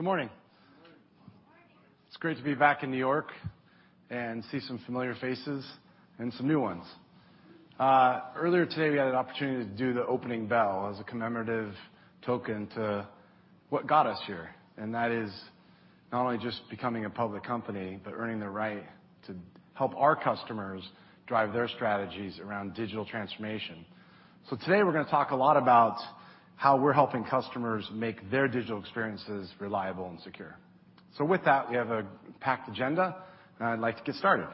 Good morning. It's great to be back in New York and see some familiar faces and some new ones. Earlier today, we had an opportunity to do the opening bell as a commemorative token to what got us here. That is not only just becoming a public company, but earning the right to help our customers drive their strategies around digital transformation. Today, we're gonna talk a lot about how we're helping customers make their digital experiences reliable and secure. With that, we have a packed agenda. I'd like to get started.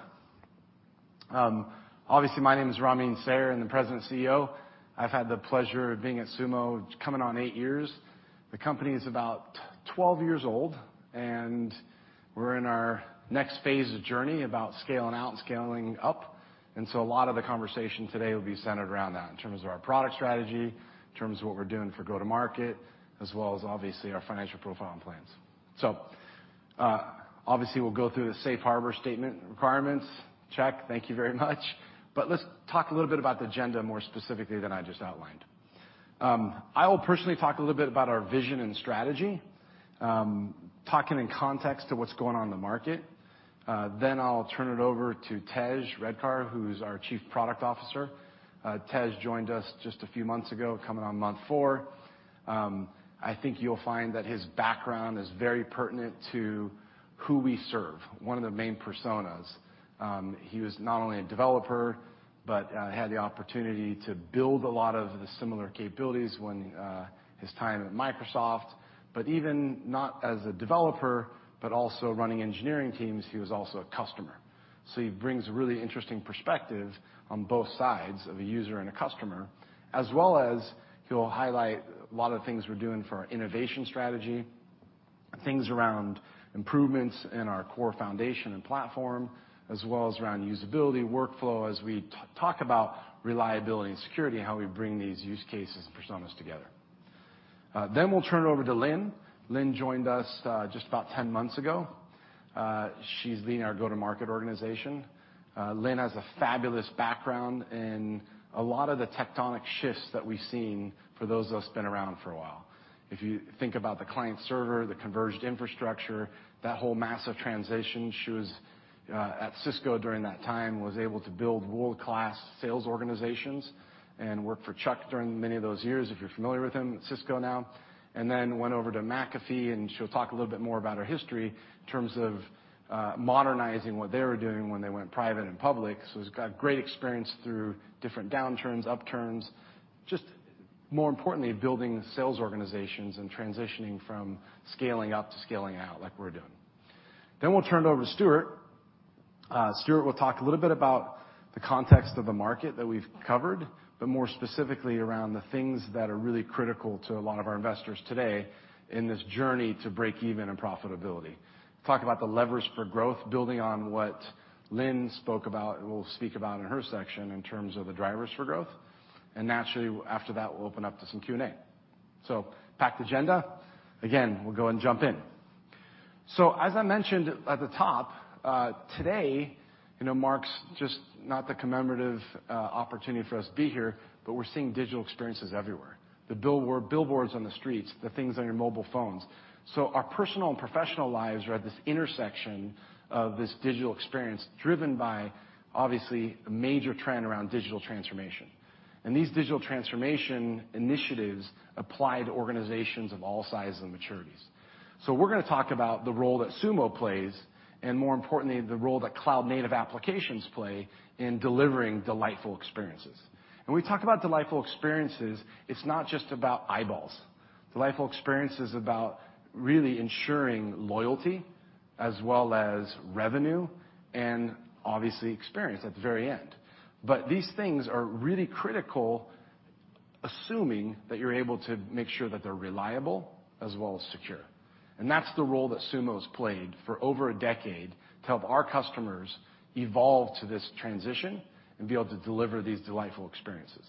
Obviously my name is Ramin Sayar. I'm the President and CEO. I've had the pleasure of being at Sumo coming on eight years. The company is about 12 years old, and we're in our next phase of journey about scaling out and scaling up. A lot of the conversation today will be centered around that in terms of our product strategy, in terms of what we're doing for go-to-market, as well as obviously our financial profile and plans. Obviously we'll go through the safe harbor statement requirements. Check. Thank you very much. Let's talk a little bit about the agenda more specifically than I just outlined. I will personally talk a little bit about our vision and strategy, talking in context to what's going on in the market. Then I'll turn it over to Tej Redkar, who's our Chief Product Officer. Tej joined us just a few months ago, coming on month four. I think you'll find that his background is very pertinent to who we serve, one of the main personas. He was not only a developer but had the opportunity to build a lot of the similar capabilities when his time at Microsoft, but even not as a developer, but also running engineering teams, he was also a customer. He brings really interesting perspective on both sides of a user and a customer, as well as he'll highlight a lot of things we're doing for our innovation strategy, things around improvements in our core foundation and platform, as well as around usability workflow as we talk about reliability and security, how we bring these use cases and personas together. We'll turn it over to Lynne. Lynne joined us, just about 10 months ago. She's leading our go-to-market organization. Lynne has a fabulous background in a lot of the tectonic shifts that we've seen for those of us been around for a while. If you think about the client server, the converged infrastructure, that whole massive transition, she was at Cisco during that time, was able to build world-class sales organizations and worked for Chuck during many of those years, if you're familiar with him at Cisco now. Then went over to McAfee, and she'll talk a little bit more about her history in terms of modernizing what they were doing when they went private and public. It's got great experience through different downturns, upturns, just more importantly, building sales organizations and transitioning from scaling up to scaling out like we're doing. We'll turn it over to Stewart. Stewart will talk a little bit about the context of the market that we've covered, but more specifically around the things that are really critical to a lot of our investors today in this journey to break even in profitability. Talk about the levers for growth, building on what Lynne spoke about and will speak about in her section in terms of the drivers for growth. Naturally, after that, we'll open up to some Q&A. Packed agenda. Again, we'll go and jump in. As I mentioned at the top, today, you know, marks just not the commemorative opportunity for us to be here, but we're seeing digital experiences everywhere. The billboards on the streets, the things on your mobile phones. Our personal and professional lives are at this intersection of this digital experience driven by, obviously, a major trend around digital transformation. These digital transformation initiatives apply to organizations of all sizes and maturities. We're gonna talk about the role that Sumo plays, and more importantly, the role that cloud-native applications play in delivering delightful experiences. When we talk about delightful experiences, it's not just about eyeballs. Delightful experience is about really ensuring loyalty as well as revenue and obviously experience at the very end. These things are really critical, assuming that you're able to make sure that they're reliable as well as secure. That's the role that Sumo's played for over a decade to help our customers evolve to this transition and be able to deliver these delightful experiences.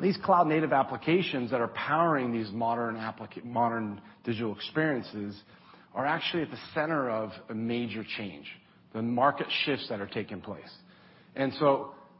These cloud-native applications that are powering these modern digital experiences are actually at the center of a major change, the market shifts that are taking place.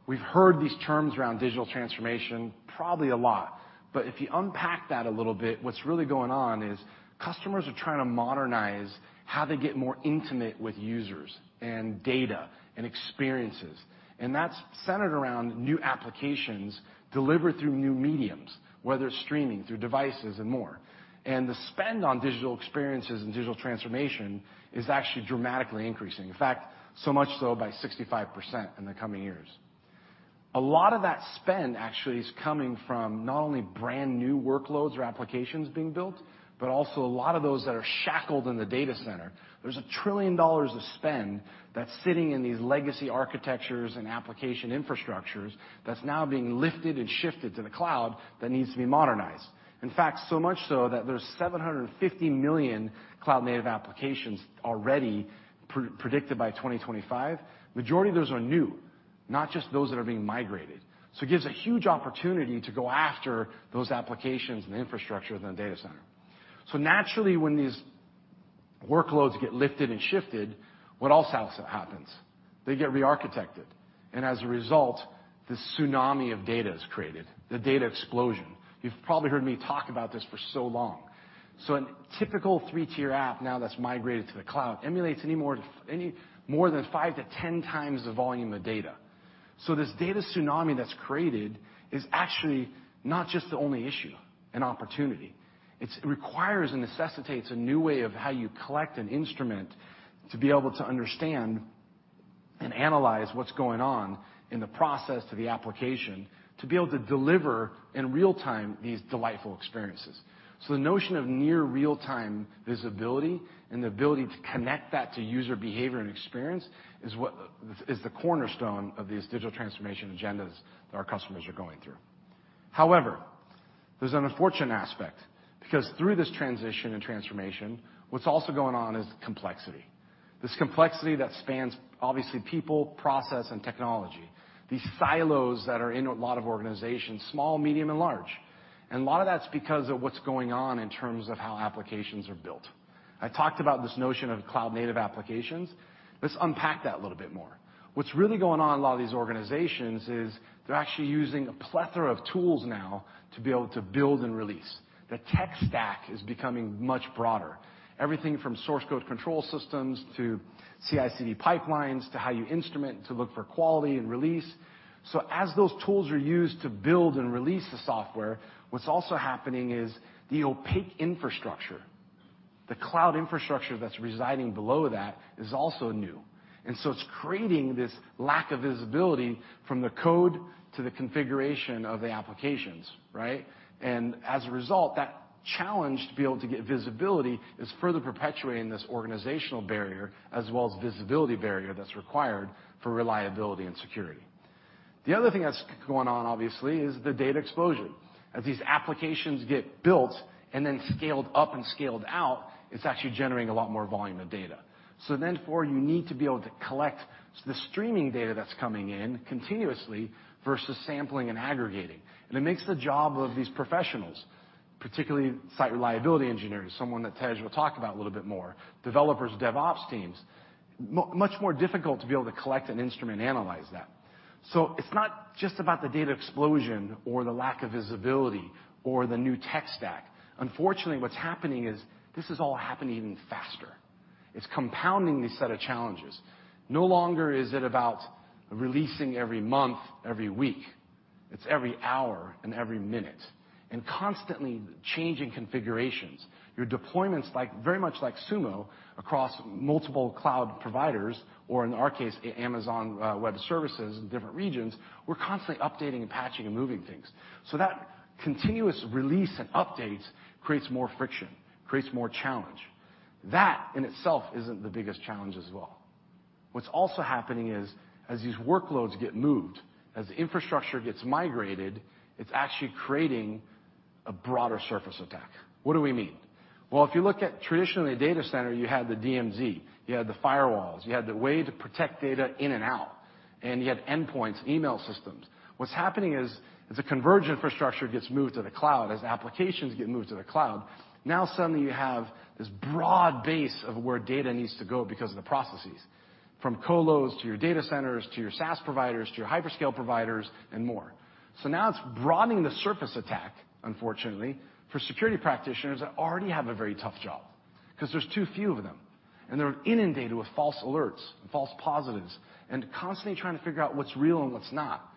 We've heard these terms around digital transformation probably a lot. If you unpack that a little bit, what's really going on is customers are trying to modernize how they get more intimate with users and data and experiences. That's centered around new applications delivered through new mediums, whether it's streaming through devices and more. The spend on digital experiences and digital transformation is actually dramatically increasing. In fact, so much so by 65% in the coming years. A lot of that spend actually is coming from not only brand-new workloads or applications being built, but also a lot of those that are shackled in the data center. There's $1 trillion of spend that's sitting in these legacy architectures and application infrastructures that's now being lifted and shifted to the cloud that needs to be modernized. In fact, so much so that there's 750 million cloud-native applications already predicted by 2025. Majority of those are new, not just those that are being migrated. It gives a huge opportunity to go after those applications and infrastructure within a data center. Naturally, when these workloads get lifted and shifted. What also happens? They get re-architected. As a result, this tsunami of data is created, the data explosion. You've probably heard me talk about this for so long. A typical three-tier app now that's migrated to the cloud emulates more than 5-10 times the volume of data. This data tsunami that's created is actually not just the only issue and opportunity. It requires and necessitates a new way of how you collect and instrument to be able to understand and analyze what's going on in the process to the application to be able to deliver in real time these delightful experiences. The notion of near real-time visibility and the ability to connect that to user behavior and experience is the cornerstone of these digital transformation agendas that our customers are going through. However, there's an unfortunate aspect, because through this transition and transformation, what's also going on is complexity. This complexity that spans obviously people, process, and technology. These silos that are in a lot of organizations, small, medium, and large. A lot of that's because of what's going on in terms of how applications are built. I talked about this notion of cloud-native applications. Let's unpack that a little bit more. What's really going on in a lot of these organizations is they're actually using a plethora of tools now to be able to build and release. The tech stack is becoming much broader. Everything from source code control systems to CI/CD pipelines, to how you instrument, to look for quality and release. As those tools are used to build and release the software, what's also happening is the opaque infrastructure, the cloud infrastructure that's residing below that is also new. It's creating this lack of visibility from the code to the configuration of the applications, right? As a result, that challenge to be able to get visibility is further perpetuating this organizational barrier as well as visibility barrier that's required for reliability and security. The other thing that's going on obviously is the data explosion. As these applications get built and then scaled up and scaled out, it's actually generating a lot more volume of data. Therefore, you need to be able to collect the streaming data that's coming in continuously versus sampling and aggregating. It makes the job of these professionals, particularly site reliability engineers, someone that Tej will talk about a little bit more, developers, DevOps teams, much more difficult to be able to collect and instrument and analyze that. It's not just about the data explosion or the lack of visibility or the new tech stack. Unfortunately, what's happening is this is all happening even faster. It's compounding these set of challenges. No longer is it about releasing every month, every week. It's every hour and every minute, and constantly changing configurations. Your deployments very much like Sumo across multiple cloud providers, or in our case, Amazon Web Services in different regions, we're constantly updating and patching and moving things. That continuous release and updates creates more friction, creates more challenge. That in itself isn't the biggest challenge as well. What's also happening is, as these workloads get moved, as infrastructure gets migrated, it's actually creating a broader attack surface. What do we mean? Well, if you look at traditional data center, you had the DMZ, you had the firewalls, you had the way to protect data in and out, and you had endpoints, email systems. What's happening is, as a converged infrastructure gets moved to the cloud, as applications get moved to the cloud, now suddenly you have this broad base of where data needs to go because of the processes, from colos, to your data centers, to your SaaS providers, to your hyperscale providers, and more. Now it's broadening the surface attack, unfortunately, for security practitioners that already have a very tough job because there's too few of them, and they're inundated with false alerts and false positives and constantly trying to figure out what's real and what's not.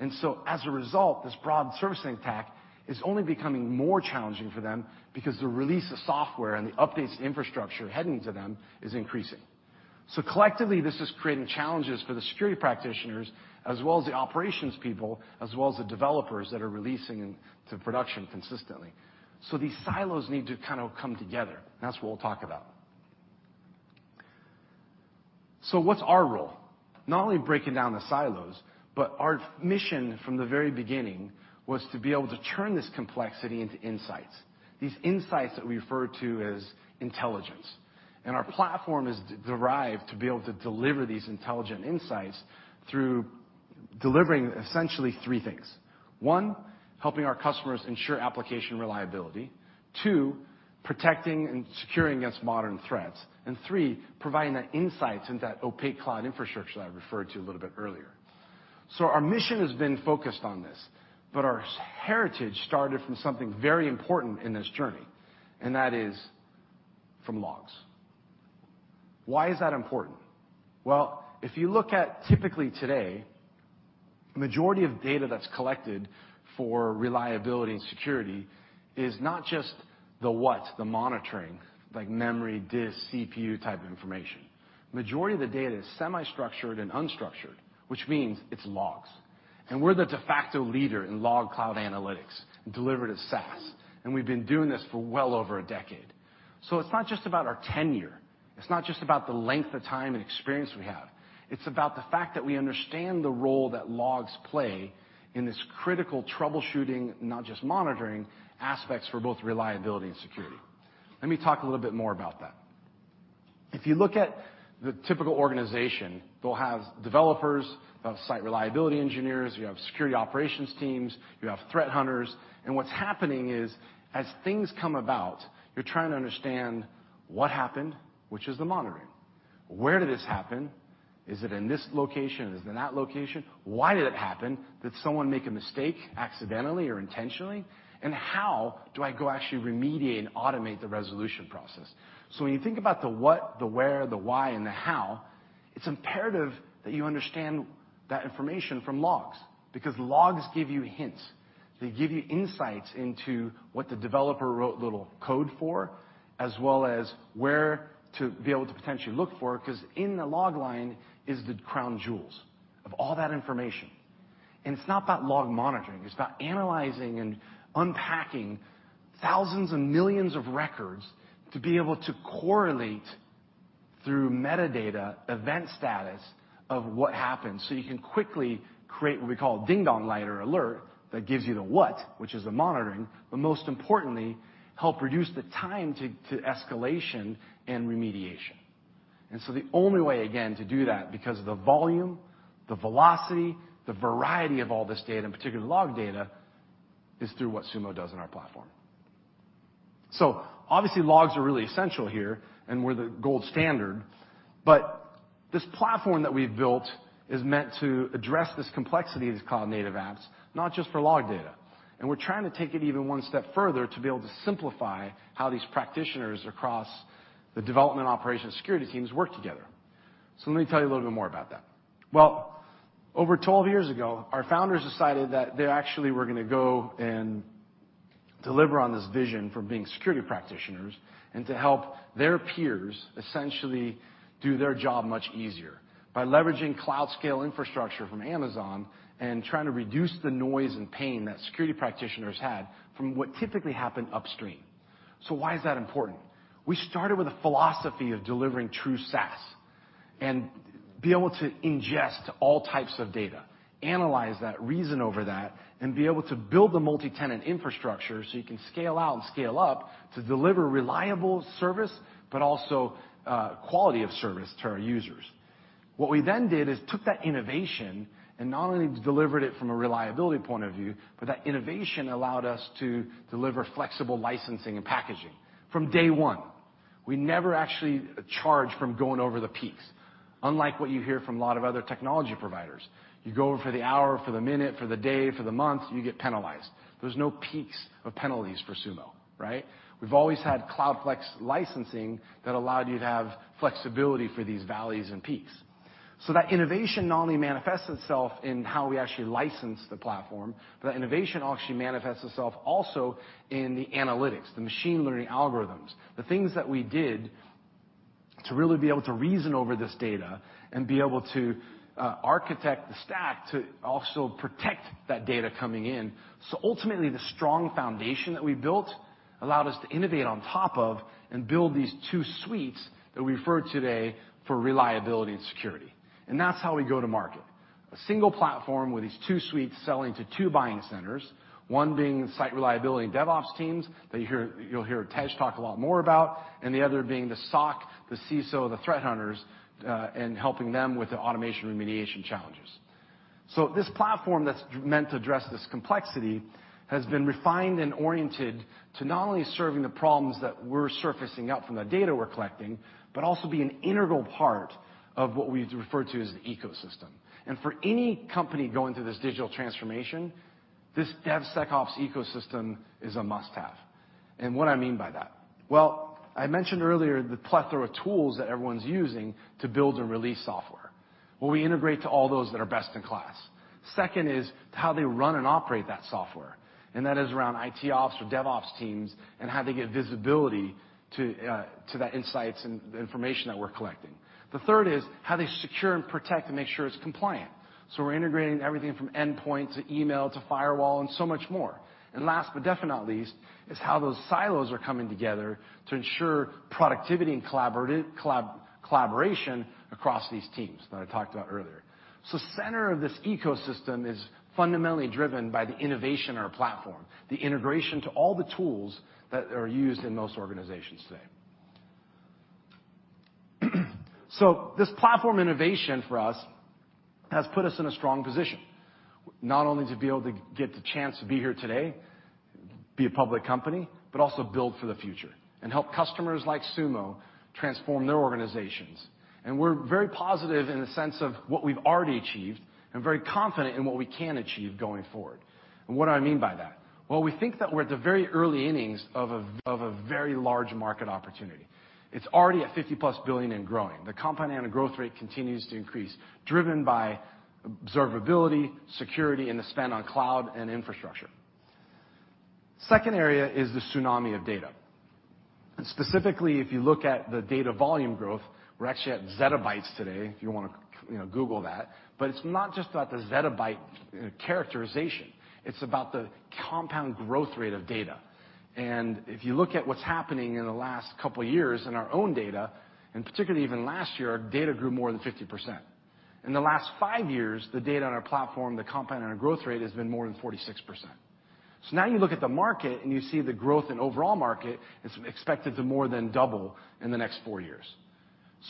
As a result, this broad surface attack is only becoming more challenging for them because the release of software and the updates to infrastructure heading to them is increasing. Collectively, this is creating challenges for the security practitioners as well as the operations people, as well as the developers that are releasing to production consistently. These silos need to kind of come together, and that's what we'll talk about. What's our role? Not only breaking down the silos, but our mission from the very beginning was to be able to turn this complexity into insights, these insights that we refer to as intelligence. Our platform is designed to be able to deliver these intelligent insights through delivering essentially three things. One, helping our customers ensure application reliability. Two, protecting and securing against modern threats. Three, providing the insights into that opaque cloud infrastructure that I referred to a little bit earlier. Our mission has been focused on this, but our SaaS heritage started from something very important in this journey, and that is from logs. Why is that important? Well, if you look at typically today, majority of data that's collected for reliability and security is not just the what, the monitoring, like memory, disk, CPU type information. Majority of the data is semi-structured and unstructured, which means it's logs. We're the de facto leader in log cloud analytics delivered as SaaS, and we've been doing this for well over a decade. It's not just about our tenure. It's not just about the length of time and experience we have. It's about the fact that we understand the role that logs play in this critical troubleshooting, not just monitoring, aspects for both reliability and security. Let me talk a little bit more about that. If you look at the typical organization, they'll have developers, they'll have site reliability engineers, you have security operations teams, you have threat hunters. What's happening is as things come about, you're trying to understand what happened, which is the monitoring. Where did this happen? Is it in this location? Is it in that location? Why did it happen? Did someone make a mistake accidentally or intentionally? How do I go actually remediate and automate the resolution process? When you think about the what, the where, the why, and the how, it's imperative that you understand that information from logs, because logs give you hints. They give you insights into what the developer wrote little code for, as well as where to be able to potentially look for, 'cause in the log line is the crown jewels of all that information. It's not about log monitoring. It's about analyzing and unpacking thousands and millions of records to be able to correlate through metadata event status of what happened, so you can quickly create what we call dashboard or alert that gives you the what, which is the monitoring, but most importantly, help reduce the time to escalation and remediation. The only way, again, to do that, because of the volume, the velocity, the variety of all this data, in particular log data, is through what Sumo does in our platform. Obviously, logs are really essential here, and we're the gold standard, but this platform that we've built is meant to address this complexity of these cloud-native apps, not just for log data. We're trying to take it even one step further to be able to simplify how these practitioners across the development operations security teams work together. Let me tell you a little bit more about that. Well, over 12 years ago, our founders decided that they actually were gonna go and deliver on this vision from being security practitioners and to help their peers essentially do their job much easier by leveraging cloud-scale infrastructure from Amazon and trying to reduce the noise and pain that security practitioners had from what typically happened upstream. Why is that important? We started with a philosophy of delivering true SaaS and be able to ingest all types of data, analyze that, reason over that, and be able to build the multi-tenant infrastructure, so you can scale out and scale up to deliver reliable service, but also quality of service to our users. What we then did is took that innovation and not only delivered it from a reliability point of view, but that innovation allowed us to deliver flexible licensing and packaging from day one. We never actually charge for going over the peaks, unlike what you hear from a lot of other technology providers. You go over for the hour, for the minute, for the day, for the month, you get penalized. There's no peaks of penalties for Sumo, right? We've always had Cloud Flex licensing that allowed you to have flexibility for these valleys and peaks. That innovation not only manifests itself in how we actually license the platform, but that innovation actually manifests itself also in the analytics, the machine learning algorithms. The things that we did to really be able to reason over this data and be able to architect the stack to also protect that data coming in. Ultimately, the strong foundation that we built allowed us to innovate on top of and build these two suites that we refer today for reliability and security. That's how we go to market. A single platform with these two suites selling to two buying centers, one being site reliability and DevOps teams that you'll hear Tej talk a lot more about, and the other being the SOC, the CISO, the threat hunters, and helping them with the automation remediation challenges. This platform that's meant to address this complexity has been refined and oriented to not only serving the problems that we're surfacing up from the data we're collecting, but also be an integral part of what we refer to as the ecosystem. For any company going through this digital transformation, this DevSecOps ecosystem is a must-have. What I mean by that? Well, I mentioned earlier the plethora of tools that everyone's using to build and release software, where we integrate to all those that are best in class. Second is how they run and operate that software, and that is around IT ops or DevOps teams and how they get visibility to that insights and the information that we're collecting. The third is how they secure and protect and make sure it's compliant. We're integrating everything from endpoint to email to firewall and so much more. Last, but definitely not least, is how those silos are coming together to ensure productivity and collaboration across these teams that I talked about earlier. Center of this ecosystem is fundamentally driven by the innovation in our platform, the integration to all the tools that are used in most organizations today. This platform innovation for us has put us in a strong position, not only to be able to get the chance to be here today, be a public company, but also build for the future and help customers like Sumo transform their organizations. We're very positive in the sense of what we've already achieved and very confident in what we can achieve going forward. What do I mean by that? Well, we think that we're at the very early innings of a of a very large market opportunity. It's already at $50+ billion and growing. The compound annual growth rate continues to increase, driven by observability, security, and the spend on cloud and infrastructure. Second area is the tsunami of data. Specifically, if you look at the data volume growth, we're actually at zettabytes today, if you wanna you know, Google that, but it's not just about the zettabyte characterization, it's about the compound growth rate of data. If you look at what's happening in the last couple years in our own data, and particularly even last year, our data grew more than 50%. In the last five years, the data on our platform, the compound annual growth rate, has been more than 46%. Now you look at the market and you see the growth in overall market is expected to more than double in the next four years.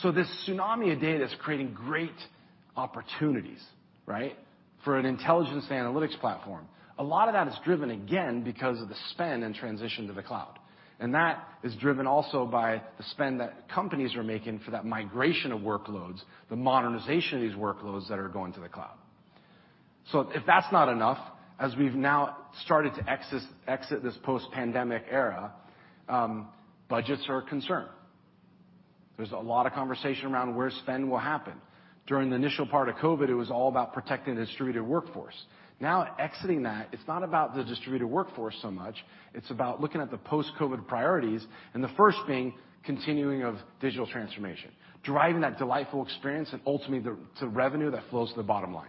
This tsunami of data is creating great opportunities, right, for an intelligence analytics platform. A lot of that is driven, again, because of the spend and transition to the cloud. That is driven also by the spend that companies are making for that migration of workloads, the modernization of these workloads that are going to the cloud. If that's not enough, as we've now started to exit this post-pandemic era, budgets are a concern. There's a lot of conversation around where spend will happen. During the initial part of COVID, it was all about protecting the distributed workforce. Now, exiting that, it's not about the distributed workforce so much, it's about looking at the post-COVID priorities, and the first being continuing of digital transformation, driving that delightful experience and ultimately, the revenue that flows to the bottom line.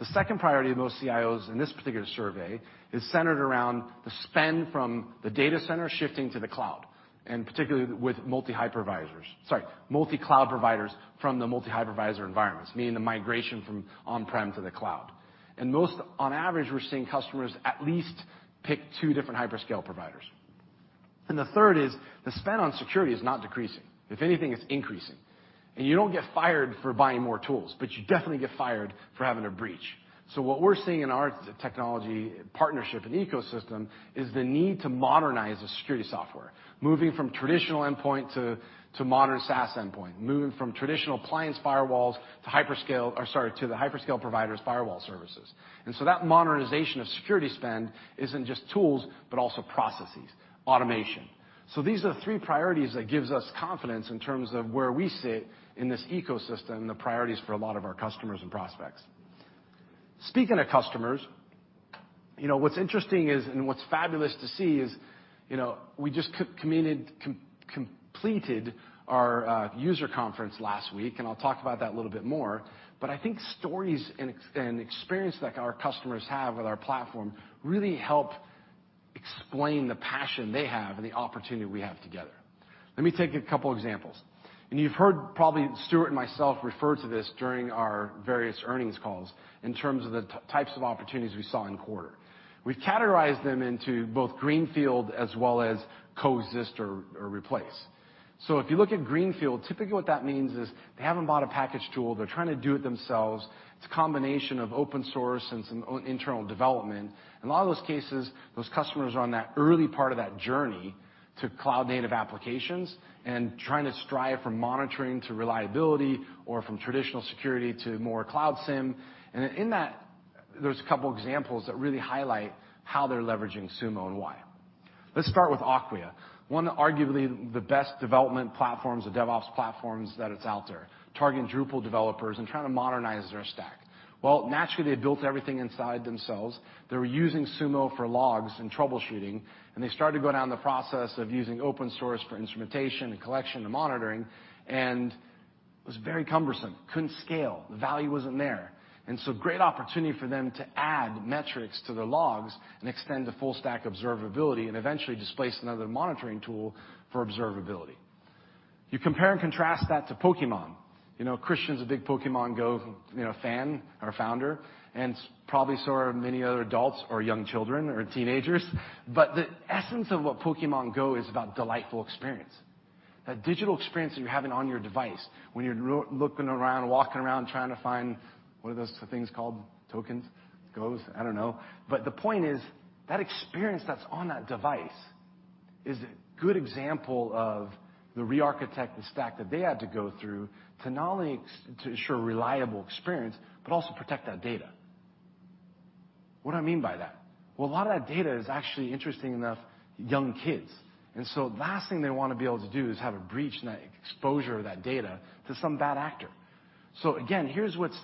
The second priority of most CIOs in this particular survey is centered around the spend from the data center shifting to the cloud, and particularly with multi-hypervisors. Sorry, multi-cloud providers from the multi-hypervisor environments, meaning the migration from on-prem to the cloud. Most, on average, we're seeing customers at least pick two different hyperscale providers. The third is the spend on security is not decreasing. If anything, it's increasing. You don't get fired for buying more tools, but you definitely get fired for having a breach. What we're seeing in our technology partnership and ecosystem is the need to modernize the security software, moving from traditional endpoint to modern SaaS endpoint, moving from traditional appliance firewalls to the hyperscale providers' firewall services. That modernization of security spend isn't just tools, but also processes, automation. These are the three priorities that gives us confidence in terms of where we sit in this ecosystem, the priorities for a lot of our customers and prospects. Speaking of customers, you know, what's interesting is, and what's fabulous to see is, you know, we just completed our user conference last week, and I'll talk about that a little bit more, but I think stories and experience like our customers have with our platform really help explain the passion they have and the opportunity we have together. Let me take a couple examples. You've heard probably Stewart and myself refer to this during our various earnings calls in terms of the types of opportunities we saw in quarter. We've categorized them into both greenfield as well as coexist or replace. If you look at greenfield, typically what that means is they haven't bought a package tool. They're trying to do it themselves. It's a combination of open source and some internal development. In a lot of those cases, those customers are on that early part of that journey to cloud-native applications and trying to shift from monitoring to reliability or from traditional security to more Cloud SIEM. In that, there's a couple examples that really highlight how they're leveraging Sumo and why. Let's start with Acquia, one of arguably the best development platforms, the DevOps platforms that is out there, targeting Drupal developers and trying to modernize their stack. Well, naturally, they built everything inside themselves. They were using Sumo for logs and troubleshooting, and they started to go down the process of using open source for instrumentation and collection and monitoring, and it was very cumbersome, couldn't scale, the value wasn't there. Great opportunity for them to add metrics to their logs and extend the full stack observability and eventually displace another monitoring tool for observability. You compare and contrast that to Pokémon. You know, Christian's a big Pokémon GO, you know, fan, our founder, and probably so are many other adults or young children or teenagers. The essence of what Pokémon GO is about delightful experience. That digital experience that you're having on your device when you're looking around, walking around, trying to find, what are those things called? Tokens? Goes? I don't know. But the point is, that experience that's on that device is a good example of rearchitecting the stack that they had to go through to not only to ensure reliable experience, but also protect that data. What do I mean by that? Well, a lot of that data is actually, interesting enough, young kids, and so last thing they wanna be able to do is have a breach and that exposure of that data to some bad actor. So again, here's what's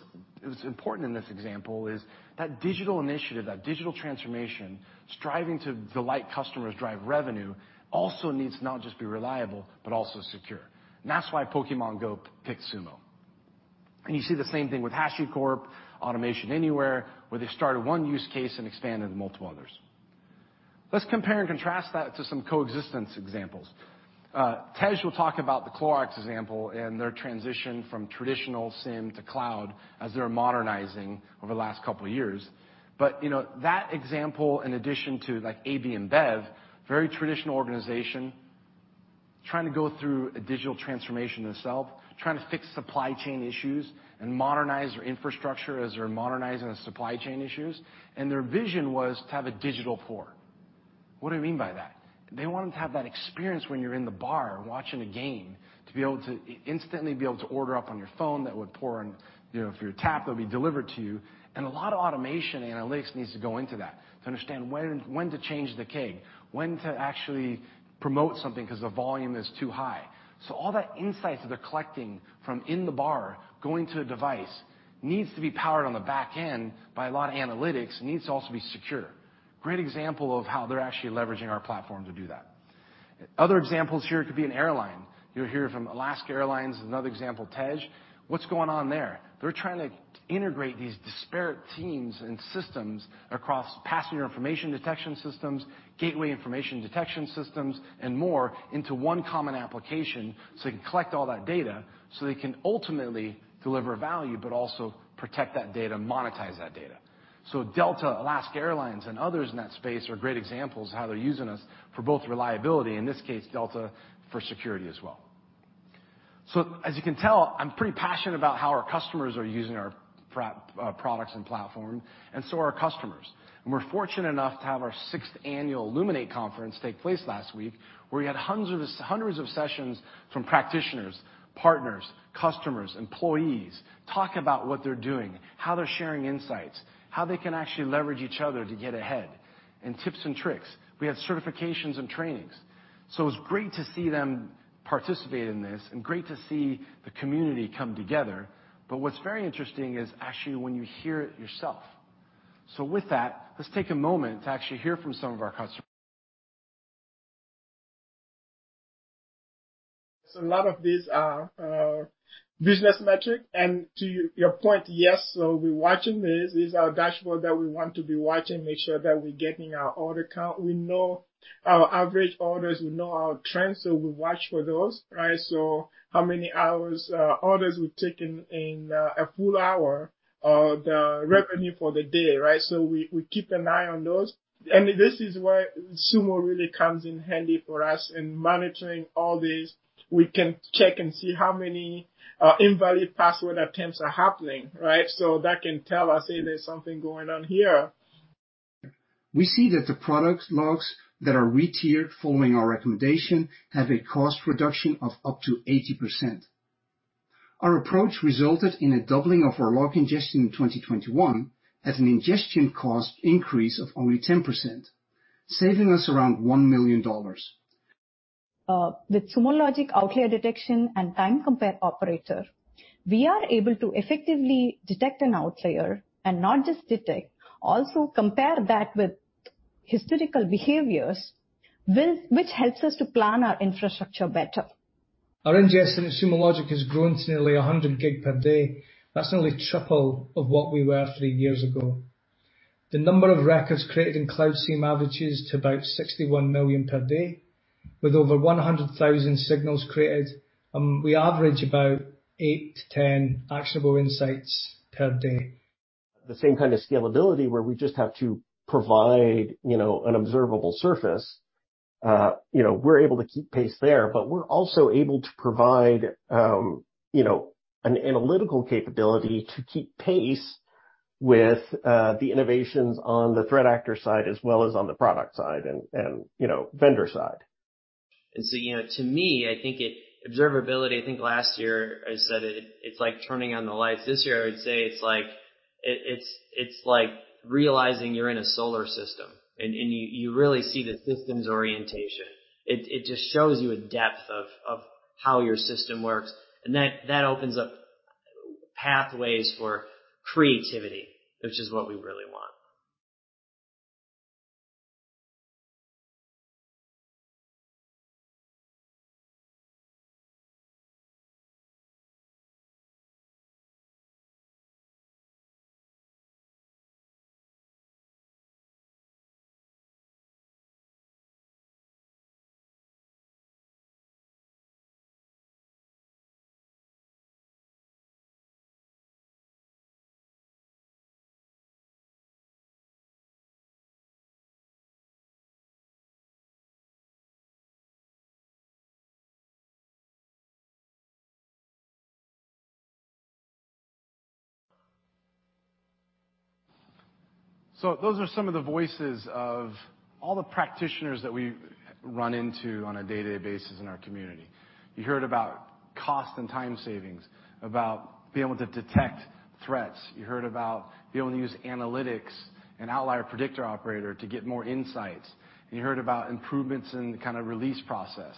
important in this example is that digital initiative, that digital transformation, striving to delight customers, drive revenue, also needs to not just be reliable, but also secure. That's why Pokémon GO picked Sumo. You see the same thing with HashiCorp, Automation Anywhere, where they started one use case and expanded to multiple others. Let's compare and contrast that to some coexistence examples. Tej will talk about the Clorox example and their transition from traditional SIEM to cloud as they were modernizing over the last couple years. You know, that example, in addition to, like, AB InBev, very traditional organization, trying to go through a digital transformation themselves, trying to fix supply chain issues and modernize their infrastructure as they're modernizing the supply chain issues. Their vision was to have a digital core. What do I mean by that? They wanted to have that experience when you're in the bar watching a game to be able to instantly be able to order up on your phone that would pour one, you know, if you tap, it would be delivered to you. A lot of automation analytics needs to go into that to understand when to change the keg, when to actually promote something 'cause the volume is too high. All that insights that they're collecting from in the bar going to a device needs to be powered on the back end by a lot of analytics, needs to also be secure. Great example of how they're actually leveraging our platform to do that. Other examples here could be an airline. You'll hear from Alaska Airlines, another example, Tej. What's going on there? They're trying to integrate these disparate teams and systems across passenger information detection systems, gateway information detection systems, and more into one common application, so you can collect all that data, so they can ultimately deliver value, but also protect that data, monetize that data. Delta, Alaska Airlines, and others in that space are great examples how they're using us for both reliability, in this case, Delta, for security as well. As you can tell, I'm pretty passionate about how our customers are using our products and platform, and so are our customers. We're fortunate enough to have our sixth annual Illuminate conference take place last week, where we had hundreds of sessions from practitioners, partners, customers, employees, talk about what they're doing, how they're sharing insights, how they can actually leverage each other to get ahead, and tips and tricks. We had certifications and trainings. It's great to see them participate in this and great to see the community come together. What's very interesting is actually when you hear it yourself. With that, let's take a moment to actually hear from some of our customers. A lot of these are business metric. To your point, yes, we're watching this. This is our dashboard that we want to be watching, make sure that we're getting our order count. We know our average orders, we know our trends, so we watch for those, right? How many orders we've taken in a full hour, or the revenue for the day, right? We keep an eye on those. This is where Sumo really comes in handy for us in monitoring all this. We can check and see how many invalid password attempts are happening, right? That can tell us if there's something going on here. We see that the product logs that are retiered following our recommendation have a cost reduction of up to 80%. Our approach resulted in a doubling of our log ingestion in 2021 at an ingestion cost increase of only 10%, saving us around $1 million. With Sumo Logic outlier detection and time compare operator, we are able to effectively detect an outlier and not just detect, also compare that with historical behaviors with which helps us to plan our infrastructure better. Our ingestion at Sumo Logic has grown to nearly 100 GB per day. That's nearly triple of what we were three years ago. The number of records created in Cloud SIEM averages to about 61 million per day, with over 100,000 signals created, we average about 8-10 actionable insights per day. The same kind of scalability where we just have to provide, you know, an observable surface, you know, we're able to keep pace there. But we're also able to provide, you know, an analytical capability to keep pace with the innovations on the threat actor side as well as on the product side and, you know, vendor side. You know, to me, I think it. Observability, I think last year I said it's like turning on the lights. This year, I would say it's like realizing you're in a solar system and you really see the systems orientation. It just shows you a depth of how your system works, and that opens up pathways for creativity, which is what we really want. Those are some of the voices of all the practitioners that we run into on a day-to-day basis in our community. You heard about cost and time savings, about being able to detect threats. You heard about being able to use analytics and outlier predictor operator to get more insights. You heard about improvements in the kind of release process.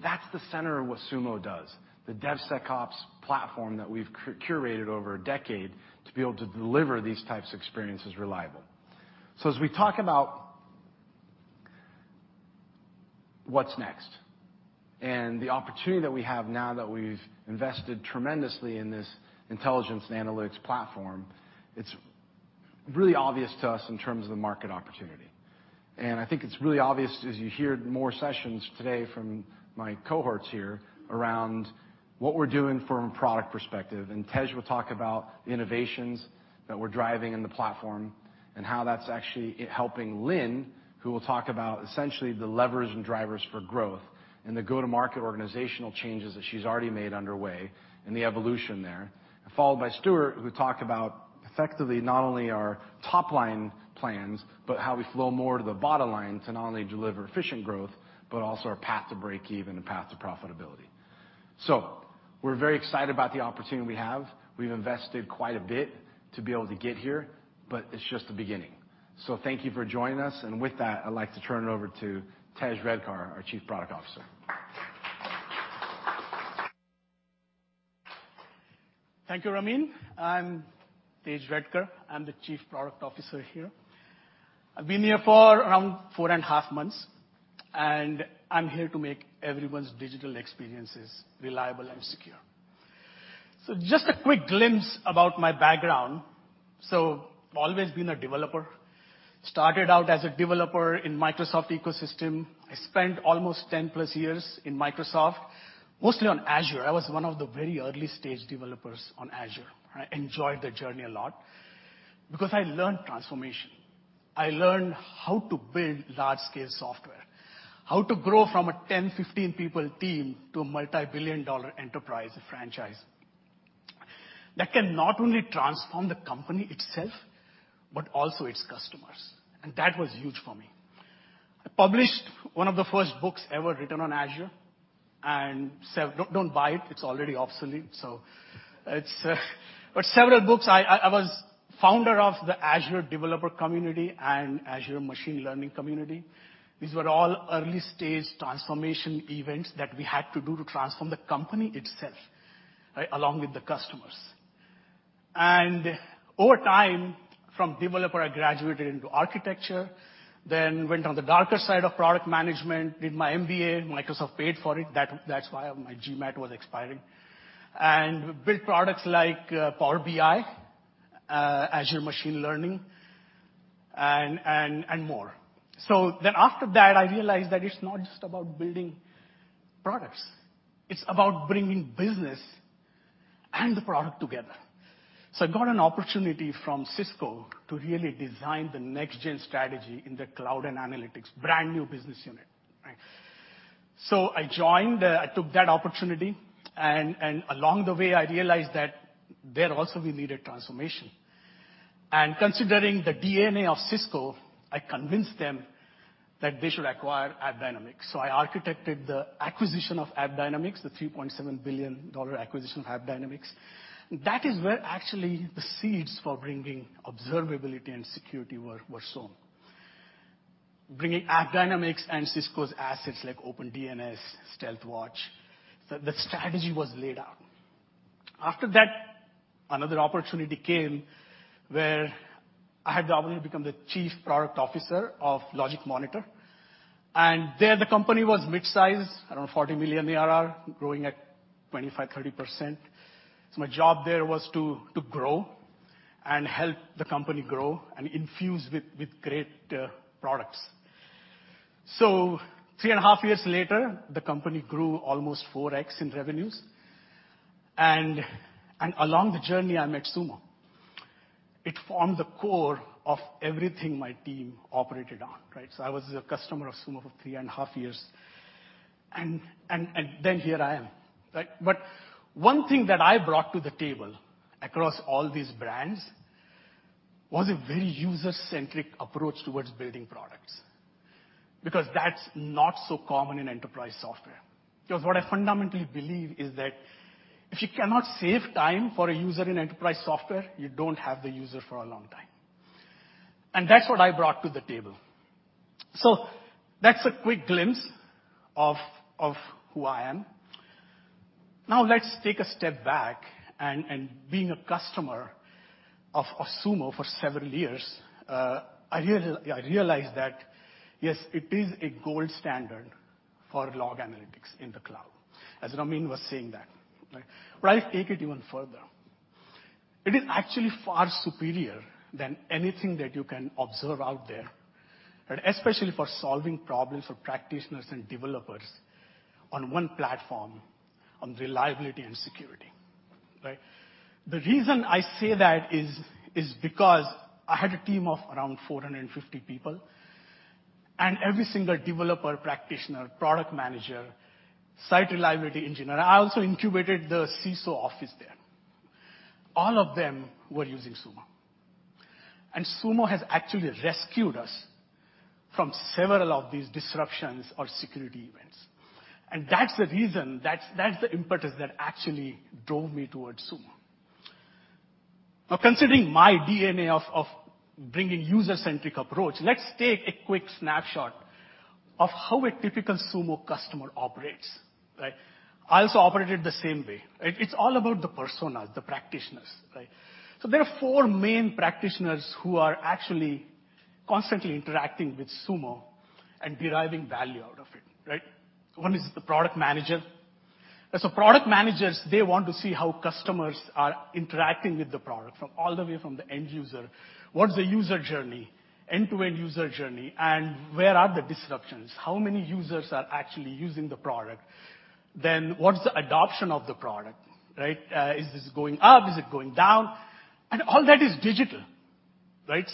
That's the center of what Sumo does, the DevSecOps platform that we've curated over a decade to be able to deliver these types of experiences reliable. As we talk about what's next and the opportunity that we have now that we've invested tremendously in this intelligence and analytics platform, it's really obvious to us in terms of the market opportunity. I think it's really obvious as you hear more sessions today from my cohorts here around what we're doing from a product perspective. Tej will talk about the innovations that we're driving in the platform and how that's actually helping Lynne, who will talk about essentially the levers and drivers for growth and the go-to-market organizational changes that she's already made underway and the evolution there. Followed by Stewart, who talked about effectively not only our top-line plans, but how we flow more to the bottom line to not only deliver efficient growth, but also our path to break even and path to profitability. We're very excited about the opportunity we have. We've invested quite a bit to be able to get here, but it's just the beginning. Thank you for joining us. With that, I'd like to turn it over to Tej Redkar, our Chief Product Officer. Thank you, Ramin. I'm Tej Redkar. I'm the Chief Product Officer here. I've been here for around four and a half months, and I'm here to make everyone's digital experiences reliable and secure. Just a quick glimpse about my background. Always been a developer. Started out as a developer in Microsoft ecosystem. I spent almost 10+ years in Microsoft, mostly on Azure. I was one of the very early-stage developers on Azure. I enjoyed the journey a lot because I learned transformation. I learned how to build large-scale software, how to grow from a 10, 15-person team to a multi-billion-dollar enterprise franchise that can not only transform the company itself, but also its customers. That was huge for me. I published one of the first books ever written on Azure and said, "Don't buy it's already obsolete." But several books. I was founder of the Azure Developer Community and Azure Machine Learning Community. These were all early-stage transformation events that we had to do to transform the company itself, right, along with the customers. Over time from developer, I graduated into architecture, then went on the darker side of product management, did my MBA. Microsoft paid for it. That's why my GMAT was expiring. Built products like Power BI, Azure Machine Learning, and more. After that, I realized that it's not just about building products. It's about bringing business and the product together. I got an opportunity from Cisco to really design the next gen strategy in the cloud and analytics brand new business unit, right? I joined. I took that opportunity and along the way, I realized that there also we needed transformation. Considering the DNA of Cisco, I convinced them that they should acquire AppDynamics. I architected the acquisition of AppDynamics, the $3.7 billion acquisition of AppDynamics. That is where actually the seeds for bringing observability and security were sown. Bringing AppDynamics and Cisco's assets like OpenDNS, Stealthwatch. The strategy was laid out. After that, another opportunity came where I had the opportunity to become the chief product officer of LogicMonitor, and there the company was midsize, around $40 million ARR, growing at 25%-30%. My job there was to grow and help the company grow and infuse with great products. Three and a half years later, the company grew almost 4x in revenues. Along the journey I met Sumo. It formed the core of everything my team operated on, right? I was a customer of Sumo for three and a half years. Then here I am, right? One thing that I brought to the table across all these brands was a very user-centric approach towards building products, because that's not so common in enterprise software. Because what I fundamentally believe is that if you cannot save time for a user in enterprise software, you don't have the user for a long time. That's what I brought to the table. That's a quick glimpse of who I am. Now let's take a step back and being a customer of Sumo for several years, I realized that yes, it is a gold standard for log analytics in the cloud, as Ramin was saying that, right? I'll take it even further. It is actually far superior than anything that you can observe out there, and especially for solving problems for practitioners and developers on one platform on reliability and security. Right? The reason I say that is because I had a team of around 450 people and every single developer, practitioner, product manager, site reliability engineer. I also incubated the CISO office there. All of them were using Sumo. Sumo has actually rescued us from several of these disruptions or security events. That's the reason, that's the impetus that actually drove me towards Sumo. Now, considering my DNA of bringing user-centric approach, let's take a quick snapshot of how a typical Sumo customer operates, right? I also operated the same way, right? It's all about the personas, the practitioners, right? So there are four main practitioners who are actually constantly interacting with Sumo and deriving value out of it, right? One is the product manager. As product managers, they want to see how customers are interacting with the product from all the way from the end user. What is the user journey, end-to-end user journey, and where are the disruptions? How many users are actually using the product? What is the adoption of the product, right? Is this going up? Is it going down? All that is digital, right?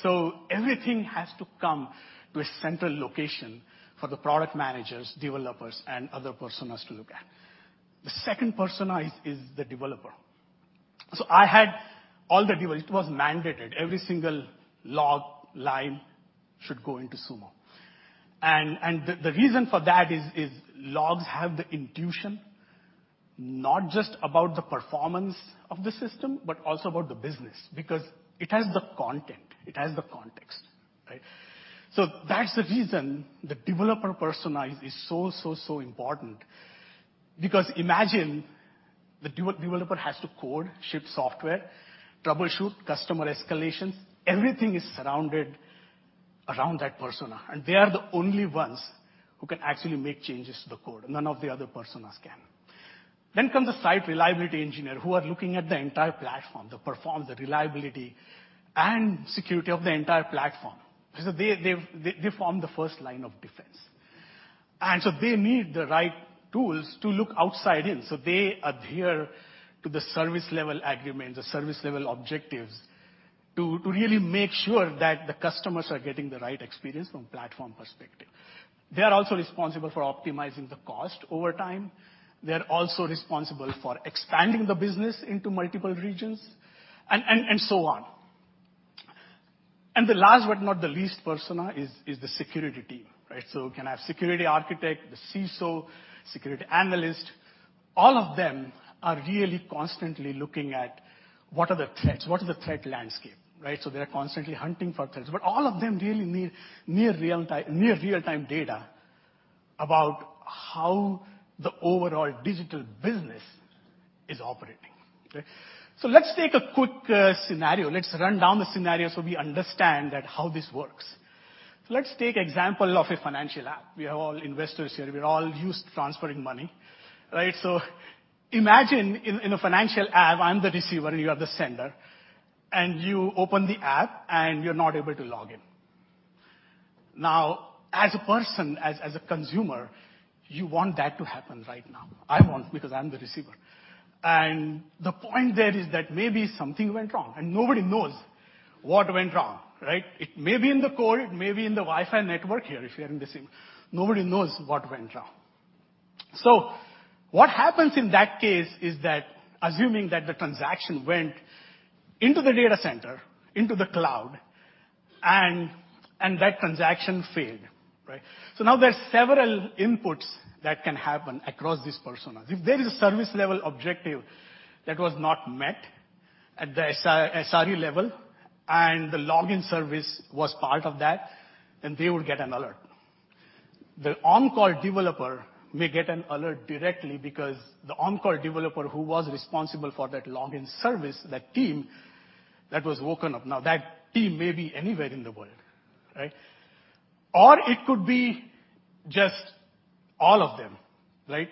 Everything has to come to a central location for the product managers, developers, and other personas to look at. The second persona is the developer. I had all the developers. It was mandated every single log line should go into Sumo. And the reason for that is logs have the inclusion not just about the performance of the system, but also about the business because it has the content, it has the context, right? That's the reason the developer persona is so important because imagine the developer has to code, ship software, troubleshoot customer escalations. Everything is surrounded around that persona, and they are the only ones who can actually make changes to the code. None of the other personas can. Come the site reliability engineer who are looking at the entire platform, the performance, the reliability and security of the entire platform. They form the first line of defense. They need the right tools to look outside in. They adhere to the service level agreements or service level objectives to really make sure that the customers are getting the right experience from platform perspective. They are also responsible for optimizing the cost over time. They're also responsible for expanding the business into multiple regions and so on. The last but not the least persona is the security team, right? We can have security architect, the CISO, security analyst. All of them are really constantly looking at what are the threats, what are the threat landscape, right? They're constantly hunting for threats, but all of them really need near real-time data about how the overall digital business is operating. Okay. Let's take a quick scenario. Let's run down the scenario so we understand that how this works. Let's take example of a financial app. We are all investors here. We are all used to transferring money, right? Imagine in a financial app, I'm the receiver and you are the sender, and you open the app, and you're not able to log in. Now, as a person, as a consumer, you want that to happen right now. I want because I'm the receiver. The point there is that maybe something went wrong, and nobody knows what went wrong, right? It may be in the code, it may be in the Wi-Fi network here if you're in the same. Nobody knows what went wrong. What happens in that case is that assuming that the transaction went into the data center, into the cloud, and that transaction failed, right? Now there are several inputs that can happen across these personas. If there is a service level objective that was not met at the SRE level and the login service was part of that, then they would get an alert. The on-call developer may get an alert directly because the on-call developer who was responsible for that login service, that team, that was woken up. Now, that team may be anywhere in the world, right? It could be just all of them, right?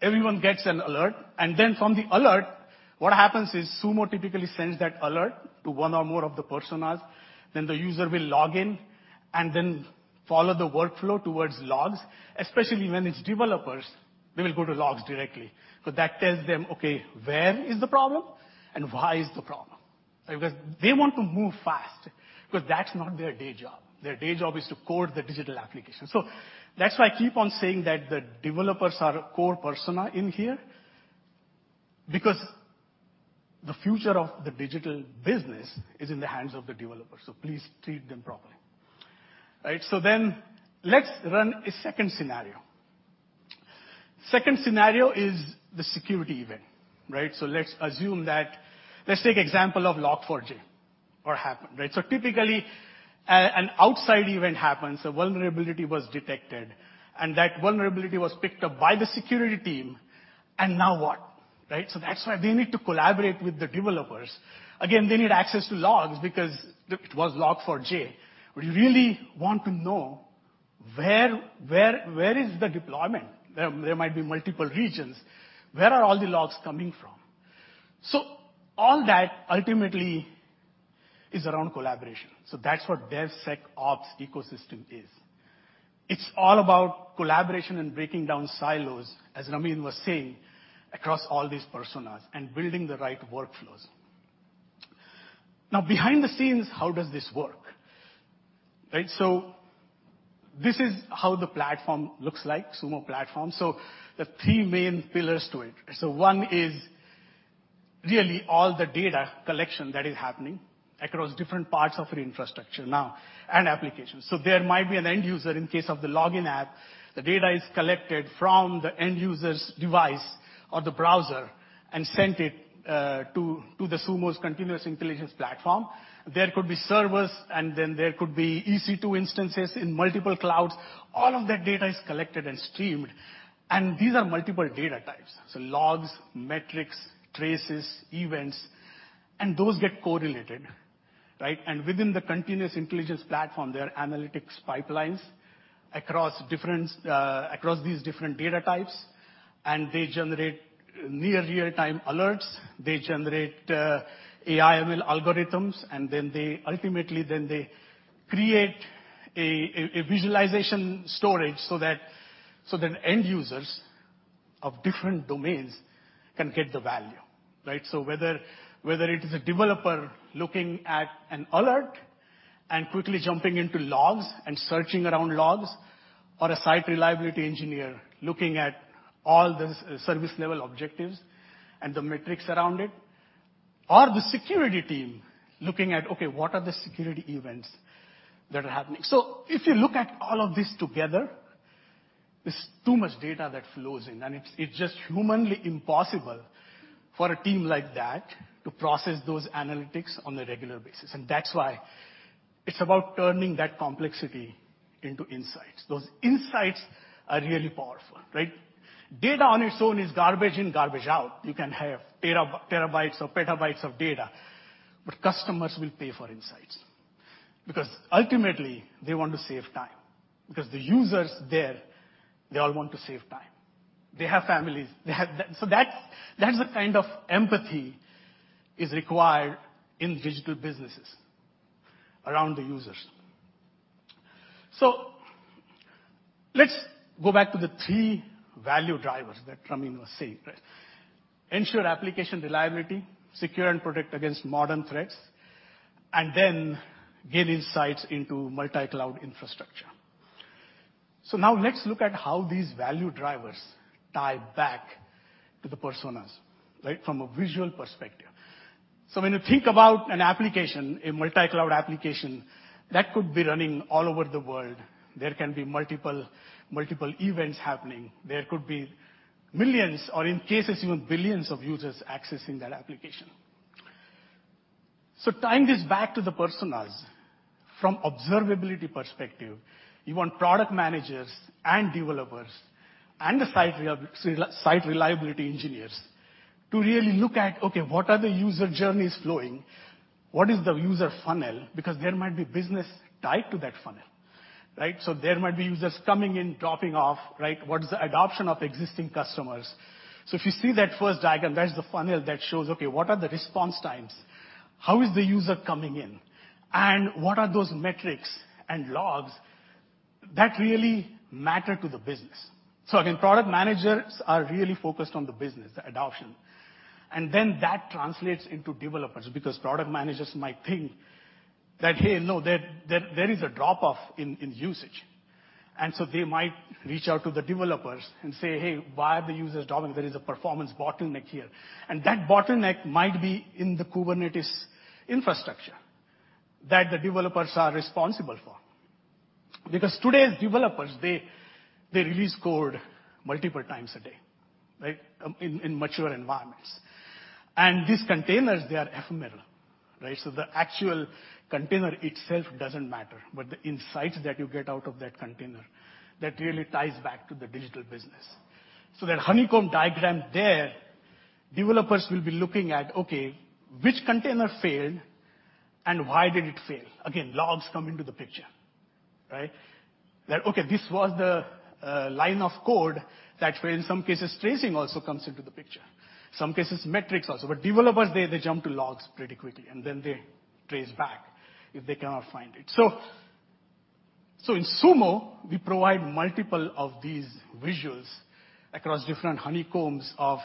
Everyone gets an alert, and then from the alert, what happens is Sumo typically sends that alert to one or more of the personas. The user will log in and then follow the workflow towards logs. Especially when it's developers, they will go to logs directly because that tells them, okay, where is the problem and why is the problem? Because they want to move fast because that's not their day job. Their day job is to code the digital application. That's why I keep on saying that the developers are a core persona in here because the future of the digital business is in the hands of the developer. Please treat them properly, right? Let's run a second scenario. Second scenario is the security event, right? Let's take an example of a Log4j event, right? Typically, an outside event happens, a vulnerability was detected, and that vulnerability was picked up by the security team, and now what, right? That's why they need to collaborate with the developers. Again, they need access to logs because it was Log4j. We really want to know where is the deployment. There might be multiple regions. Where are all the logs coming from? All that ultimately is around collaboration. That's what DevSecOps ecosystem is. It's all about collaboration and breaking down silos, as Ramin was saying, across all these personas and building the right workflows. Now, behind the scenes, how does this work, right? This is how the platform looks like, Sumo platform. The three main pillars to it. One is really all the data collection that is happening across different parts of your infrastructure now and applications. There might be an end user in case of the login app. The data is collected from the end user's device or the browser and sent it to the Sumo Logic's Continuous Intelligence Platform. There could be servers, and then there could be EC2 instances in multiple clouds. All of that data is collected and streamed. These are multiple data types. Logs, metrics, traces, events, and those get correlated, right? Within the Continuous Intelligence Platform, there are analytics pipelines across these different data types, and they generate near real-time alerts. They generate AIML algorithms, and then they ultimately create a visualization storage so that end users of different domains can get the value, right? Whether it is a developer looking at an alert and quickly jumping into logs and searching around logs, or a site reliability engineer looking at all the service level objectives and the metrics around it, or the security team looking at, okay, what are the security events that are happening. If you look at all of this together, it's too much data that flows in, and it's just humanly impossible for a team like that to process those analytics on a regular basis. That's why it's about turning that complexity into insights. Those insights are really powerful, right? Data on its own is garbage in, garbage out. You can have terabytes or petabytes of data, but customers will pay for insights. Because ultimately, they want to save time because the users there, they all want to save time. They have families. That, that's the kind of empathy that's required in digital businesses around the users. Let's go back to the three value drivers that Ramin was saying, right? Ensure application reliability, secure and protect against modern threats, and then gain insights into multi-cloud infrastructure. Now let's look at how these value drivers tie back to the personas, right? From a visual perspective. When you think about an application, a multi-cloud application, that could be running all over the world, there can be multiple events happening. There could be millions or in cases, even billions of users accessing that application. Tying this back to the personas from observability perspective, you want product managers and developers and site reliability engineers to really look at, okay, what are the user journeys flowing? What is the user funnel? Because there might be business tied to that funnel, right? There might be users coming in, dropping off, right? What is the adoption of existing customers? If you see that first diagram, that is the funnel that shows, okay, what are the response times? How is the user coming in? What are those metrics and logs that really matter to the business? Again, product managers are really focused on the business, the adoption. Then that translates into developers, because product managers might think that, "Hey, no, there is a drop-off in usage." They might reach out to the developers and say, "Hey, why are the users dropping? There is a performance bottleneck here." That bottleneck might be in the Kubernetes infrastructure that the developers are responsible for. Because today's developers, they release code multiple times a day, right? In mature environments. These containers, they are ephemeral, right? The actual container itself doesn't matter, but the insights that you get out of that container, that really ties back to the digital business. That honeycomb diagram there, developers will be looking at, okay, which container failed and why did it fail? Again, logs come into the picture, right? That, okay, this was the line of code that failed. In some cases, tracing also comes into the picture. Some cases, metrics also. But developers, they jump to logs pretty quickly, and then they trace back if they cannot find it. So in Sumo, we provide multiple of these visuals across different honeycombs of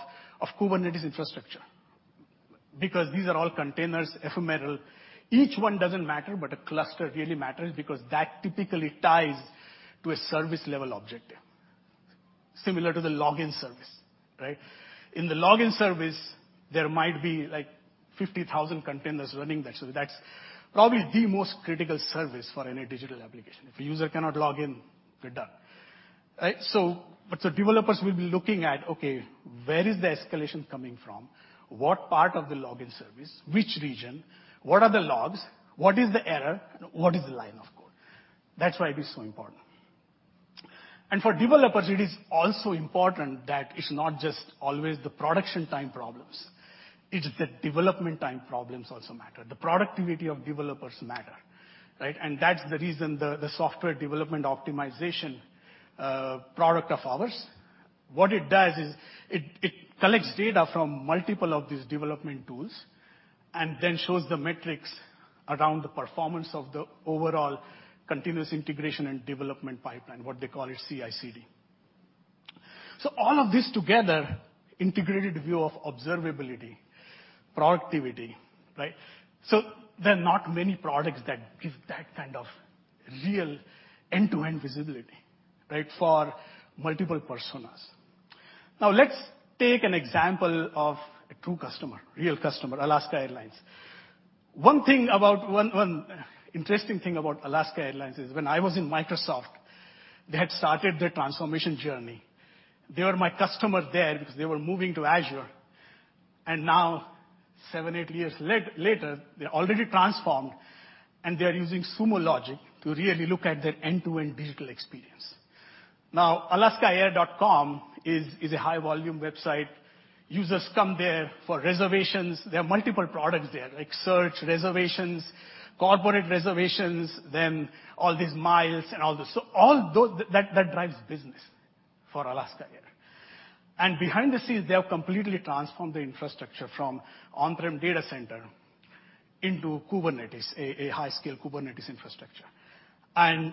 Kubernetes infrastructure. Because these are all containers, ephemeral. Each one doesn't matter, but a cluster really matters because that typically ties to a service-level objective. Similar to the login service, right? In the login service, there might be like 50,000 containers running that. That's probably the most critical service for any digital application. If a user cannot log in, we're done, right? The developers will be looking at, okay, where is the escalation coming from? What part of the login service? Which region? What are the logs? What is the error? What is the line of code? That's why it is so important. For developers, it is also important that it's not just always the production time problems. It's the development time problems also matter. The productivity of developers matter, right? That's the reason the software development optimization product of ours, what it does is it collects data from multiple of these development tools and then shows the metrics around the performance of the overall continuous integration and development pipeline. What they call it CI/CD. All of this together, integrated view of observability, productivity, right? There are not many products that give that kind of real end-to-end visibility, right, for multiple personas. Now let's take an example of a true customer, real customer, Alaska Airlines. One interesting thing about Alaska Airlines is when I was in Microsoft, they had started their transformation journey. They were my customer there because they were moving to Azure. Now seven, eight years later, they're already transformed, and they're using Sumo Logic to really look at their end-to-end digital experience. Now, alaskaair.com is a high-volume website. Users come there for reservations. There are multiple products there, like search, reservations, corporate reservations, then all these miles and all this. That drives business for Alaska Airlines. Behind the scenes, they have completely transformed their infrastructure from on-prem data center into Kubernetes, a high-scale Kubernetes infrastructure.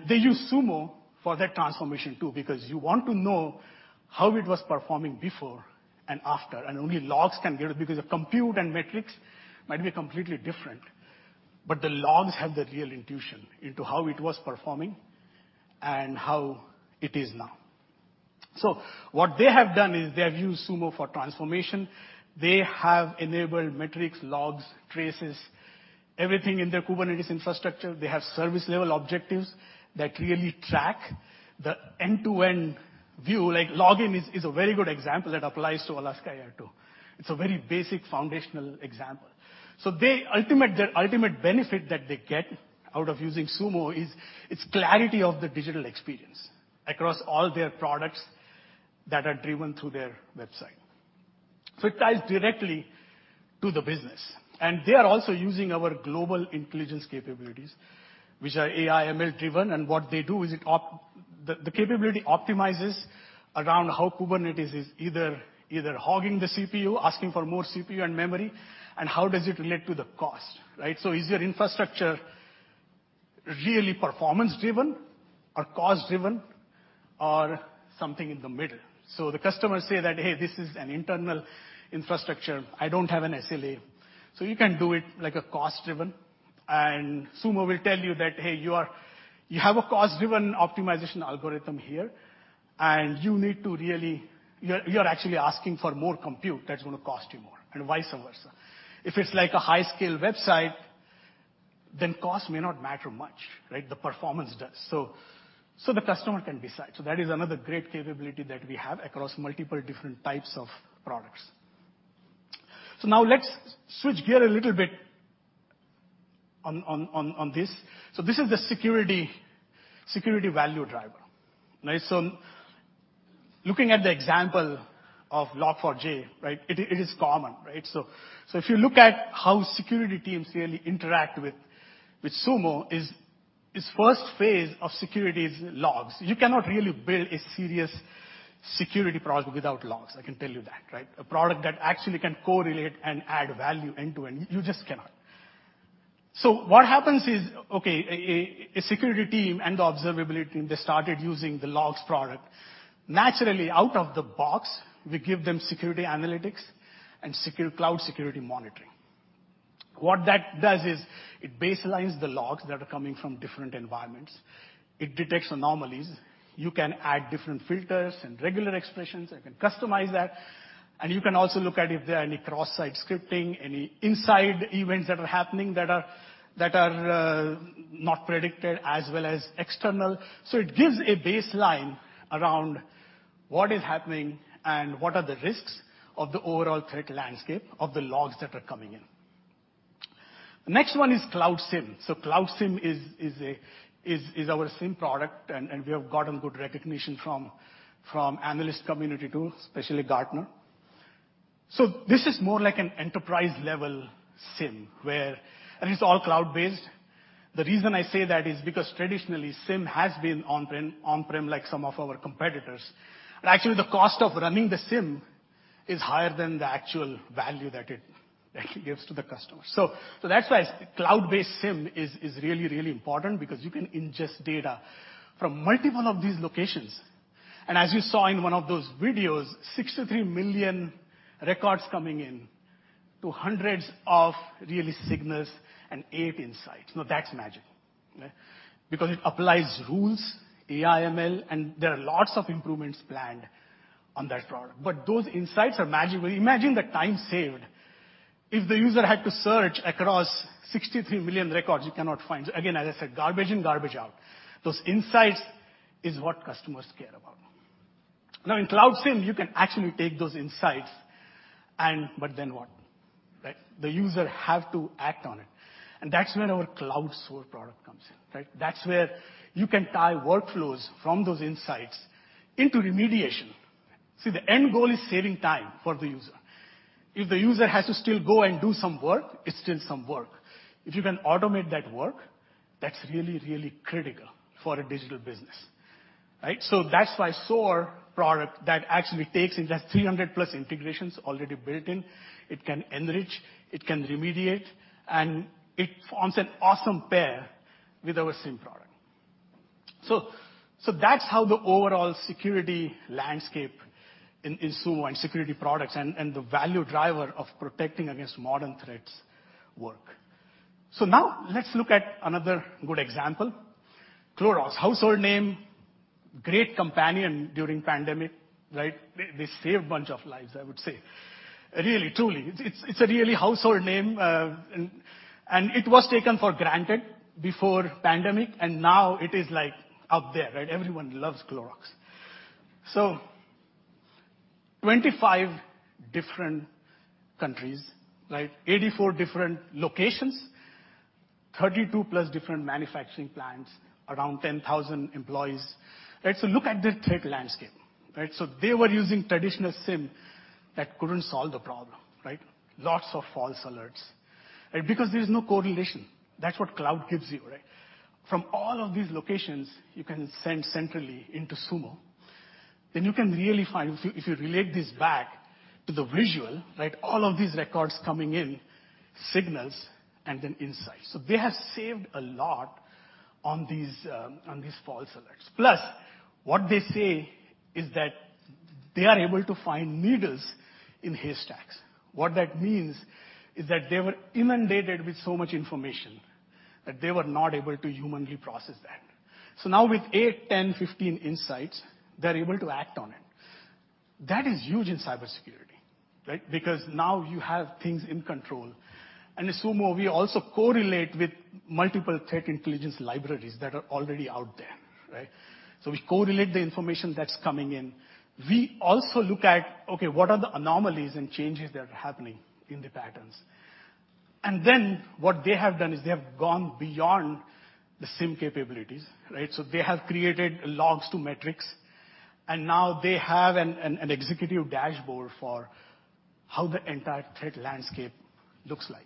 They use Sumo for that transformation too, because you want to know how it was performing before and after. Only logs can give it, because the compute and metrics might be completely different. The logs have the real intuition into how it was performing and how it is now. What they have done is they've used Sumo for transformation. They have enabled metrics, logs, traces, everything in their Kubernetes infrastructure. They have service-level objectives that really track the end-to-end view. Like login is a very good example that applies to Alaska Airlines too. It's a very basic foundational example. They ultimate, the ultimate benefit that they get out of using Sumo is it's clarity of the digital experience across all their products that are driven through their website. It ties directly to the business. They are also using our global intelligence capabilities, which are AIML-driven. What they do is it optimi-The, the capability optimizes around how Kubernetes is either hogging the CPU, asking for more CPU and memory, and how does it relate to the cost, right? The customers say that, "Hey, this is an internal infrastructure. I don't have an SLA." You can do it like a cost driven, and Sumo will tell you that, "Hey, you are you have a cost-driven optimization algorithm here, and you need to really you are actually asking for more compute that's gonna cost you more and vice versa." If it's like a high-scale website, then cost may not matter much, right? The performance does. The customer can decide. That is another great capability that we have across multiple different types of products. Now let's switch gear a little bit on this. This is the security value driver. Right. Looking at the example of Log4j, right? It is common, right? If you look at how security teams really interact with Sumo is first phase of security is logs. You cannot really build a serious security product without logs, I can tell you that, right? A product that actually can correlate and add value end-to-end, you just cannot. What happens is, okay, a security team and the observability team, they started using the logs product. Naturally, out of the box, we give them security analytics and secure cloud security monitoring. What that does is it baselines the logs that are coming from different environments. It detects anomalies. You can add different filters and regular expressions. You can customize that, and you can also look at if there are any cross-site scripting, any inside events that are happening that are not predicted as well as external. It gives a baseline around what is happening and what are the risks of the overall threat landscape of the logs that are coming in. Next one is Cloud SIEM. Cloud SIEM is our SIEM product, and we have gotten good recognition from analyst community too, especially Gartner. This is more like an enterprise-level SIEM where it's all cloud-based. The reason I say that is because traditionally, SIEM has been on-prem like some of our competitors. Actually the cost of running the SIEM is higher than the actual value that it actually gives to the customer. That's why cloud-based SIEM is really important because you can ingest data from multiple of these locations. As you saw in one of those videos, 63 million records coming in to hundreds of real signals and eight insights. Now that's magic. Because it applies rules, AIML, and there are lots of improvements planned on that product. Those insights are magical. Imagine the time saved if the user had to search across 63 million records you cannot find. Again, as I said, garbage in, garbage out. Those insights is what customers care about. Now, in Cloud SIEM, you can actually take those insights and then what? Right. The user have to act on it. That's where our Cloud SOAR product comes in, right? That's where you can tie workflows from those insights into remediation. See, the end goal is saving time for the user. If the user has to still go and do some work, it's still some work. If you can automate that work, that's really, really critical for a digital business, right? That's why SOAR product that actually ingests 300+ integrations already built in, it can enrich, it can remediate, and it forms an awesome pair with our SIEM product. That's how the overall security landscape in Sumo and security products and the value driver of protecting against modern threats work. Now let's look at another good example. Clorox, household name, great companion during pandemic, right? They saved bunch of lives, I would say. Really, truly. It's a really household name, and it was taken for granted before pandemic, and now it is like up there, right? Everyone loves Clorox. 25 different countries, right? 84 different locations, 32+ different manufacturing plants, around 10,000 employees, right? Look at their threat landscape, right? They were using traditional SIEM that couldn't solve the problem, right? Lots of false alerts, right? Because there is no correlation. That's what cloud gives you, right? From all of these locations, you can send centrally into Sumo. Then you can really find If you relate this back to the visual, right? All of these records coming in, signals and then insights. They have saved a lot on these false alerts. Plus, what they say is that they are able to find needles in haystacks. What that means is that they were inundated with so much information that they were not able to humanly process that. Now with 8, 10, 15 insights, they're able to act on it. That is huge in cybersecurity, right? Because now you have things in control. In Sumo, we also correlate with multiple threat intelligence libraries that are already out there, right? We correlate the information that's coming in. We also look at, okay, what are the anomalies and changes that are happening in the patterns? What they have done is they have gone beyond the SIEM capabilities, right? They have created logs to metrics, and now they have an executive dashboard for how the entire threat landscape looks like.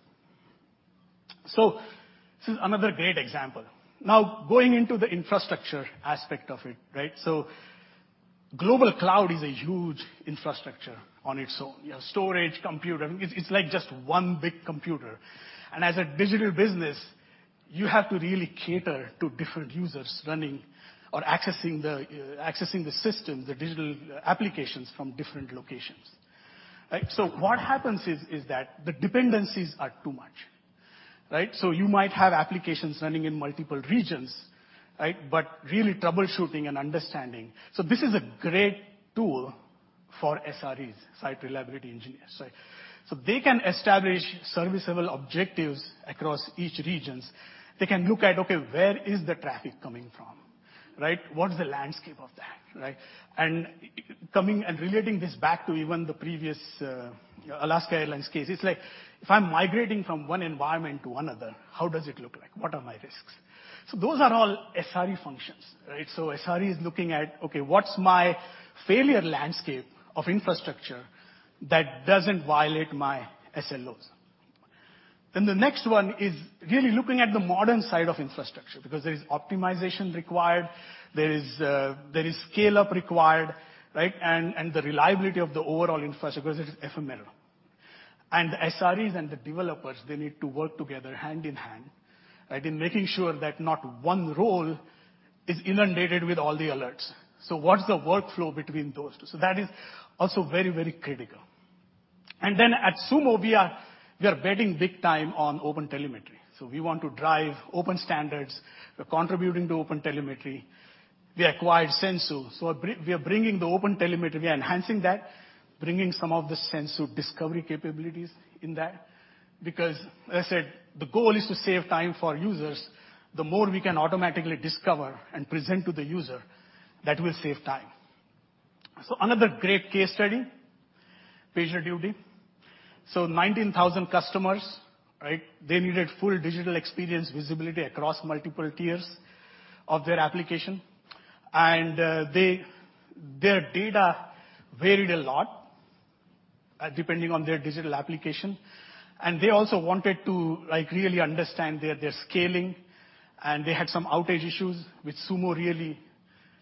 This is another great example. Now going into the infrastructure aspect of it, right? Global cloud is a huge infrastructure on its own. You have storage, computer. It's like just one big computer. As a digital business, you have to really cater to different users running or accessing the system, the digital applications from different locations. Right? What happens is that the dependencies are too much, right? You might have applications running in multiple regions, right? Really troubleshooting and understanding. This is a great tool for SREs, site reliability engineers. Sorry. They can establish service level objectives across each regions. They can look at, okay, where is the traffic coming from, right? What is the landscape of that, right? Coming and relating this back to even the previous Alaska Airlines case, it's like if I'm migrating from one environment to another, how does it look like? What are my risks? Those are all SRE functions, right? SRE is looking at, okay, what's my failure landscape of infrastructure that doesn't violate my SLOs? The next one is really looking at the modern side of infrastructure, because there is optimization required. There is scale-up required, right? The reliability of the overall infrastructure, because it's FML. The SREs and the developers, they need to work together hand in hand, right, in making sure that not one role is inundated with all the alerts. What's the workflow between those two? That is also very, very critical. At Sumo, we are betting big time on OpenTelemetry. We want to drive open standards. We're contributing to OpenTelemetry. We acquired Sensu, so we are bringing the OpenTelemetry. We are enhancing that, bringing some of the Sensu discovery capabilities in that. Because as I said, the goal is to save time for users. The more we can automatically discover and present to the user, that will save time. Another great case study, PagerDuty. 19,000 customers, right, they needed full digital experience visibility across multiple tiers of their application. They had data that varied a lot, depending on their digital application, and they also wanted to, like, really understand their scaling, and they had some outage issues, which Sumo really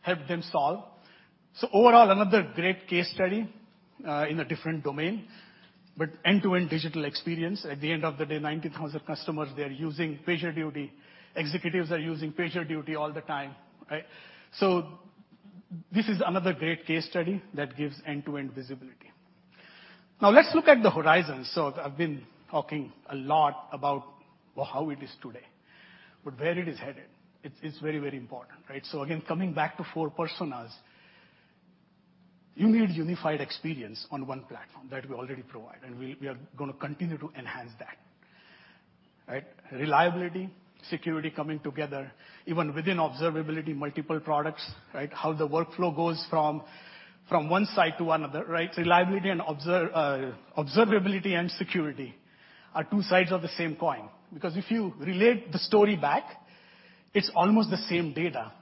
helped them solve. Overall, another great case study in a different domain. End-to-end digital experience, at the end of the day, 19,000 customers, they are using PagerDuty. Executives are using PagerDuty all the time, right? This is another great case study that gives end-to-end visibility. Now let's look at the horizon. I've been talking a lot about, well, how it is today, but where it is headed, it's very, very important, right? Again, coming back to four personas, you need unified experience on one platform that we already provide, and we are gonna continue to enhance that. Right? Reliability, security coming together, even within observability, multiple products, right? How the workflow goes from one site to another, right? Reliability and observability and security are two sides of the same coin. Because if you relate the story back, it's almost the same data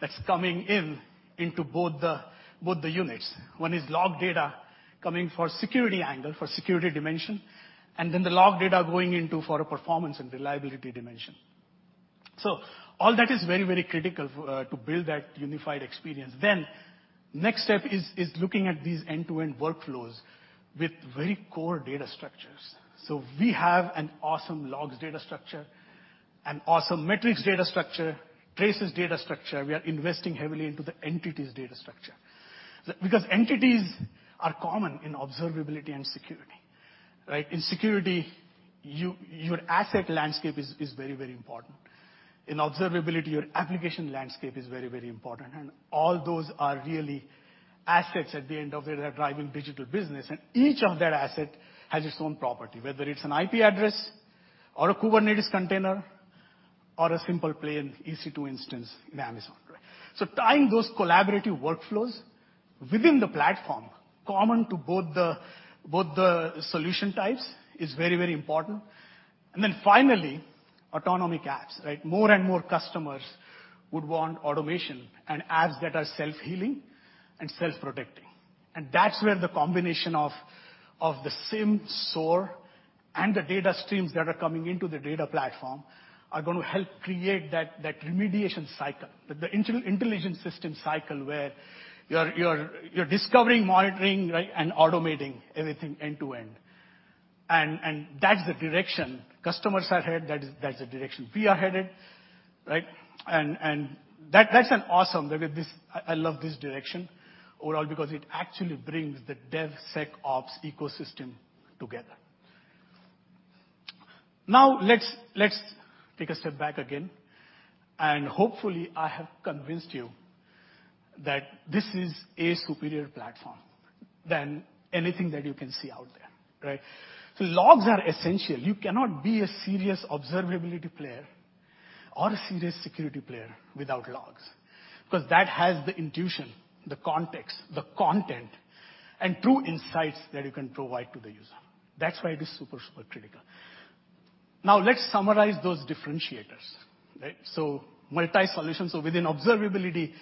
that's coming into both the units. One is log data coming from security angle, for security dimension, and then the log data going into, for a performance and reliability dimension. All that is very, very critical to build that unified experience. Next step is looking at these end-to-end workflows with very core data structures. We have an awesome logs data structure, an awesome metrics data structure, traces data structure. We are investing heavily into the entities data structure. Because entities are common in observability and security, right? In security, you, your asset landscape is very, very important. In observability, your application landscape is very, very important. All those are really assets at the end of it that are driving digital business, and each of that asset has its own property, whether it's an IP address or a Kubernetes container or a simple, plain EC2 instance in Amazon. Tying those collaborative workflows within the platform common to both the solution types is very, very important. Finally, autonomic apps, right? More and more customers would want automation and apps that are self-healing and self-protecting. That's where the combination of the SIEM, SOAR, and the data streams that are coming into the data platform are gonna help create that remediation cycle. The intelligence system cycle where you're discovering, monitoring, right, and automating everything end to end. That's the direction customers are headed. That's the direction we are headed, right? That's an awesome. I love this direction overall because it actually brings the DevSecOps ecosystem together. Let's take a step back again, and hopefully, I have convinced you that this is a superior platform than anything that you can see out there, right? Logs are essential. You cannot be a serious observability player or a serious security player without logs, 'cause that has the intuition, the context, the content, and true insights that you can provide to the user. That's why it is super critical. Let's summarize those differentiators. Right? Multi-solution. Within observability,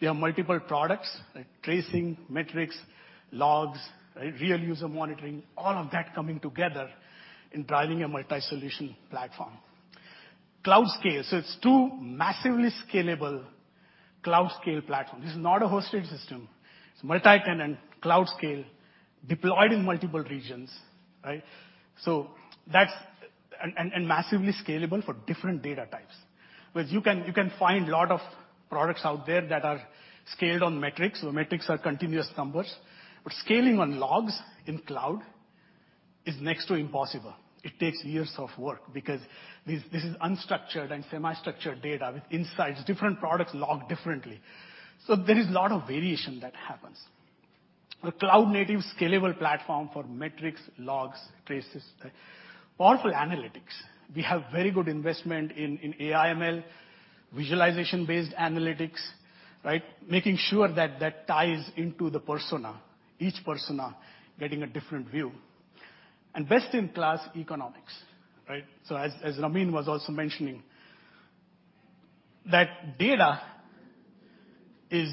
we have multiple products, like tracing, metrics, logs, right, Real User Monitoring, all of that coming together and driving a multi-solution platform. Cloud-scale. It's a massively scalable cloud-scale platform. This is not a hosted system. It's multi-tenant, cloud-scale deployed in multiple regions, right? That's massively scalable for different data types. You can find a lot of products out there that are scaled on metrics, where metrics are continuous numbers. Scaling on logs in cloud is next to impossible. It takes years of work because this is unstructured and semi-structured data with insights. Different products log differently. There is a lot of variation that happens. The cloud-native scalable platform for metrics, logs, traces, right? Powerful analytics. We have very good investment in AIML, visualization-based analytics, right? Making sure that ties into the persona, each persona getting a different view. Best-in-class economics, right? As Ramin was also mentioning, that data is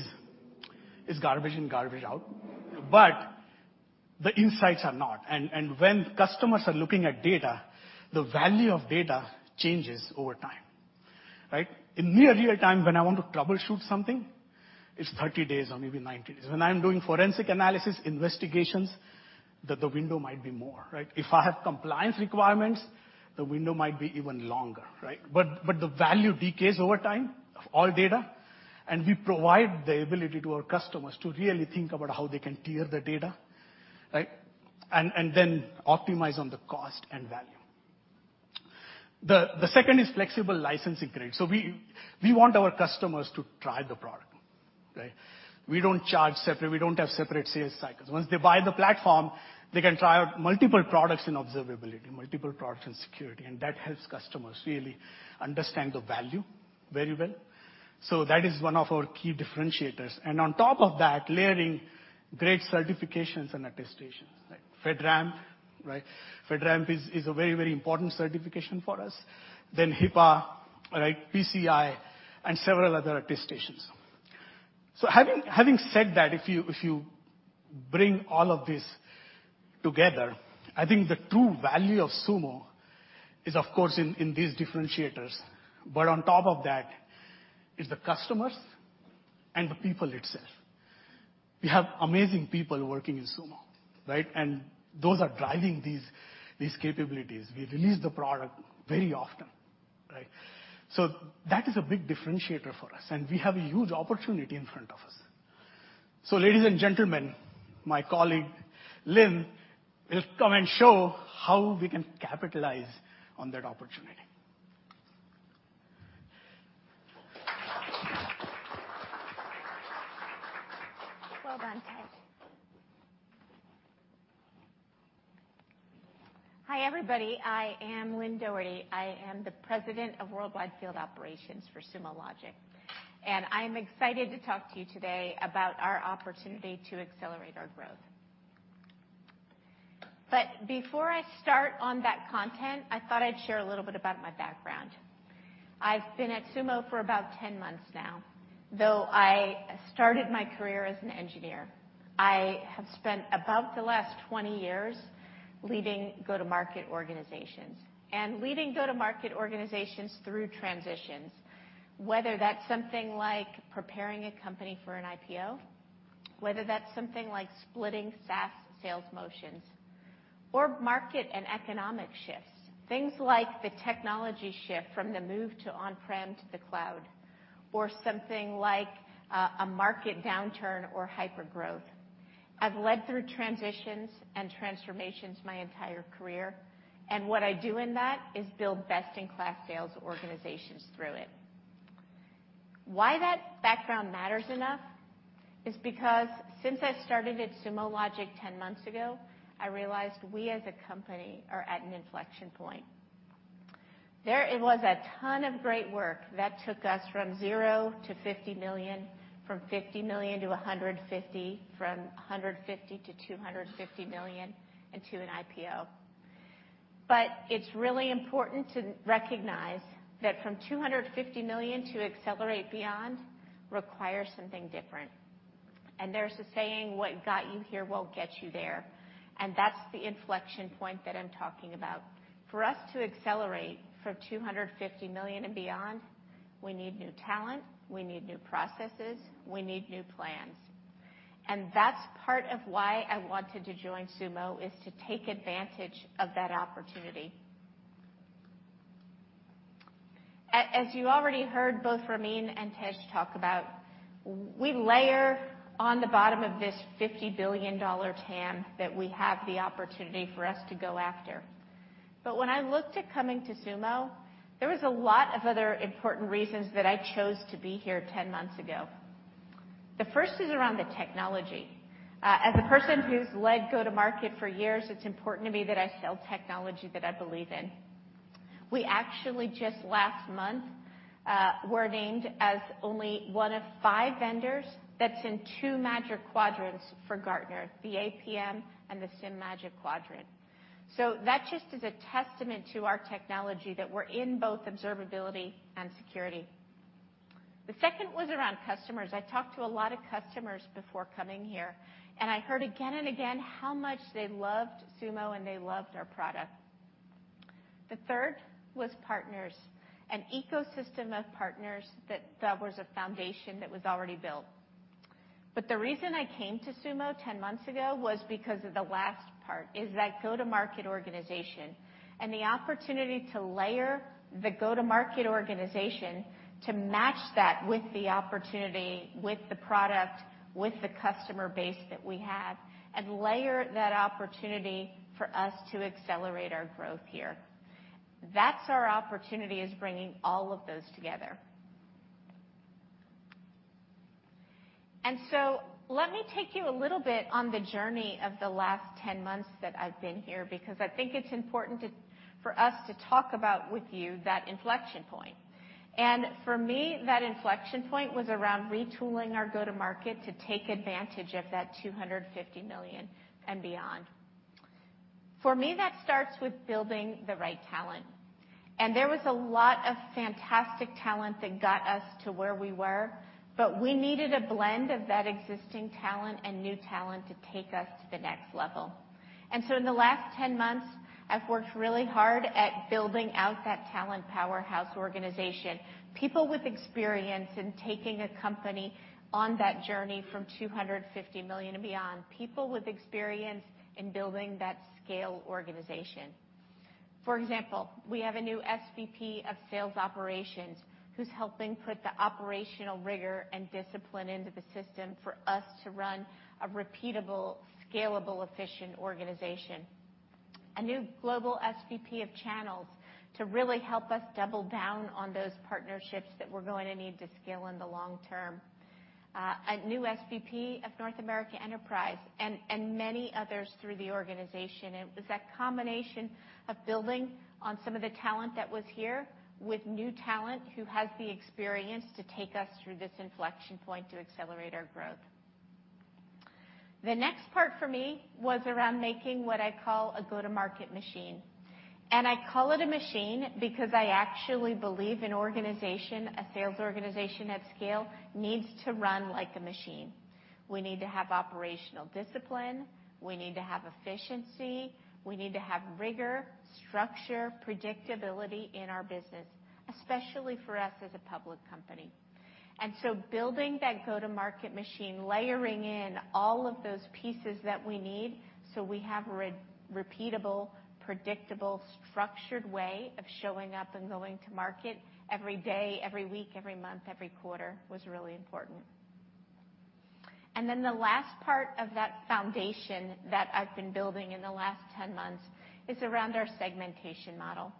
garbage in, garbage out, but the insights are not. When customers are looking at data, the value of data changes over time, right? In near real-time, when I want to troubleshoot something, it's 30 days or maybe 90 days. When I'm doing forensic analysis investigations, then the window might be more, right? If I have compliance requirements, the window might be even longer, right? The value decays over time of all data, and we provide the ability to our customers to really think about how they can tier the data, right, and then optimize on the cost and value. The second is flexible licensing model. We want our customers to try the product, right? We don't charge separately. We don't have separate sales cycles. Once they buy the platform, they can try out multiple products in observability, multiple products in security, and that helps customers really understand the value very well. That is one of our key differentiators. On top of that, layering great certifications and attestations, right? FedRAMP, right? FedRAMP is a very important certification for us. HIPAA, right, PCI, and several other attestations. Having said that, if you bring all of this together, I think the true value of Sumo is, of course, in these differentiators. On top of that is the customers and the people itself. We have amazing people working in Sumo, right? Those are driving these capabilities. We release the product very often, right? That is a big differentiator for us, and we have a huge opportunity in front of us. Ladies and gentlemen, my colleague, Lynne, will come and show how we can capitalize on that opportunity. Well done, Tej. Hi, everybody. I am Lynne Doherty. I am the President of Worldwide Field Operations for Sumo Logic, and I'm excited to talk to you today about our opportunity to accelerate our growth. Before I start on that content, I thought I'd share a little bit about my background. I've been at Sumo for about 10 months now. Though I started my career as an engineer, I have spent about the last 20 years leading go-to-market organizations. Leading go-to-market organizations through transitions, whether that's something like preparing a company for an IPO, whether that's something like splitting SaaS sales motions or market and economic shifts, things like the technology shift from the move to on-prem to the cloud or something like a market downturn or hypergrowth. I've led through transitions and transformations my entire career, and what I do in that is build best-in-class sales organizations through it. Why that background matters enough is because since I started at Sumo Logic 10 months ago, I realized we as a company are at an inflection point. It was a ton of great work that took us from 0 to $50 million, from $50 million to $150, from $150 to $250 million, and to an IPO. It's really important to recognize that from $250 million to accelerate beyond requires something different. There's a saying, "What got you here won't get you there." That's the inflection point that I'm talking about. For us to accelerate from $250 million and beyond, we need new talent, we need new processes, we need new plans, and that's part of why I wanted to join Sumo, is to take advantage of that opportunity. As you already heard both Ramin and Tej talk about, we layer on the bottom of this $50 billion TAM that we have the opportunity for us to go after. When I looked at coming to Sumo, there was a lot of other important reasons that I chose to be here 10 months ago. The first is around the technology. As a person who's led go-to-market for years, it's important to me that I sell technology that I believe in. We actually just last month were named as only one of five vendors that's in two Magic Quadrants for Gartner, the APM and the SIEM Magic Quadrant. That just is a testament to our technology that we're in both observability and security. The second was around customers. I talked to a lot of customers before coming here, and I heard again and again how much they loved Sumo and they loved our product. The third was partners, an ecosystem of partners that was a foundation that was already built. The reason I came to Sumo 10 months ago was because of the last part, is that go-to-market organization and the opportunity to layer the go-to-market organization to match that with the opportunity, with the product, with the customer base that we have, and layer that opportunity for us to accelerate our growth here. That's our opportunity, is bringing all of those together. Let me take you a little bit on the journey of the last 10 months that I've been here, because I think it's important for us to talk about with you that inflection point. For me, that inflection point was around retooling our go-to-market to take advantage of that $250 million and beyond. For me, that starts with building the right talent. There was a lot of fantastic talent that got us to where we were, but we needed a blend of that existing talent and new talent to take us to the next level. In the last 10 months, I've worked really hard at building out that talent powerhouse organization, people with experience in taking a company on that journey from $250 million and beyond, people with experience in building that scale organization. For example, we have a new SVP of sales operations who's helping put the operational rigor and discipline into the system for us to run a repeatable, scalable, efficient organization. A new global SVP of channels to really help us double down on those partnerships that we're going to need to scale in the long term. A new SVP of North America Enterprise and many others through the organization. It was that combination of building on some of the talent that was here with new talent who has the experience to take us through this inflection point to accelerate our growth. The next part for me was around making what I call a go-to-market machine. I call it a machine because I actually believe an organization, a sales organization at scale, needs to run like a machine. We need to have operational discipline. We need to have efficiency. We need to have rigor, structure, predictability in our business, especially for us as a public company. Building that go-to-market machine, layering in all of those pieces that we need so we have a repeatable, predictable, structured way of showing up and going to market every day, every week, every month, every quarter, was really important. The last part of that foundation that I've been building in the last 10 months is around our segmentation model.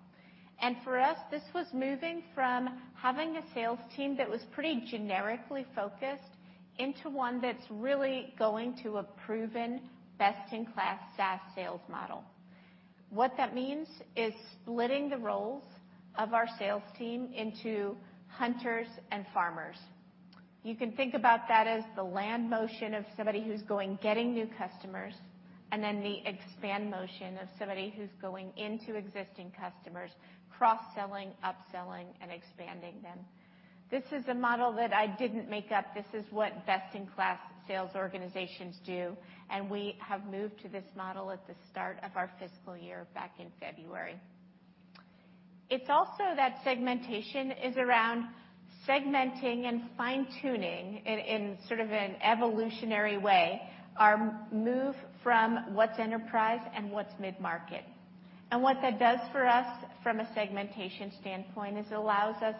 For us, this was moving from having a sales team that was pretty generically focused into one that's really going to a proven best-in-class SaaS sales model. What that means is splitting the roles of our sales team into hunters and farmers. You can think about that as the land motion of somebody who's going, getting new customers, and then the expand motion of somebody who's going into existing customers, cross-selling, upselling, and expanding them. This is a model that I didn't make up. This is what best-in-class sales organizations do, and we have moved to this model at the start of our fiscal year back in February. It's also that segmentation is around segmenting and fine-tuning in sort of an evolutionary way, our move from what's enterprise and what's mid-market. What that does for us from a segmentation standpoint is it allows us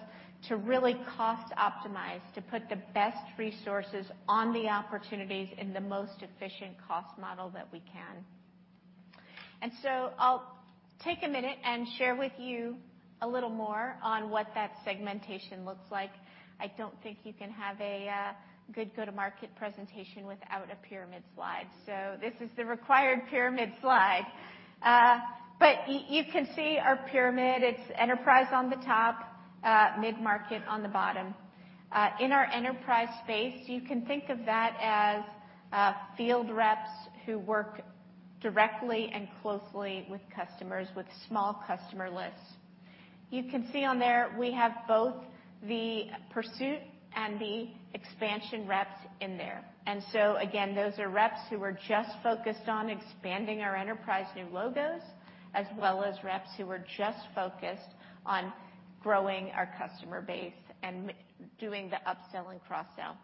to really cost optimize, to put the best resources on the opportunities in the most efficient cost model that we can. I'll take a minute and share with you a little more on what that segmentation looks like. I don't think you can have a good go-to-market presentation without a pyramid slide. This is the required pyramid slide. You can see our pyramid. It's enterprise on the top, mid-market on the bottom. In our enterprise space, you can think of that as field reps who work directly and closely with customers with small customer lists. You can see on there we have both the pursuit and the expansion reps in there. Again, those are reps who are just focused on expanding our enterprise new logos, as well as reps who are just focused on growing our customer base and doing the upsell and cross-sell.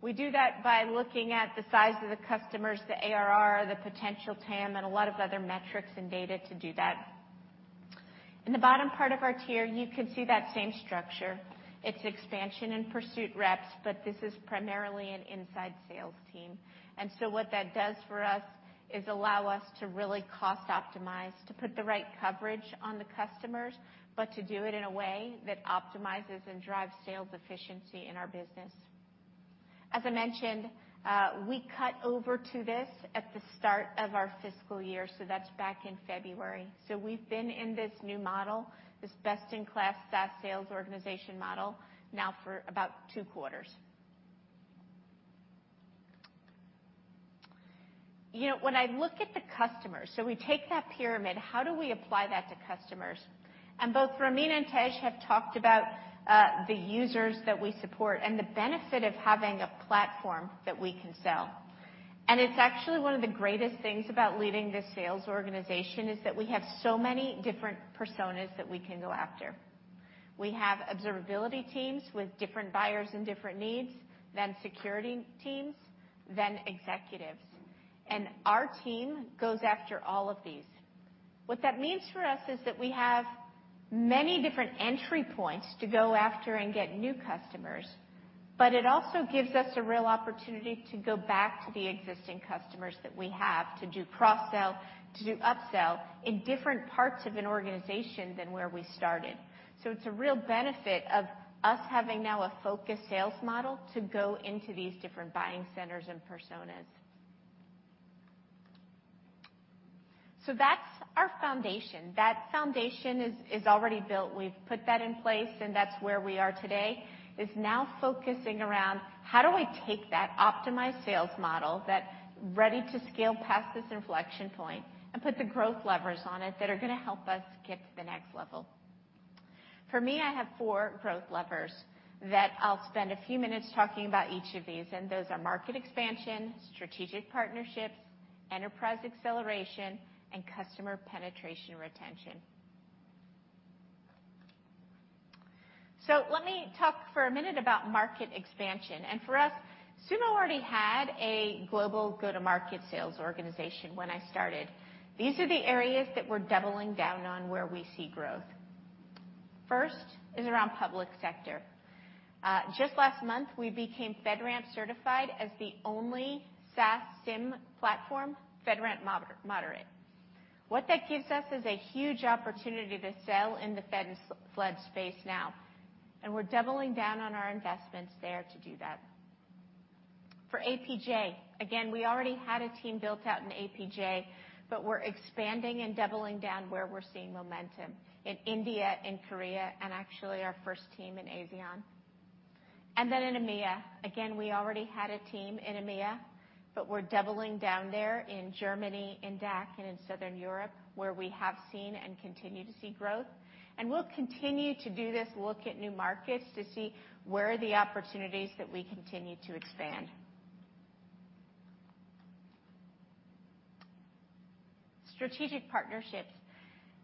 We do that by looking at the size of the customers, the ARR, the potential TAM, and a lot of other metrics and data to do that. In the bottom part of our tier, you can see that same structure. It's expansion and pursuit reps, but this is primarily an inside sales team. What that does for us is allow us to really cost optimize, to put the right coverage on the customers, but to do it in a way that optimizes and drives sales efficiency in our business. As I mentioned, we cut over to this at the start of our fiscal year, so that's back in February. We've been in this new model, this best-in-class SaaS sales organization model, now for about two quarters. You know, when I look at the customers, we take that pyramid, how do we apply that to customers? Both Ramin and Tej have talked about the users that we support and the benefit of having a platform that we can sell. It's actually one of the greatest things about leading this sales organization is that we have so many different personas that we can go after. We have observability teams with different buyers and different needs, then security teams, then executives. Our team goes after all of these. What that means for us is that we have many different entry points to go after and get new customers, but it also gives us a real opportunity to go back to the existing customers that we have to do cross-sell, to do up-sell in different parts of an organization than where we started. It's a real benefit of us having now a focused sales model to go into these different buying centers and personas. That's our foundation. That foundation is already built. We've put that in place, and that's where we are today, is now focusing around how do we take that optimized sales model that's ready to scale past this inflection point and put the growth levers on it that are gonna help us get to the next level. For me, I have four growth levers that I'll spend a few minutes talking about each of these, and those are market expansion, strategic partnerships, enterprise acceleration, and customer penetration retention. Let me talk for a minute about market expansion. For us, Sumo already had a global go-to-market sales organization when I started. These are the areas that we're doubling down on where we see growth. First is around public sector. Just last month, we became FedRAMP certified as the only SaaS SIEM platform FedRAMP Moderate. What that gives us is a huge opportunity to sell in the FED and SLED space now, and we're doubling down on our investments there to do that. For APJ, again, we already had a team built out in APJ, but we're expanding and doubling down where we're seeing momentum in India and Korea, and actually our first team in ASEAN. Then in EMEA, again, we already had a team in EMEA, but we're doubling down there in Germany, in DACH, and in Southern Europe, where we have seen and continue to see growth. We'll continue to do this look at new markets to see where are the opportunities that we continue to expand. Strategic partnerships.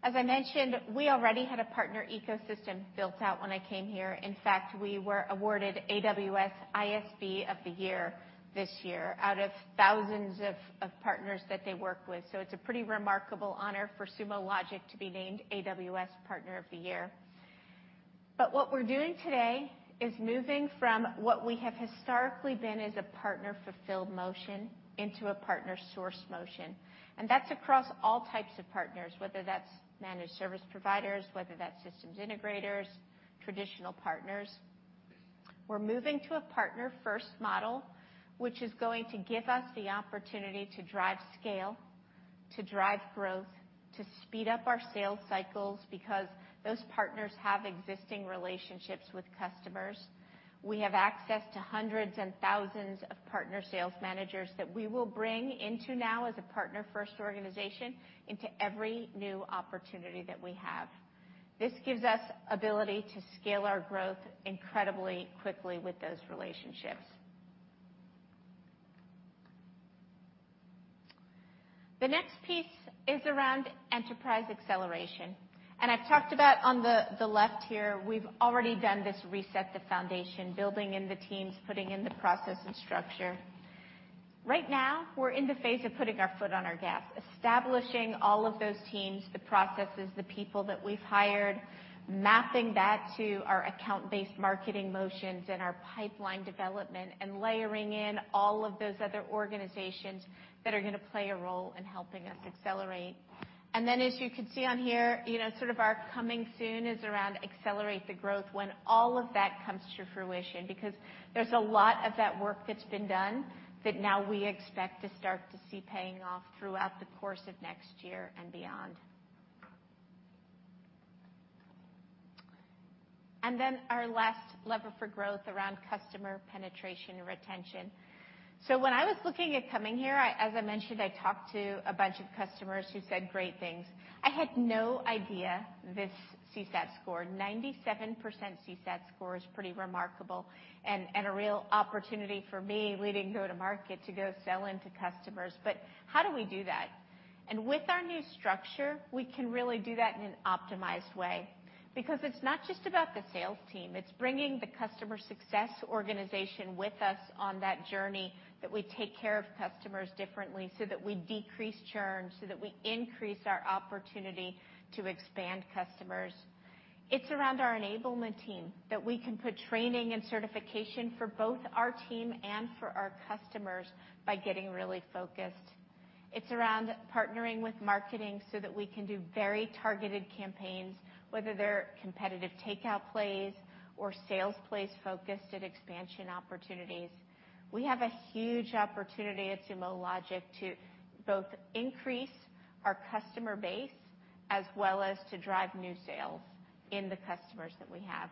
As I mentioned, we already had a partner ecosystem built out when I came here. In fact, we were awarded AWS ISV of the Year this year out of thousands of partners that they work with. It's a pretty remarkable honor for Sumo Logic to be named AWS Partner of the Year. What we're doing today is moving from what we have historically been as a partner-fulfilled motion into a partner-sourced motion. That's across all types of partners, whether that's managed service providers, whether that's systems integrators, traditional partners. We're moving to a partner-first model, which is going to give us the opportunity to drive scale, to drive growth, to speed up our sales cycles because those partners have existing relationships with customers. We have access to hundreds and thousands of partner sales managers that we will bring into now as a partner-first organization into every new opportunity that we have. This gives us ability to scale our growth incredibly quickly with those relationships. The next piece is around enterprise acceleration. I've talked about on the left here. We've already done this reset the foundation, building in the teams, putting in the process and structure. Right now, we're in the phase of putting our foot on our gas, establishing all of those teams, the processes, the people that we've hired, mapping that to our account-based marketing motions and our pipeline development, and layering in all of those other organizations that are gonna play a role in helping us accelerate. Then as you can see on here, you know, sort of our coming soon is around accelerate the growth when all of that comes to fruition because there's a lot of that work that's been done that now we expect to start to see paying off throughout the course of next year and beyond. Then our last lever for growth around customer penetration and retention. When I was looking at coming here, I, as I mentioned, I talked to a bunch of customers who said great things. I had no idea this CSAT score, 97% CSAT score is pretty remarkable and a real opportunity for me leading go-to-market to go sell into customers. How do we do that? With our new structure, we can really do that in an optimized way because it's not just about the sales team. It's bringing the customer success organization with us on that journey that we take care of customers differently so that we decrease churn, so that we increase our opportunity to expand customers. It's around our enablement team that we can put training and certification for both our team and for our customers by getting really focused. It's around partnering with marketing so that we can do very targeted campaigns, whether they're competitive takeout plays or sales plays focused at expansion opportunities. We have a huge opportunity at Sumo Logic to both increase our customer base as well as to drive new sales in the customers that we have.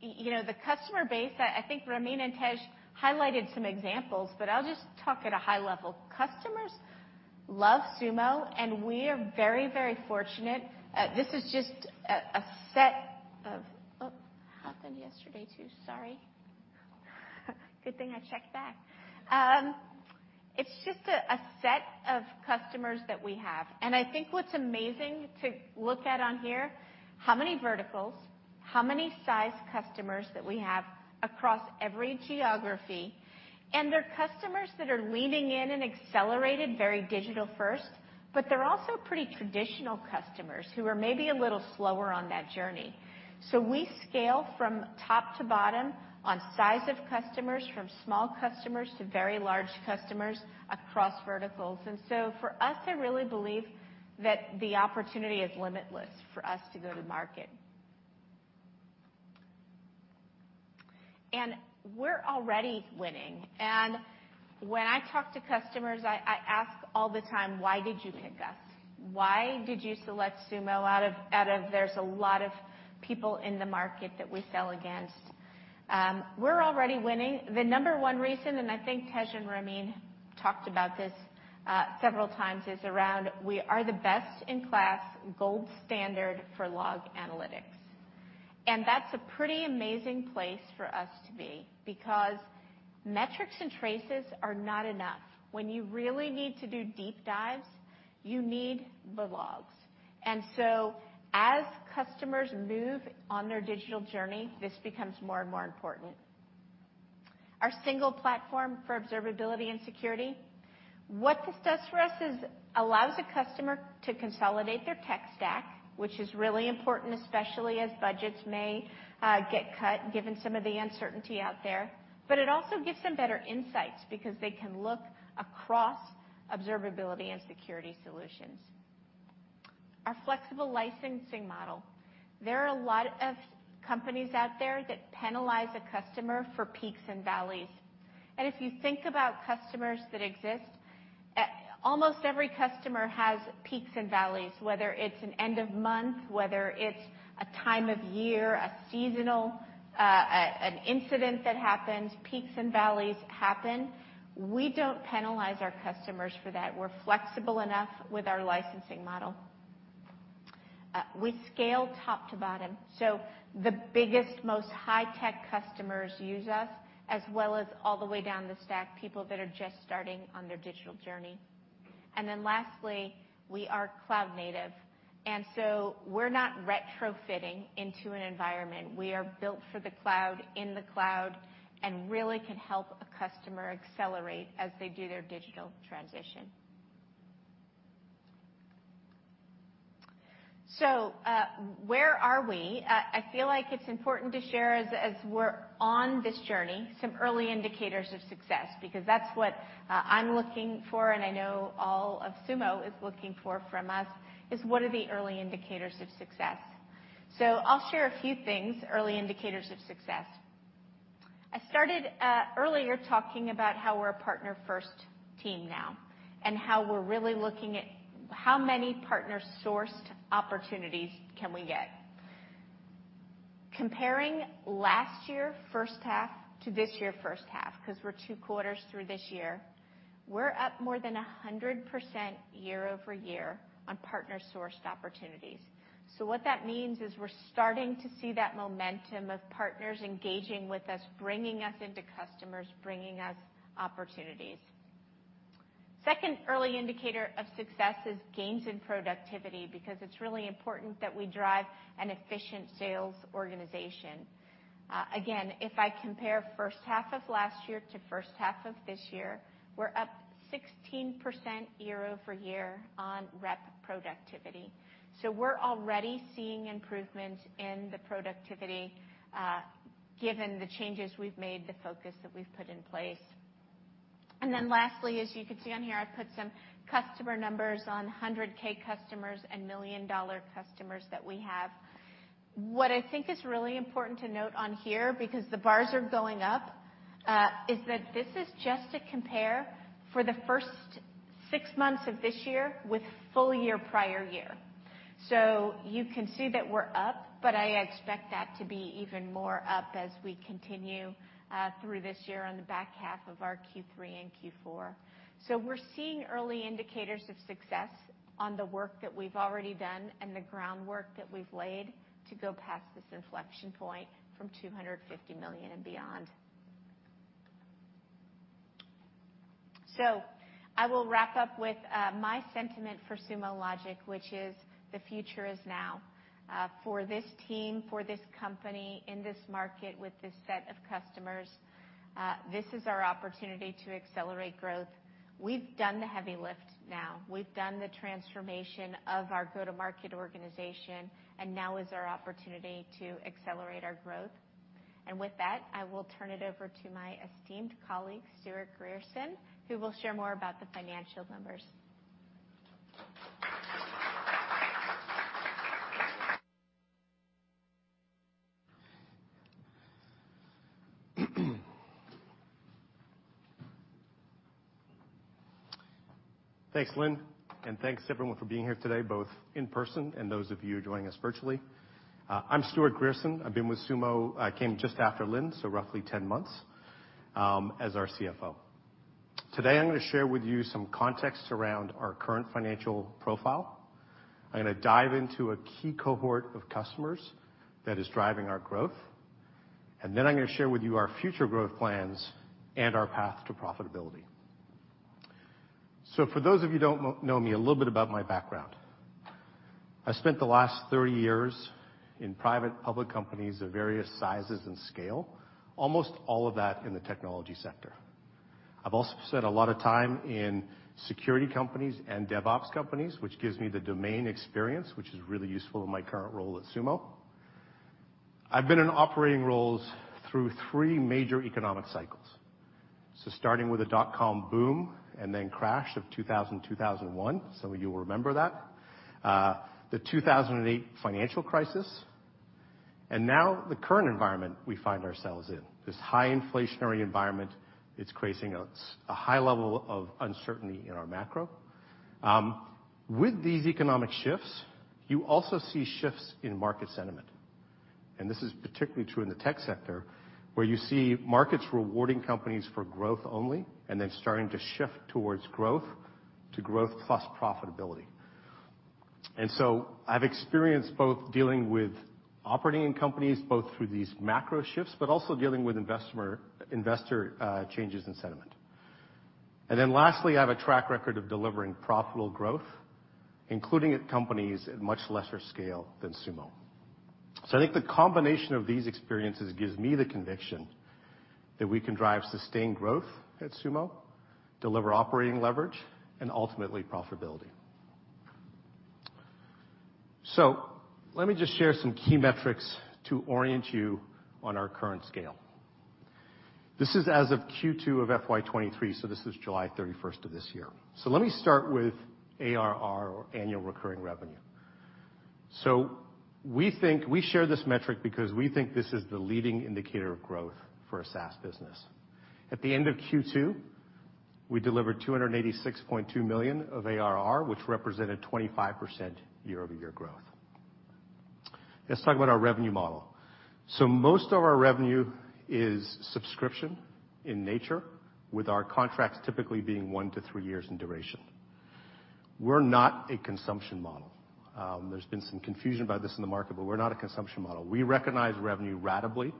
You know, the customer base, I think Ramin and Tej highlighted some examples, but I'll just talk at a high level. Customers love Sumo, and we are very, very fortunate. Oh, happened yesterday too. Sorry. Good thing I checked back. It's just a set of customers that we have. I think what's amazing to look at on here, how many verticals, how many size customers that we have across every geography, and they're customers that are leaning in and accelerated very digital first, but they're also pretty traditional customers who are maybe a little slower on that journey. We scale from top to bottom on size of customers, from small customers to very large customers across verticals. For us, I really believe that the opportunity is limitless for us to go to market. We're already winning. When I talk to customers, I ask all the time, "Why did you pick us? Why did you select Sumo out of" There's a lot of people in the market that we sell against. We're already winning. The number one reason, and I think Tej and Ramin talked about this, several times, is around we are the best-in-class gold standard for log analytics. That's a pretty amazing place for us to be because metrics and traces are not enough. When you really need to do deep dives, you need the logs. As customers move on their digital journey, this becomes more and more important. Our single platform for observability and security, what this does for us is allows a customer to consolidate their tech stack, which is really important, especially as budgets may get cut given some of the uncertainty out there. It also gives them better insights because they can look across observability and security solutions. Our flexible licensing model. There are a lot of companies out there that penalize a customer for peaks and valleys. If you think about customers that exist, almost every customer has peaks and valleys, whether it's an end of month, whether it's a time of year, a seasonal, an incident that happened, peaks and valleys happen. We don't penalize our customers for that. We're flexible enough with our licensing model. We scale top to bottom. The biggest, most high-tech customers use us as well as all the way down the stack, people that are just starting on their digital journey. Then lastly, we are cloud native, and so we're not retrofitting into an environment. We are built for the cloud, in the cloud, and really can help a customer accelerate as they do their digital transition. Where are we? I feel like it's important to share as we're on this journey, some early indicators of success because that's what I'm looking for, and I know all of Sumo is looking for from us is what are the early indicators of success. I'll share a few things, early indicators of success. I started earlier talking about how we're a partner-first team now and how we're really looking at how many partner-sourced opportunities can we get. Comparing last year first half to this year first half, 'cause we're two quarters through this year, we're up more than 100% year-over-year on partner-sourced opportunities. What that means is we're starting to see that momentum of partners engaging with us, bringing us into customers, bringing us opportunities. Second early indicator of success is gains in productivity because it's really important that we drive an efficient sales organization. Again, if I compare first half of last year to first half of this year, we're up 16% year-over-year on rep productivity. We're already seeing improvement in the productivity, given the changes we've made, the focus that we've put in place. Then lastly, as you can see on here, I've put some customer numbers on 100K customers and million-dollar customers that we have. What I think is really important to note on here, because the bars are going up, is that this is just to compare for the first six months of this year with full year prior year. You can see that we're up, but I expect that to be even more up as we continue through this year on the back half of our Q3 and Q4. We're seeing early indicators of success on the work that we've already done and the groundwork that we've laid to go past this inflection point from $250 million and beyond. I will wrap up with my sentiment for Sumo Logic, which is the future is now. For this team, for this company, in this market, with this set of customers, this is our opportunity to accelerate growth. We've done the heavy lift now. We've done the transformation of our go-to-market organization, and now is our opportunity to accelerate our growth. With that, I will turn it over to my esteemed colleague, Stewart Grierson, who will share more about the financial numbers. Thanks, Lynne, and thanks everyone for being here today, both in person and those of you who are joining us virtually. I'm Stewart Grierson. I've been with Sumo. I came just after Lynne, so roughly 10 months as our CFO. Today, I'm gonna share with you some context around our current financial profile. I'm gonna dive into a key cohort of customers that is driving our growth, and then I'm gonna share with you our future growth plans and our path to profitability. For those of you who don't know me, a little bit about my background. I spent the last 30 years in private public companies of various sizes and scale, almost all of that in the technology sector. I've also spent a lot of time in security companies and DevOps companies, which gives me the domain experience, which is really useful in my current role at Sumo. I've been in operating roles through three major economic cycles. Starting with the dot-com boom and then crash of 2001, some of you will remember that, the 2008 financial crisis, and now the current environment we find ourselves in. This high inflationary environment, it's creating a high level of uncertainty in our macro. With these economic shifts, you also see shifts in market sentiment. This is particularly true in the tech sector, where you see markets rewarding companies for growth only, and then starting to shift towards growth to growth plus profitability. I've experienced both dealing with operating in companies, both through these macro shifts, but also dealing with investor changes in sentiment. Lastly, I have a track record of delivering profitable growth, including at companies at much lesser scale than Sumo. I think the combination of these experiences gives me the conviction that we can drive sustained growth at Sumo, deliver operating leverage and ultimately profitability. Let me just share some key metrics to orient you on our current scale. This is as of Q2 of FY 2023, so this is July 31st of this year. Let me start with ARR or annual recurring revenue. We share this metric because we think this is the leading indicator of growth for a SaaS business. At the end of Q2, we delivered $286.2 million of ARR, which represented 25% year-over-year growth. Let's talk about our revenue model. Most of our revenue is subscription in nature, with our contracts typically being one to three years in duration. We're not a consumption model. There's been some confusion about this in the market, but we're not a consumption model. We recognize revenue ratably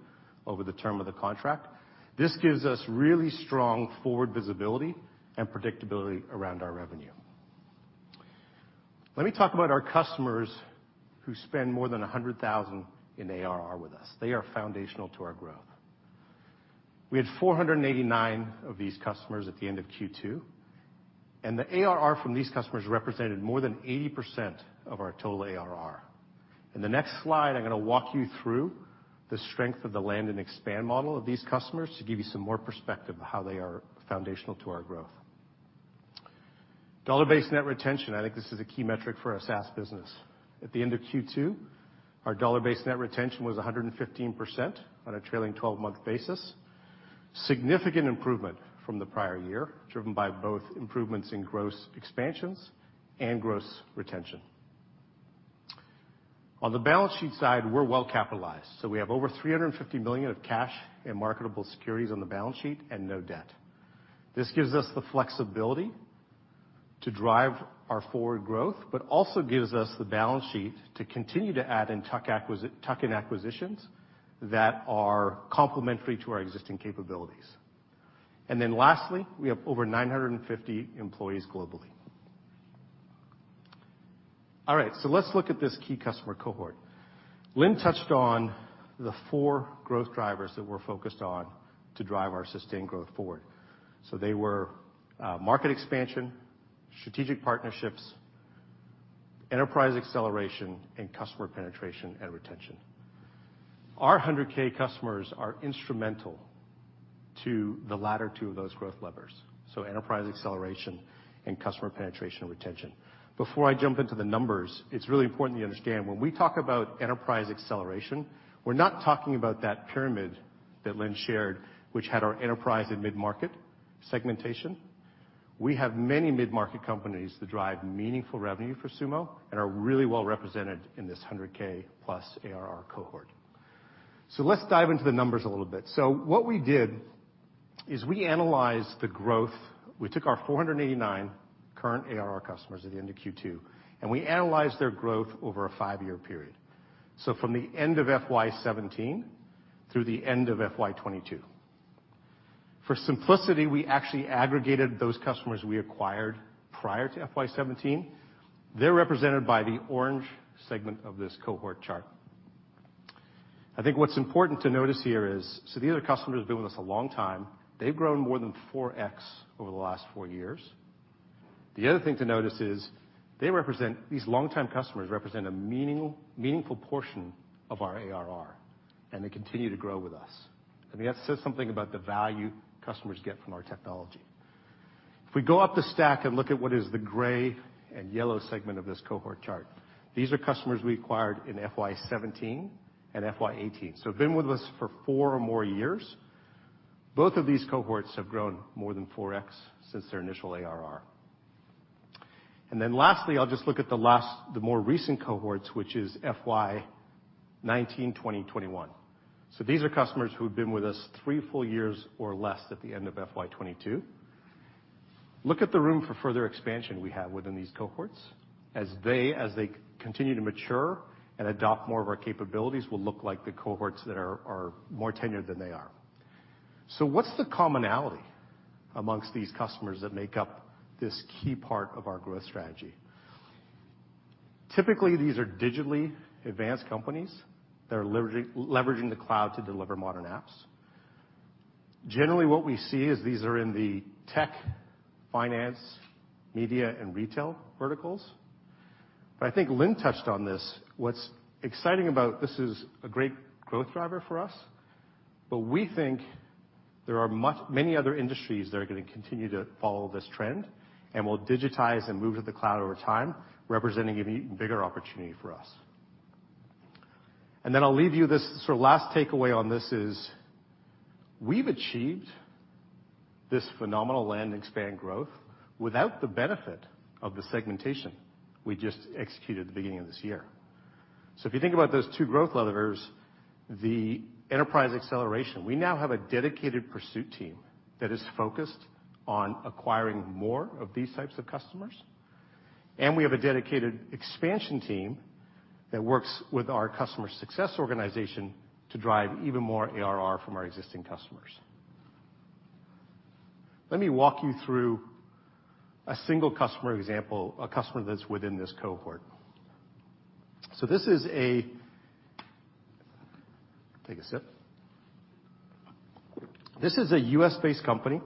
over the term of the contract. This gives us really strong forward visibility and predictability around our revenue. Let me talk about our customers who spend more than $100,000 in ARR with us. They are foundational to our growth. We had 489 of these customers at the end of Q2, and the ARR from these customers represented more than 80% of our total ARR. In the next slide, I'm gonna walk you through the strength of the land-and-expand model of these customers to give you some more perspective of how they are foundational to our growth. Dollar-based net retention, I think this is a key metric for a SaaS business. At the end of Q2, our dollar-based net retention was 115% on a trailing twelve-month basis. Significant improvement from the prior year, driven by both improvements in gross expansions and gross retention. On the balance sheet side, we're well capitalized. We have over $350 million of cash and marketable securities on the balance sheet and no debt. This gives us the flexibility to drive our forward growth, but also gives us the balance sheet to continue to add and tuck-in acquisitions that are complementary to our existing capabilities. Lastly, we have over 950 employees globally. All right, let's look at this key customer cohort. Lynne touched on the four growth drivers that we're focused on to drive our sustained growth forward. They were market expansion, strategic partnerships, enterprise acceleration, and customer penetration and retention. Our 100K customers are instrumental to the latter two of those growth levers, so enterprise acceleration and customer penetration retention. Before I jump into the numbers, it's really important you understand when we talk about enterprise acceleration, we're not talking about that pyramid that Lynne shared, which had our enterprise and mid-market segmentation. We have many mid-market companies that drive meaningful revenue for Sumo and are really well represented in this 100K+ ARR cohort. Let's dive into the numbers a little bit. What we did is we analyzed the growth. We took our 489 current ARR customers at the end of Q2, and we analyzed their growth over a five-year period. From the end of FY 2017 through the end of FY 2022. For simplicity, we actually aggregated those customers we acquired prior to FY 2017. They're represented by the orange segment of this cohort chart. I think what's important to notice here is these are customers who've been with us a long time. They've grown more than 4x over the last 4 years. The other thing to notice is they represent. These longtime customers represent a meaningful portion of our ARR, and they continue to grow with us. I mean, that says something about the value customers get from our technology. If we go up the stack and look at what is the gray and yellow segment of this cohort chart, these are customers we acquired in FY 2017 and FY 2018. Been with us for four or more years. Both of these cohorts have grown more than 4x since their initial ARR. Lastly, I'll just look at the more recent cohorts, which is FY 2019, 2020, 2021. These are customers who have been with us three full years or less at the end of FY 2022. Look at the room for further expansion we have within these cohorts as they continue to mature and adopt more of our capabilities will look like the cohorts that are more tenured than they are. What's the commonality amongst these customers that make up this key part of our growth strategy? Typically, these are digitally advanced companies that are leveraging the cloud to deliver modern apps. Generally, what we see is these are in the tech, finance, media, and retail verticals. I think Lynne touched on this. What's exciting about this is a great growth driver for us, but we think there are many other industries that are gonna continue to follow this trend and will digitize and move to the cloud over time, representing an even bigger opportunity for us. Then I'll leave you this sort of last takeaway on this is we've achieved this phenomenal land and expand growth without the benefit of the segmentation we just executed at the beginning of this year. If you think about those two growth levers, the enterprise acceleration, we now have a dedicated pursuit team that is focused on acquiring more of these types of customers. We have a dedicated expansion team that works with our customer success organization to drive even more ARR from our existing customers. Let me walk you through a single customer example, a customer that's within this cohort. This is a US-based company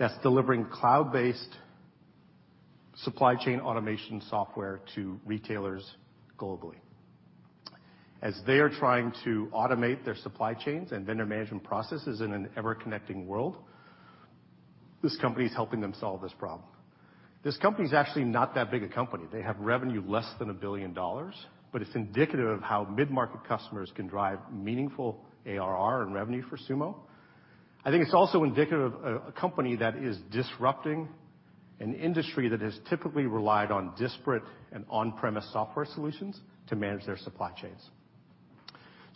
that's delivering cloud-based supply chain automation software to retailers globally. As they are trying to automate their supply chains and vendor management processes in an ever-connecting world, this company is helping them solve this problem. This company is actually not that big a company. They have revenue less than $1 billion, but it's indicative of how mid-market customers can drive meaningful ARR and revenue for Sumo. I think it's also indicative of a company that is disrupting an industry that has typically relied on disparate and on-premise software solutions to manage their supply chains.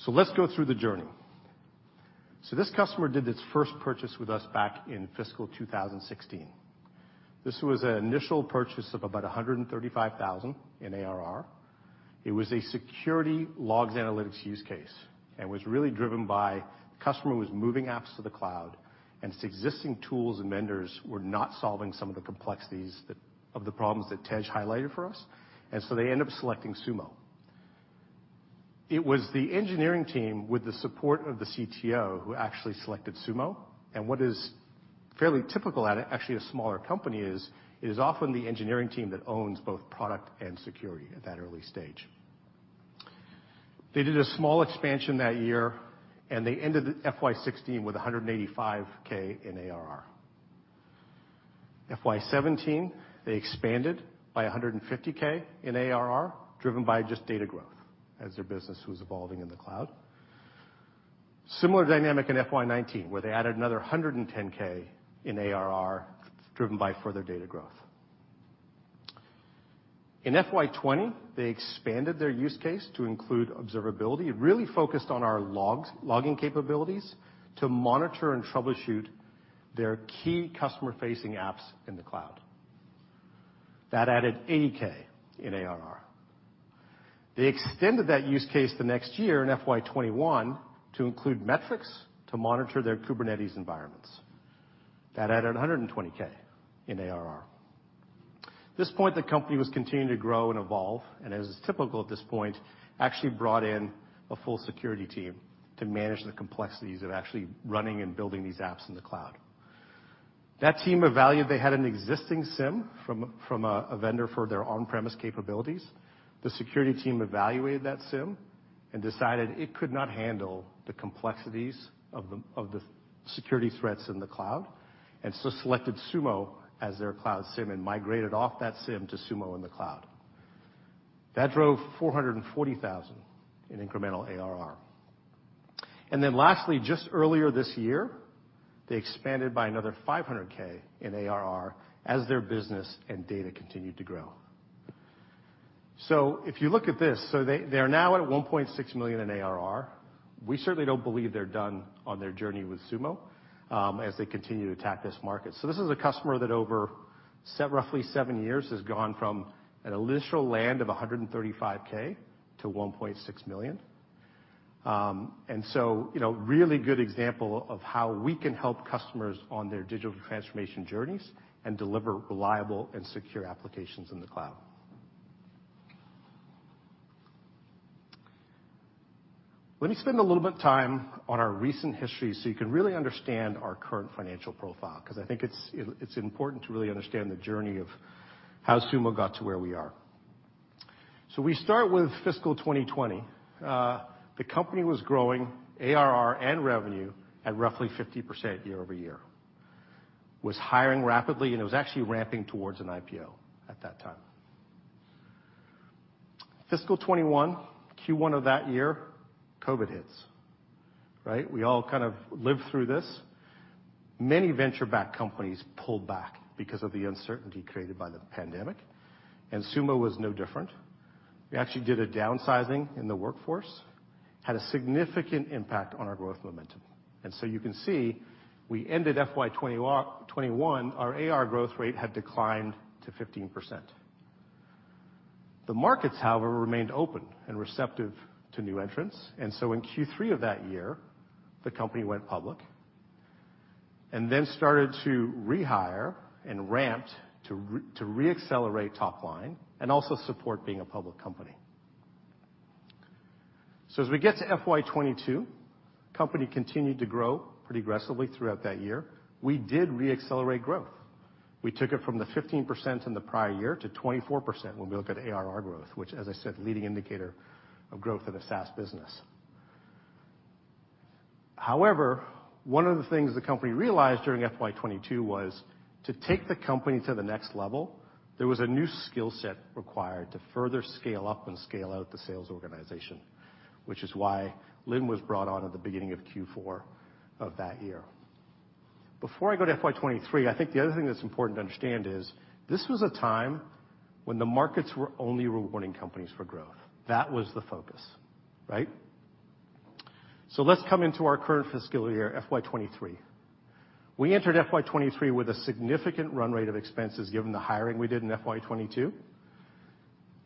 Let's go through the journey. This customer did its first purchase with us back in fiscal 2016. This was an initial purchase of about $135,000 in ARR. It was a security logs analytics use case and was really driven by customer was moving apps to the cloud, and its existing tools and vendors were not solving some of the complexities that of the problems that Tej highlighted for us. They ended up selecting Sumo. It was the engineering team with the support of the CTO who actually selected Sumo. What is fairly typical at actually a smaller company is, it is often the engineering team that owns both product and security at that early stage. They did a small expansion that year, and they ended the FY 2016 with $185K in ARR. FY 2017, they expanded by $150K in ARR, driven by just data growth as their business was evolving in the cloud. Similar dynamic in FY 2019, where they added another $110K in ARR, driven by further data growth. In FY 2020, they expanded their use case to include observability. It really focused on our logs, logging capabilities to monitor and troubleshoot their key customer-facing apps in the cloud. That added $80K in ARR. They extended that use case the next year in FY 2021 to include metrics to monitor their Kubernetes environments. That added $120K in ARR. At this point, the company was continuing to grow and evolve, and as is typical at this point, actually brought in a full security team to manage the complexities of actually running and building these apps in the cloud. That team evaluated they had an existing SIEM from a vendor for their on-premise capabilities. The security team evaluated that SIEM and decided it could not handle the complexities of the security threats in the cloud, and selected Sumo as their Cloud SIEM and migrated off that SIEM to Sumo in the cloud. That drove $440,000 in incremental ARR. Lastly, just earlier this year, they expanded by another $500,000 in ARR as their business and data continued to grow. If you look at this, they are now at $1.6 million in ARR. We certainly don't believe they're done on their journey with Sumo as they continue to attack this market. This is a customer that over roughly seven years has gone from an initial land of $135K to $1.6 million. You know, really good example of how we can help customers on their digital transformation journeys and deliver reliable and secure applications in the cloud. Let me spend a little bit of time on our recent history so you can really understand our current financial profile, 'cause I think it's important to really understand the journey of how Sumo got to where we are. We start with fiscal 2020. The company was growing ARR and revenue at roughly 50% year-over-year. It was hiring rapidly, and it was actually ramping towards an IPO at that time. Fiscal 2021, Q1 of that year, COVID hits, right? We all kind of lived through this. Many venture-backed companies pulled back because of the uncertainty created by the pandemic, and Sumo was no different. We actually did a downsizing in the workforce that had a significant impact on our growth momentum. You can see we ended FY2 021, our AR growth rate had declined to 15%. The markets, however, remained open and receptive to new entrants. In Q3 of that year, the company went public and then started to rehire and ramped to re-accelerate top line and also support being a public company. As we get to FY 2022, company continued to grow pretty aggressively throughout that year. We did re-accelerate growth. We took it from the 15% in the prior year to 24% when we look at ARR growth, which, as I said, is the leading indicator of growth of the SaaS business. However, one of the things the company realized during FY 2022 was to take the company to the next level, there was a new skill set required to further scale up and scale out the sales organization, which is why Lynne was brought on at the beginning of Q4 of that year. Before I go to FY 2023, I think the other thing that's important to understand is this was a time when the markets were only rewarding companies for growth. That was the focus, right? Let's come into our current fiscal year, FY 2023. We entered FY 2023 with a significant run rate of expenses, given the hiring we did in FY 2022.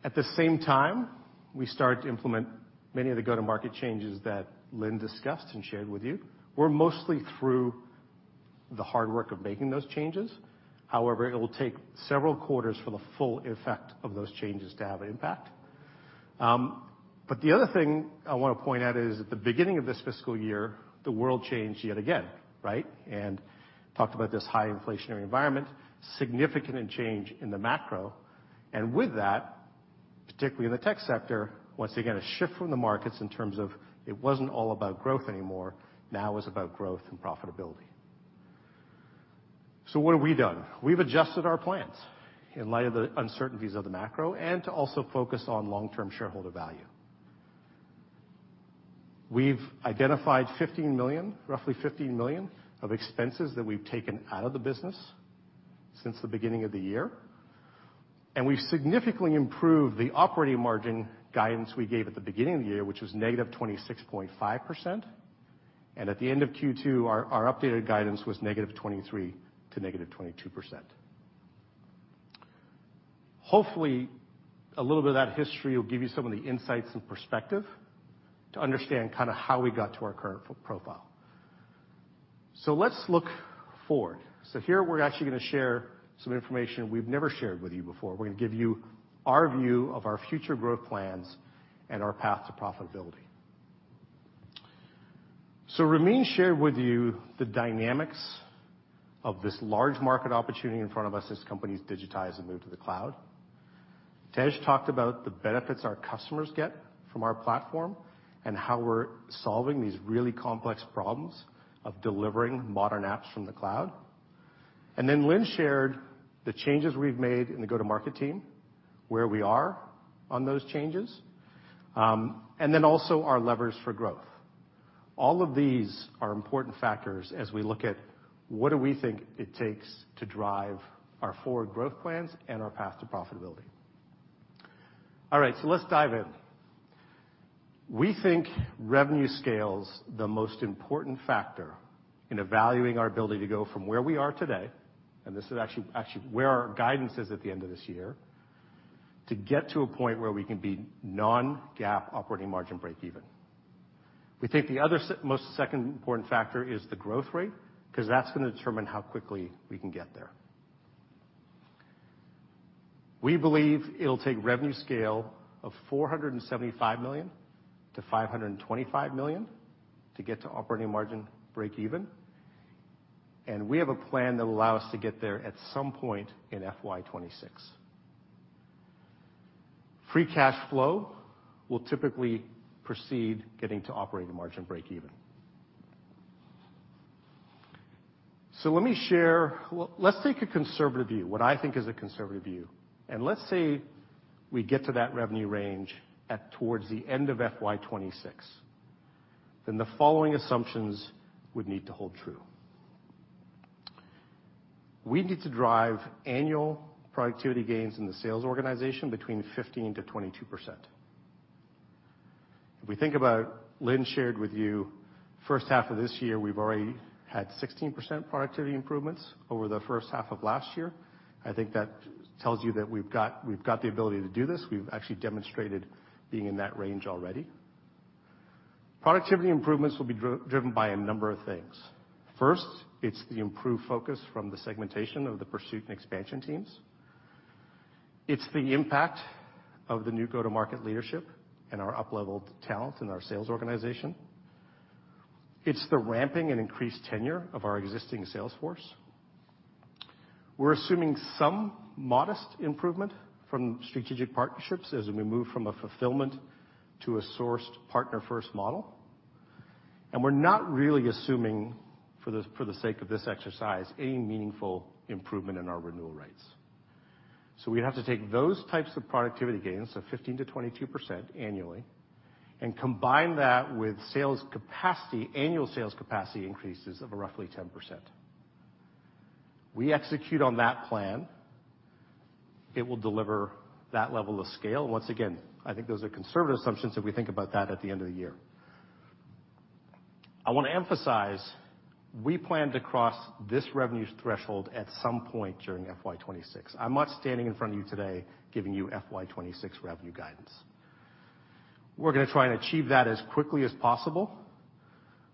At the same time, we started to implement many of the go-to-market changes that Lynne discussed and shared with you. We're mostly through the hard work of making those changes. However, it will take several quarters for the full effect of those changes to have an impact. The other thing I wanna point out is, at the beginning of this fiscal year, the world changed yet again, right? Talked about this high inflationary environment, significant change in the macro. With that, particularly in the tech sector, once again, a shift from the markets in terms of it wasn't all about growth anymore. Now it's about growth and profitability. What have we done? We've adjusted our plans in light of the uncertainties of the macro and to also focus on long-term shareholder value. We've identified $15 million, roughly $15 million, of expenses that we've taken out of the business since the beginning of the year, and we've significantly improved the operating margin guidance we gave at the beginning of the year, which was -26.5%. At the end of Q2, our updated guidance was -23% to -22%. Hopefully, a little bit of that history will give you some of the insights and perspective to understand kinda how we got to our current financial profile. Let's look forward. Here we're actually gonna share some information we've never shared with you before. We're gonna give you our view of our future growth plans and our path to profitability. Ramin shared with you the dynamics of this large market opportunity in front of us as companies digitize and move to the cloud. Tej talked about the benefits our customers get from our platform and how we're solving these really complex problems of delivering modern apps from the cloud. Lynne shared the changes we've made in the go-to-market team, where we are on those changes, and then also our levers for growth. All of these are important factors as we look at what do we think it takes to drive our forward growth plans and our path to profitability. All right, so let's dive in. We think revenue scale's the most important factor in evaluating our ability to go from where we are today, and this is actually where our guidance is at the end of this year, to get to a point where we can be non-GAAP operating margin break even. We think the other second most important factor is the growth rate, 'cause that's gonna determine how quickly we can get there. We believe it'll take revenue scale of $475 million-$525 million to get to operating margin breakeven, and we have a plan that will allow us to get there at some point in FY 2026. Free cash flow will typically precede getting to operating margin breakeven. Let me share. Let's take a conservative view, what I think is a conservative view, and let's say we get to that revenue range towards the end of FY 2026. The following assumptions would need to hold true. We need to drive annual productivity gains in the sales organization between 15%-22%. If we think about Lynne shared with you, first half of this year, we've already had 16% productivity improvements over the first half of last year. I think that tells you that we've got the ability to do this. We've actually demonstrated being in that range already. Productivity improvements will be driven by a number of things. First, it's the improved focus from the segmentation of the pursuit and expansion teams. It's the impact of the new go-to-market leadership and our up-leveled talent in our sales organization. It's the ramping and increased tenure of our existing sales force. We're assuming some modest improvement from strategic partnerships as we move from a fulfillment to a sourced partner-first model. We're not really assuming for the sake of this exercise, any meaningful improvement in our renewal rates. We'd have to take those types of productivity gains of 15%-22% annually and combine that with sales capacity, annual sales capacity increases of roughly 10%. We execute on that plan, it will deliver that level of scale. Once again, I think those are conservative assumptions if we think about that at the end of the year. I wanna emphasize, we plan to cross this revenue threshold at some point during FY 2026. I'm not standing in front of you today giving you FY 2026 revenue guidance. We're gonna try and achieve that as quickly as possible,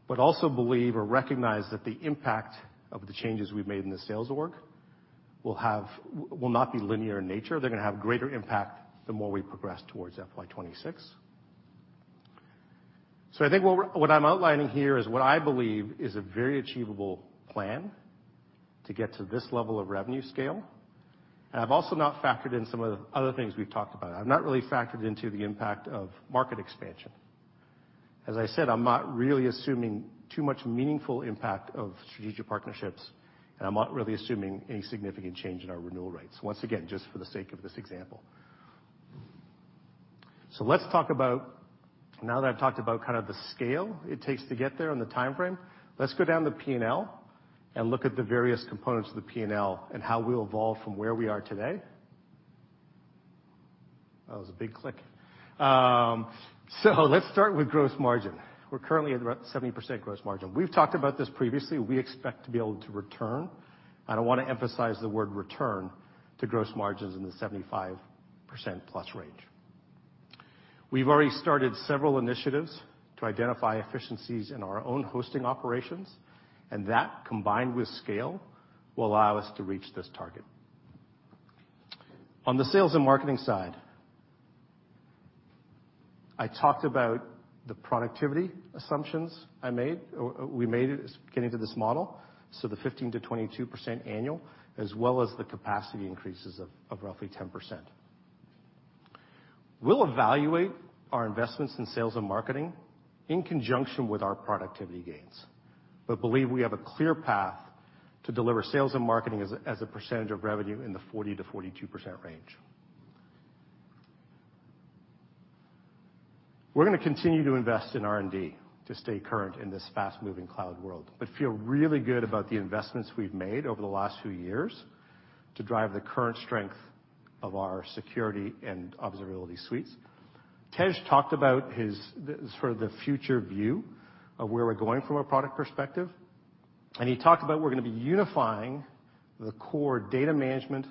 but also believe or recognize that the impact of the changes we've made in the sales org will not be linear in nature. They're gonna have greater impact the more we progress towards FY 2026. I think what I'm outlining here is what I believe is a very achievable plan to get to this level of revenue scale. I've also not factored in some of the other things we've talked about. I've not really factored into the impact of market expansion. As I said, I'm not really assuming too much meaningful impact of strategic partnerships, and I'm not really assuming any significant change in our renewal rates. Once again, just for the sake of this example. Let's talk about now that I've talked about kind of the scale it takes to get there and the timeframe, let's go down the P&L and look at the various components of the P&L and how we'll evolve from where we are today. That was a big click. Let's start with gross margin. We're currently at about 70% gross margin. We've talked about this previously. We expect to be able to return, and I wanna emphasize the word return, to gross margins in the 75%+ range. We've already started several initiatives to identify efficiencies in our own hosting operations, and that, combined with scale, will allow us to reach this target. On the sales and marketing side, I talked about the productivity assumptions I made, or we made getting to this model, so the 15%-22% annual, as well as the capacity increases of roughly 10%. We'll evaluate our investments in sales and marketing in conjunction with our productivity gains, but believe we have a clear path to deliver sales and marketing as a percentage of revenue in the 40%-42% range. We're gonna continue to invest in R&D to stay current in this fast-moving cloud world, but feel really good about the investments we've made over the last few years to drive the current strength of our security and observability suites. Tej talked about his, sort of the future view of where we're going from a product perspective, and he talked about we're gonna be unifying the core data management,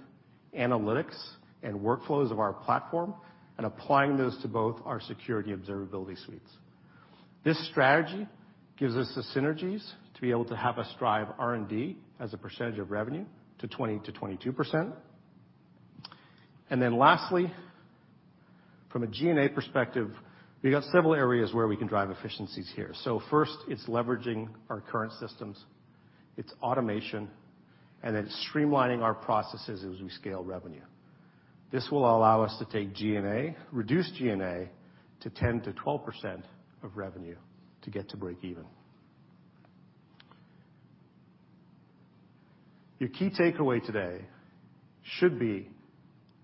analytics, and workflows of our platform and applying those to both our security and observability suites. This strategy gives us the synergies to be able to have us drive R&D as a percentage of revenue to 20%-22%. Then lastly, from a G&A perspective, we've got several areas where we can drive efficiencies here. First it's leveraging our current systems, it's automation, and then streamlining our processes as we scale revenue. This will allow us to take G&A, reduce G&A to 10%-12% of revenue to get to break even. Your key takeaway today should be,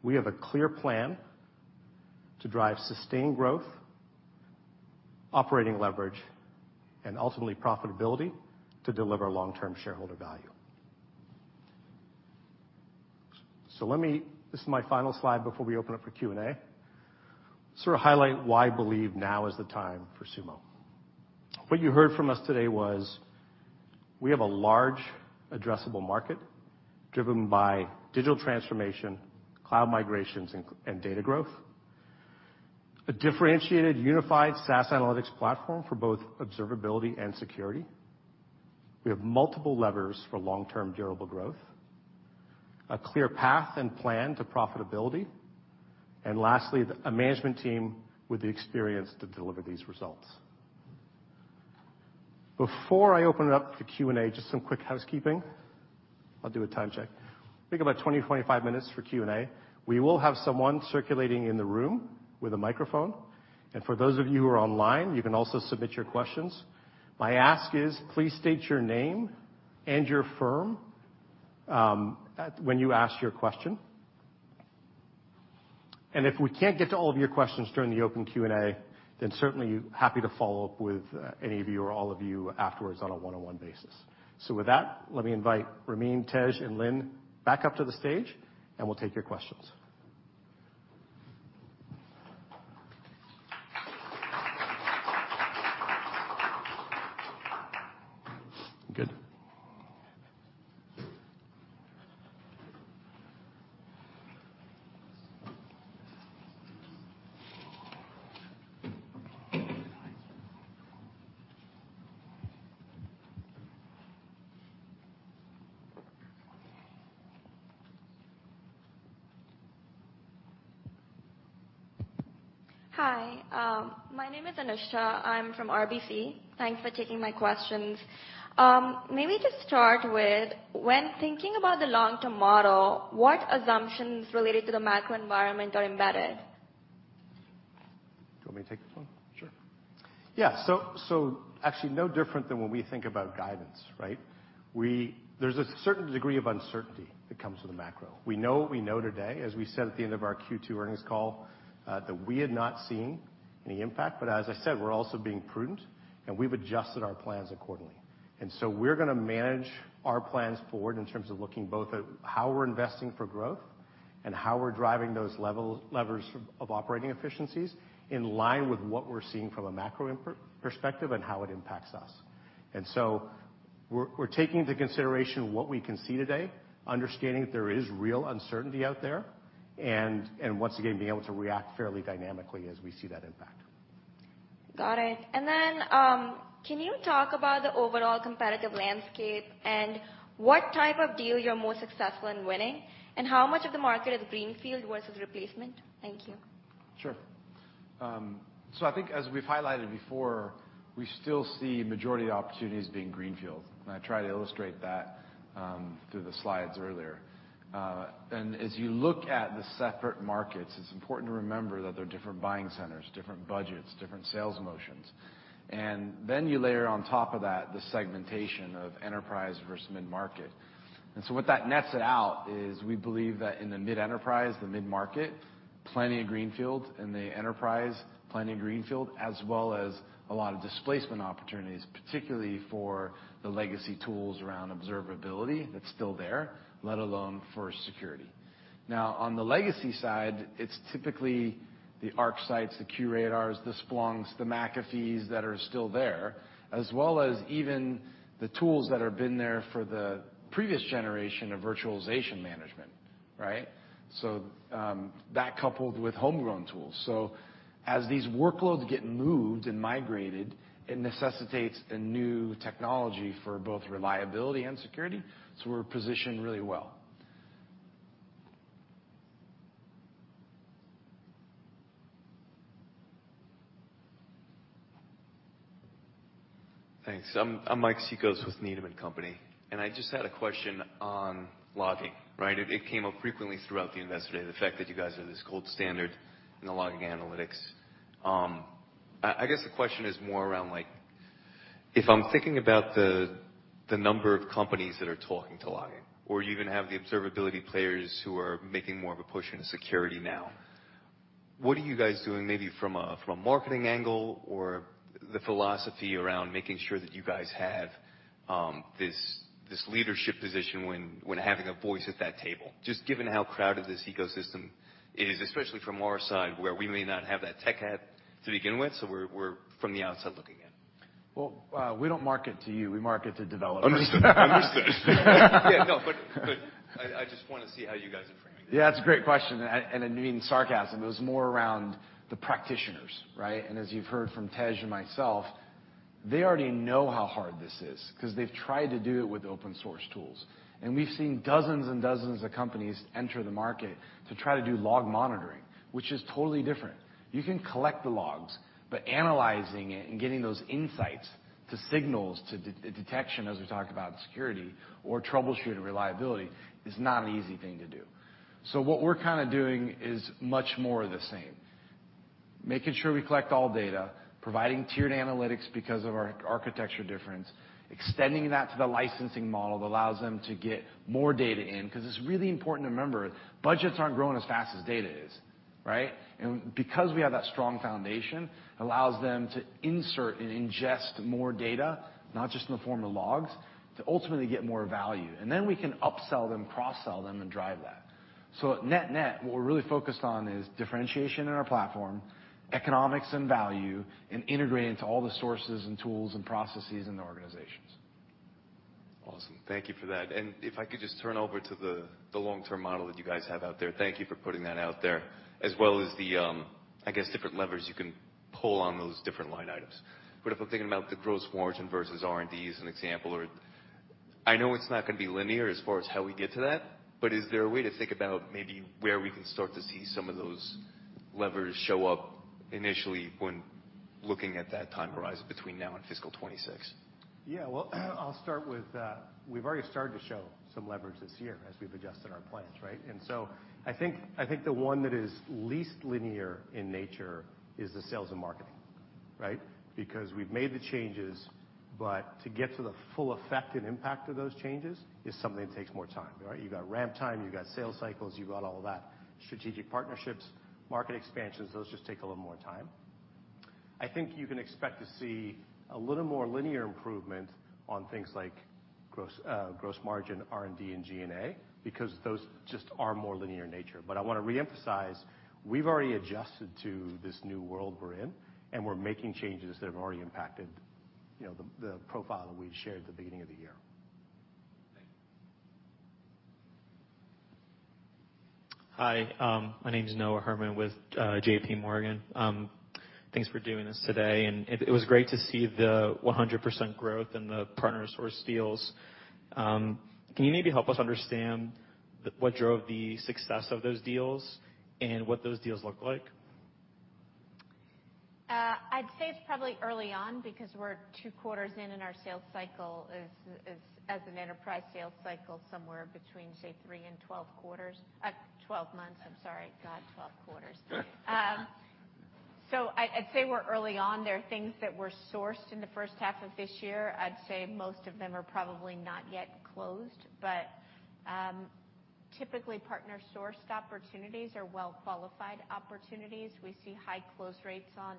we have a clear plan to drive sustained growth, operating leverage, and ultimately profitability to deliver long-term shareholder value. This is my final slide before we open up for Q&A. Sort of highlight why I believe now is the time for Sumo. What you heard from us today was, we have a large addressable market driven by digital transformation, cloud migrations, and data growth. A differentiated, unified SaaS analytics platform for both observability and security. We have multiple levers for long-term durable growth. A clear path and plan to profitability. Lastly, a management team with the experience to deliver these results. Before I open it up to Q&A, just some quick housekeeping. I'll do a time check. Think about 20-25 minutes for Q&A. We will have someone circulating in the room with a microphone, and for those of you who are online, you can also submit your questions. My ask is, please state your name and your firm when you ask your question. If we can't get to all of your questions during the open Q&A, then certainly happy to follow up with any of you or all of you afterwards on a one-on-one basis. With that, let me invite Ramin, Tej, and Lynne back up to the stage and we'll take your questions. Good. Hi, my name is Anusha. I'm from RBC. Thanks for taking my questions. Maybe just start with, when thinking about the long-term model, what assumptions related to the macro environment are embedded? Do you want me to take this one? Sure. Yeah. Actually no different than when we think about guidance, right? There's a certain degree of uncertainty that comes with the macro. We know what we know today, as we said at the end of our Q2 earnings call, that we had not seen any impact. As I said, we're also being prudent, and we've adjusted our plans accordingly. We're gonna manage our plans forward in terms of looking both at how we're investing for growth and how we're driving those levers of operating efficiencies in line with what we're seeing from a macro perspective and how it impacts us. We're taking into consideration what we can see today, understanding that there is real uncertainty out there, and once again, being able to react fairly dynamically as we see that impact. Got it. Can you talk about the overall competitive landscape and what type of deal you're most successful in winning, and how much of the market is greenfield versus replacement? Thank you. Sure. I think as we've highlighted before, we still see majority of opportunities being greenfield, and I tried to illustrate that through the slides earlier. As you look at the separate markets, it's important to remember that they're different buying centers, different budgets, different sales motions. You layer on top of that the segmentation of enterprise versus mid-market. What that nets it out is we believe that in the mid-enterprise, the mid-market, plenty of greenfield, in the enterprise, plenty of greenfield, as well as a lot of displacement opportunities, particularly for the legacy tools around observability that's still there, let alone for security. Now, on the legacy side, it's typically the ArcSights, the QRadars, the Splunks, the McAfees that are still there, as well as even the tools that have been there for the previous generation of virtualization management, right? That coupled with homegrown tools. As these workloads get moved and migrated, it necessitates a new technology for both reliability and security. We're positioned really well. Thanks. I'm Mike Cikos with Needham & Company. I just had a question on logging, right? It came up frequently throughout the investor day, the fact that you guys are this gold standard in the logging analytics. I guess the question is more around, like, if I'm thinking about the number of companies that are talking to logging or even have the observability players who are making more of a push into security now, what are you guys doing maybe from a marketing angle or the philosophy around making sure that you guys have this leadership position when having a voice at that table, just given how crowded this ecosystem is, especially from our side, where we may not have that tech hat to begin with, so we're from the outside looking in? Well, we don't market to you, we market to developers. Understood. Yeah. No, but I just wanna see how you guys are framing this. Yeah, it's a great question. I didn't mean sarcasm. It was more around the practitioners, right? As you've heard from Tej and myself, they already know how hard this is 'cause they've tried to do it with open source tools. We've seen dozens and dozens of companies enter the market to try to do log monitoring, which is totally different. You can collect the logs, but analyzing it and getting those insights to signals, to detection, as we talk about security or troubleshooting reliability, is not an easy thing to do. What we're kinda doing is much more of the same. Making sure we collect all data, providing tiered analytics because of our architecture difference, extending that to the licensing model that allows them to get more data in, 'cause it's really important to remember, budgets aren't growing as fast as data is, right? Because we have that strong foundation, allows them to insert and ingest more data, not just in the form of logs, to ultimately get more value. Then we can upsell them, cross-sell them, and drive that. At net net, what we're really focused on is differentiation in our platform, economics and value, and integrating into all the sources and tools and processes in the organizations. Awesome. Thank you for that. If I could just turn over to the long-term model that you guys have out there. Thank you for putting that out there, as well as the, I guess, different levers you can pull on those different line items. If I'm thinking about the gross margin versus R&D as an example or I know it's not gonna be linear as far as how we get to that, but is there a way to think about maybe where we can start to see some of those levers show up initially when looking at that time horizon between now and fiscal 2026? Yeah. Well, I'll start with, we've already started to show some leverage this year as we've adjusted our plans, right? I think the one that is least linear in nature is the sales and marketing, right? Because we've made the changes, but to get to the full effect and impact of those changes is something that takes more time, right? You've got ramp time, you've got sales cycles, you've got all of that. Strategic partnerships, market expansions, those just take a little more time. I think you can expect to see a little more linear improvement on things like gross margin, R&D, and G&A because those just are more linear in nature. I wanna reemphasize, we've already adjusted to this new world we're in, and we're making changes that have already impacted, you know, the profile that we shared at the beginning of the year. Hi, my name's Noah Herman with JP Morgan. Thanks for doing this today. It was great to see the 100% growth in the partner-sourced deals. Can you maybe help us understand what drove the success of those deals and what those deals look like? I'd say it's probably early on because we're two quarters in, and our sales cycle is as an enterprise sales cycle, somewhere between, say, three and twelve quarters. Twelve months, I'm sorry. God, twelve quarters. I'd say we're early on. There are things that were sourced in the first half of this year. I'd say most of them are probably not yet closed, but typically, partner-sourced opportunities are well-qualified opportunities. We see high close rates on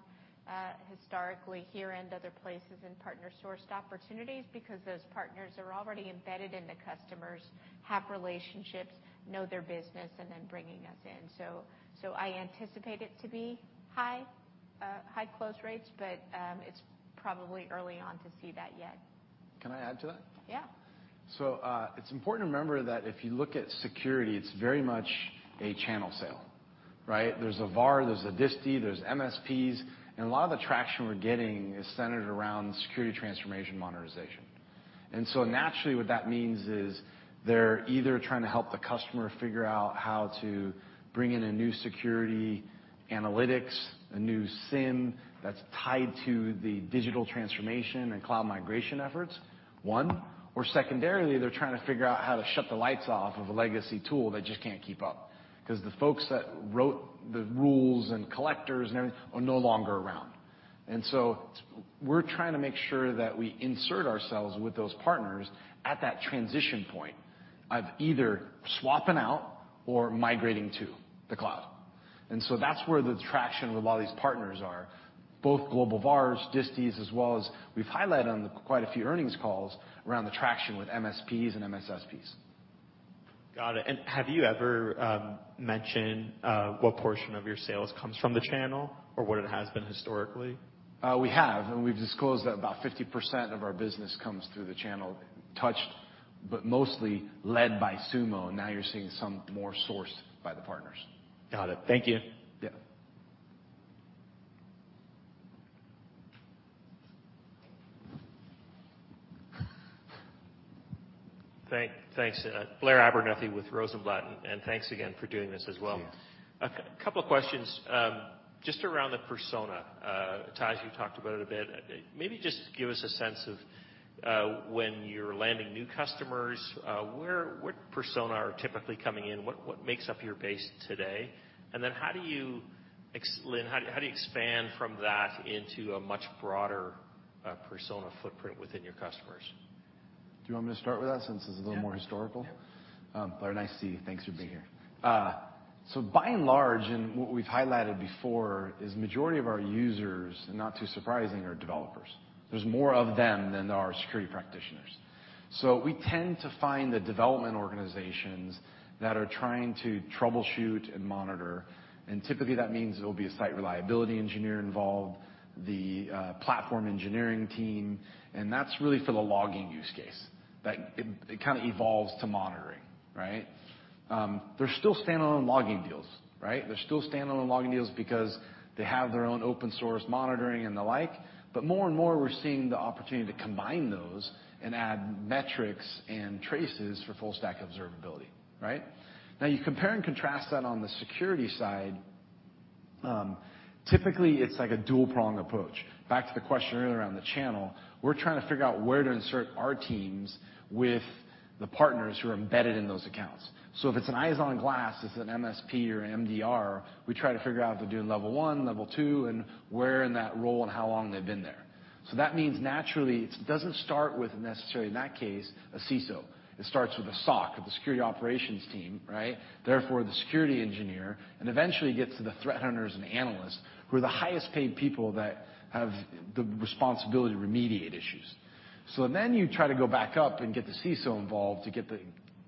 historically here and other places in partner-sourced opportunities because those partners are already embedded in the customers, have relationships, know their business, and then bringing us in. I anticipate it to be high close rates, but it's probably early on to see that yet. Can I add to that? Yeah. It's important to remember that if you look at security, it's very much a channel sale, right? There's a VAR, there's a distie, there's MSPs, and a lot of the traction we're getting is centered around security transformation monetization. Naturally, what that means is they're either trying to help the customer figure out how to bring in a new security analytics, a new SIEM that's tied to the digital transformation and cloud migration efforts, one, or secondarily, they're trying to figure out how to shut the lights off of a legacy tool that just can't keep up. Because the folks that wrote the rules and collectors and everything are no longer around. We're trying to make sure that we insert ourselves with those partners at that transition point of either swapping out or migrating to the cloud. That's where the traction with a lot of these partners are, both global VARs, disties, as well as we've highlighted on quite a few earnings calls around the traction with MSPs and MSSPs. Got it. Have you ever mentioned what portion of your sales comes from the channel or what it has been historically? We've disclosed that about 50% of our business comes through the channel touch, but mostly led by Sumo. Now you're seeing some more sourced by the partners. Got it. Thank you. Yeah. Thanks. Blair Abernethy with Rosenblatt, and thanks again for doing this as well. Yeah. A couple of questions, just around the persona. Tej, you talked about it a bit. Maybe just give us a sense of, when you're landing new customers, what persona are typically coming in, what makes up your base today? Then Lynne, how do you expand from that into a much broader, persona footprint within your customers? Do you want me to start with that since it's a little more historical? Blair, nice to see you. Thanks for being here. By and large, and what we've highlighted before is majority of our users, and not too surprising, are developers. There's more of them than there are security practitioners. We tend to find the development organizations that are trying to troubleshoot and monitor, and typically that means it'll be a site reliability engineer involved, the platform engineering team, and that's really for the logging use case, that it kind of evolves to monitoring, right? There's still standalone logging deals because they have their own open source monitoring and the like, but more and more we're seeing the opportunity to combine those and add metrics and traces for full stack observability, right? Now you compare and contrast that on the security side. Typically, it's like a dual prong approach. Back to the question earlier around the channel, we're trying to figure out where to insert our teams with the partners who are embedded in those accounts. If it's an eyes on glass, it's an MSP or an MDR, we try to figure out if they're doing level one, level two, and where in that role and how long they've been there. That means naturally, it doesn't start with necessarily, in that case, a CISO. It starts with a SOC or the security operations team, right? Therefore, the security engineer, and eventually gets to the threat hunters and analysts who are the highest paid people that have the responsibility to remediate issues. You try to go back up and get the CISO involved to get the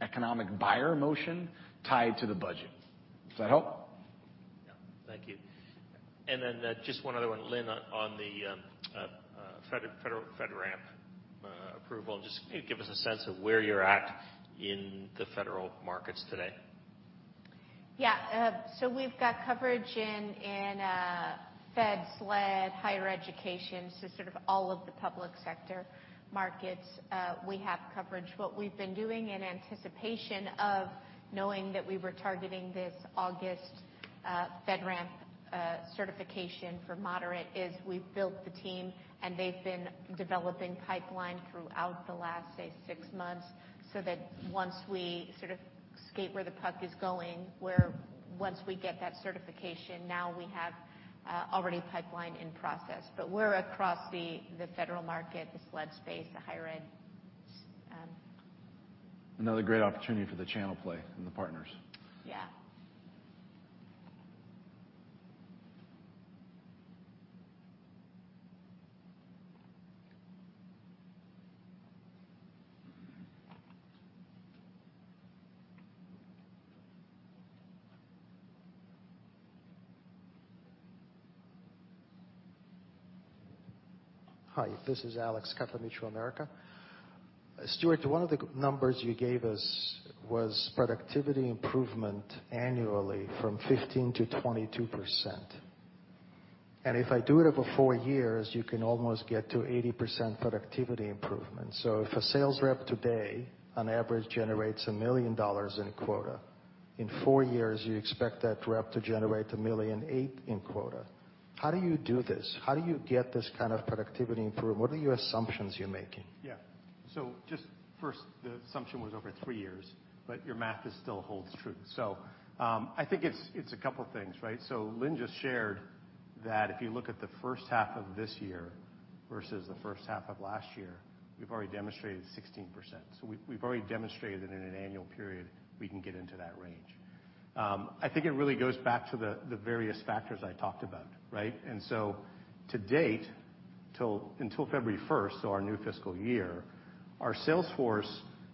economic buyer motion tied to the budget. Does that help? Yeah. Thank you. Then, just one other one, Lynne, on the federal FedRAMP approval. Just, can you give us a sense of where you're at in the federal markets today? Yeah. We've got coverage in FedSLED, higher education. Sort of all of the public sector markets, we have coverage. What we've been doing in anticipation of knowing that we were targeting this August FedRAMP certification for moderate is we've built the team, and they've been developing pipeline throughout the last, say, six months so that once we sort of skate to where the puck is going, once we get that certification, now we have a ready pipeline in process. We're across the federal market, the SLED space, the higher ed. Another great opportunity for the channel play and the partners. Yeah. Hi, this is Alex Ka, Mutual of America. Stewart, one of the numbers you gave us was productivity improvement annually from 15% to 22%. If I do it over four years, you can almost get to 80% productivity improvement. If a sales rep today on average generates $1 million in quota. In four years, you expect that rep to generate $1.8 million in quota. How do you do this? How do you get this kind of productivity improvement? What are your assumptions you're making? Just first, the assumption was over three years, but your math still holds true. I think it's a couple things, right? Lynne just shared that if you look at the first half of this year versus the first half of last year, we've already demonstrated 16%. We've already demonstrated that in an annual period we can get into that range. I think it really goes back to the various factors I talked about, right? To date, until February first, so our new fiscal year, our sales force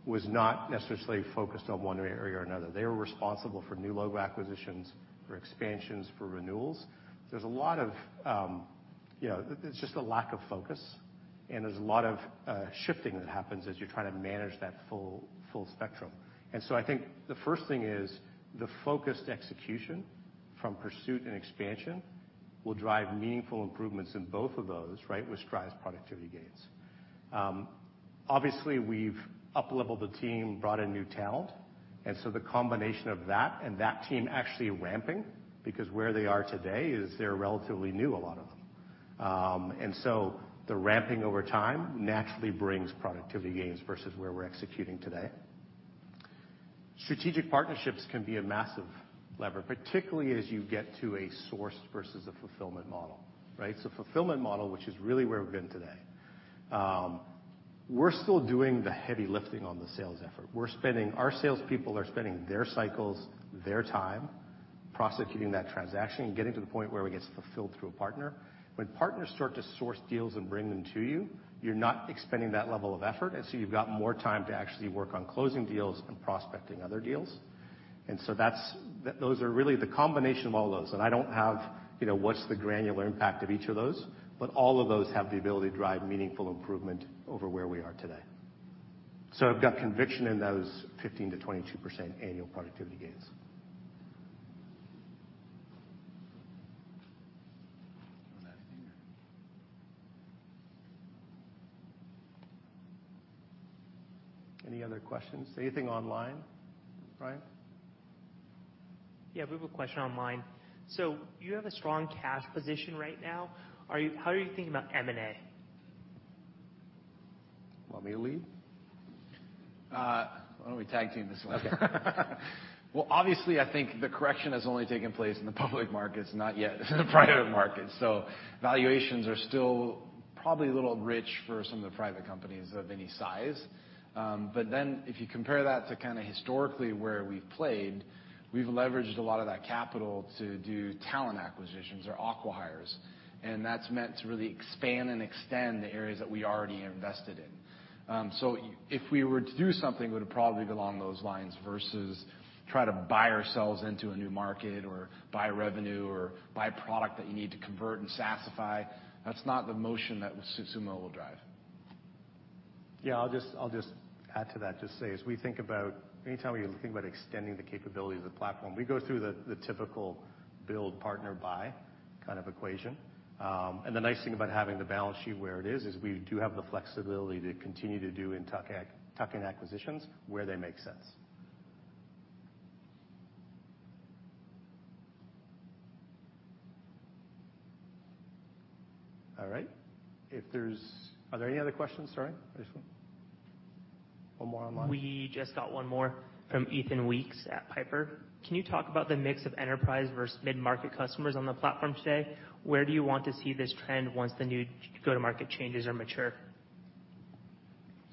was not necessarily focused on one area or another. They were responsible for new logo acquisitions, for expansions, for renewals. There's a lot of, you know, it's just a lack of focus, and there's a lot of shifting that happens as you're trying to manage that full spectrum. I think the first thing is the focused execution from pursuit and expansion will drive meaningful improvements in both of those, right, which drives productivity gains. Obviously, we've up-leveled the team, brought in new talent, the combination of that and that team actually ramping, because where they are today is they're relatively new, a lot of them. The ramping over time naturally brings productivity gains versus where we're executing today. Strategic partnerships can be a massive lever, particularly as you get to a source versus a fulfillment model, right? Fulfillment model, which is really where we've been today, we're still doing the heavy lifting on the sales effort. We're spending our salespeople are spending their cycles, their time prosecuting that transaction and getting to the point where it gets fulfilled through a partner. When partners start to source deals and bring them to you're not expending that level of effort, and so you've got more time to actually work on closing deals and prospecting other deals. Those are really the combination of all those. I don't have, you know, what's the granular impact of each of those, but all of those have the ability to drive meaningful improvement over where we are today. I've got conviction in those 15%-22% annual productivity gains. Any other questions? Anything online, Bryan? Yeah, we have a question online. You have a strong cash position right now. How are you thinking about M&A? Want me to lead? Why don't we tag team this one? Okay. Well, obviously, I think the correction has only taken place in the public markets, not yet in the private markets. Valuations are still probably a little rich for some of the private companies of any size. If you compare that to kinda historically where we've played, we've leveraged a lot of that capital to do talent acquisitions or acquihires, and that's meant to really expand and extend the areas that we already invested in. If we were to do something, it would probably be along those lines versus try to buy ourselves into a new market or buy revenue or buy product that you need to convert and SaaSify. That's not the motion that Sumo will drive. Yeah, I'll just add to that. As we think about extending the capabilities of the platform, we go through the typical build, partner, buy kind of equation. The nice thing about having the balance sheet where it is we do have the flexibility to continue to do tuck-in acquisitions where they make sense. All right. If there are any other questions? Sorry. One more online. We just got one more from Ethan Weeks at Piper. Can you talk about the mix of enterprise versus mid-market customers on the platform today? Where do you want to see this trend once the new go-to-market changes are mature?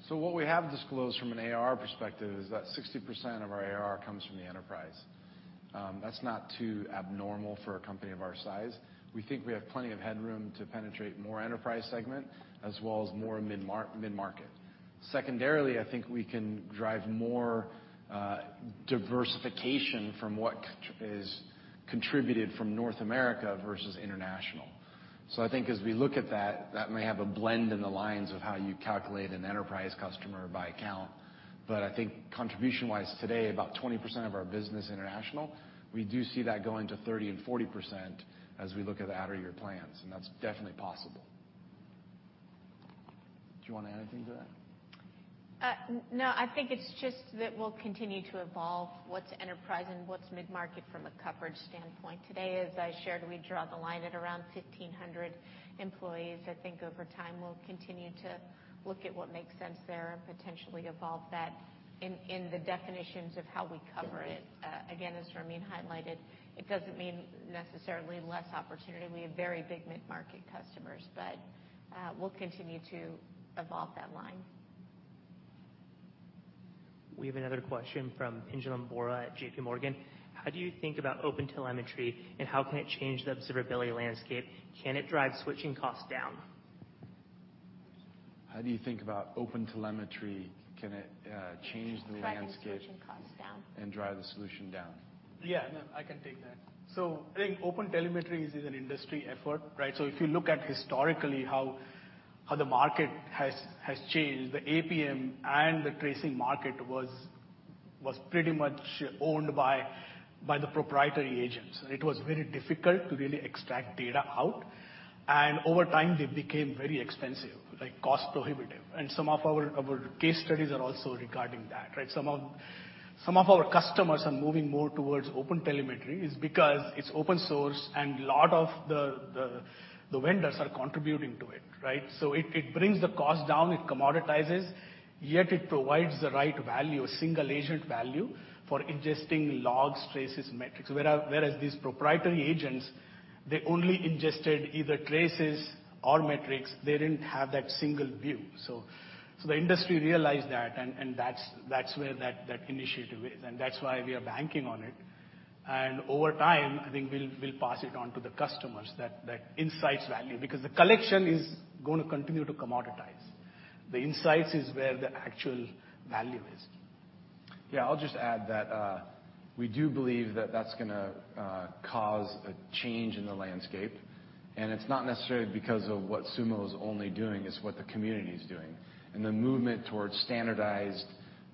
What we have disclosed from an ARR perspective is that 60% of our ARR comes from the enterprise. That's not too abnormal for a company of our size. We think we have plenty of headroom to penetrate more enterprise segment as well as more midmarket. Secondarily, I think we can drive more diversification from what is contributed from North America versus international. I think as we look at that may have a blend in the lines of how you calculate an enterprise customer by account. I think contribution-wise today, about 20% of our business international. We do see that going to 30% and 40% as we look at the outer year plans, and that's definitely possible. Do you wanna add anything to that? No. I think it's just that we'll continue to evolve what's enterprise and what's mid-market from a coverage standpoint. Today, as I shared, we draw the line at around 1,500 employees. I think over time, we'll continue to look at what makes sense there and potentially evolve that in the definitions of how we cover it. Again, as Ramin highlighted, it doesn't mean necessarily less opportunity. We have very big mid-market customers, but we'll continue to evolve that line. We have another question from Pinjalim Bora at JP Morgan. How do you think about OpenTelemetry, and how can it change the observability landscape? Can it drive switching costs down? How do you think about OpenTelemetry? Can it change the landscape? Drive the switching costs down. Drive the solution down? Yeah, no, I can take that. I think OpenTelemetry is an industry effort, right? If you look at historically how the market has changed, the APM and the tracing market was pretty much owned by the proprietary agents. It was very difficult to really extract data out. Over time, they became very expensive, like cost prohibitive. Some of our case studies are also regarding that, right? Some of our customers are moving more towards OpenTelemetry is because it's open source and a lot of the vendors are contributing to it, right? It brings the cost down, it commoditizes, yet it provides the right value, a single agent value for ingesting logs, traces, metrics. Whereas these proprietary agents, they only ingested either traces or metrics. They didn't have that single view. The industry realized that, and that's where that initiative is, and that's why we are banking on it. Over time, I think we'll pass it on to the customers, that insights value, because the collection is gonna continue to commoditize. The insights is where the actual value is. Yeah, I'll just add that, we do believe that that's gonna cause a change in the landscape. It's not necessarily because of what Sumo is only doing, it's what the community is doing, and the movement towards standardized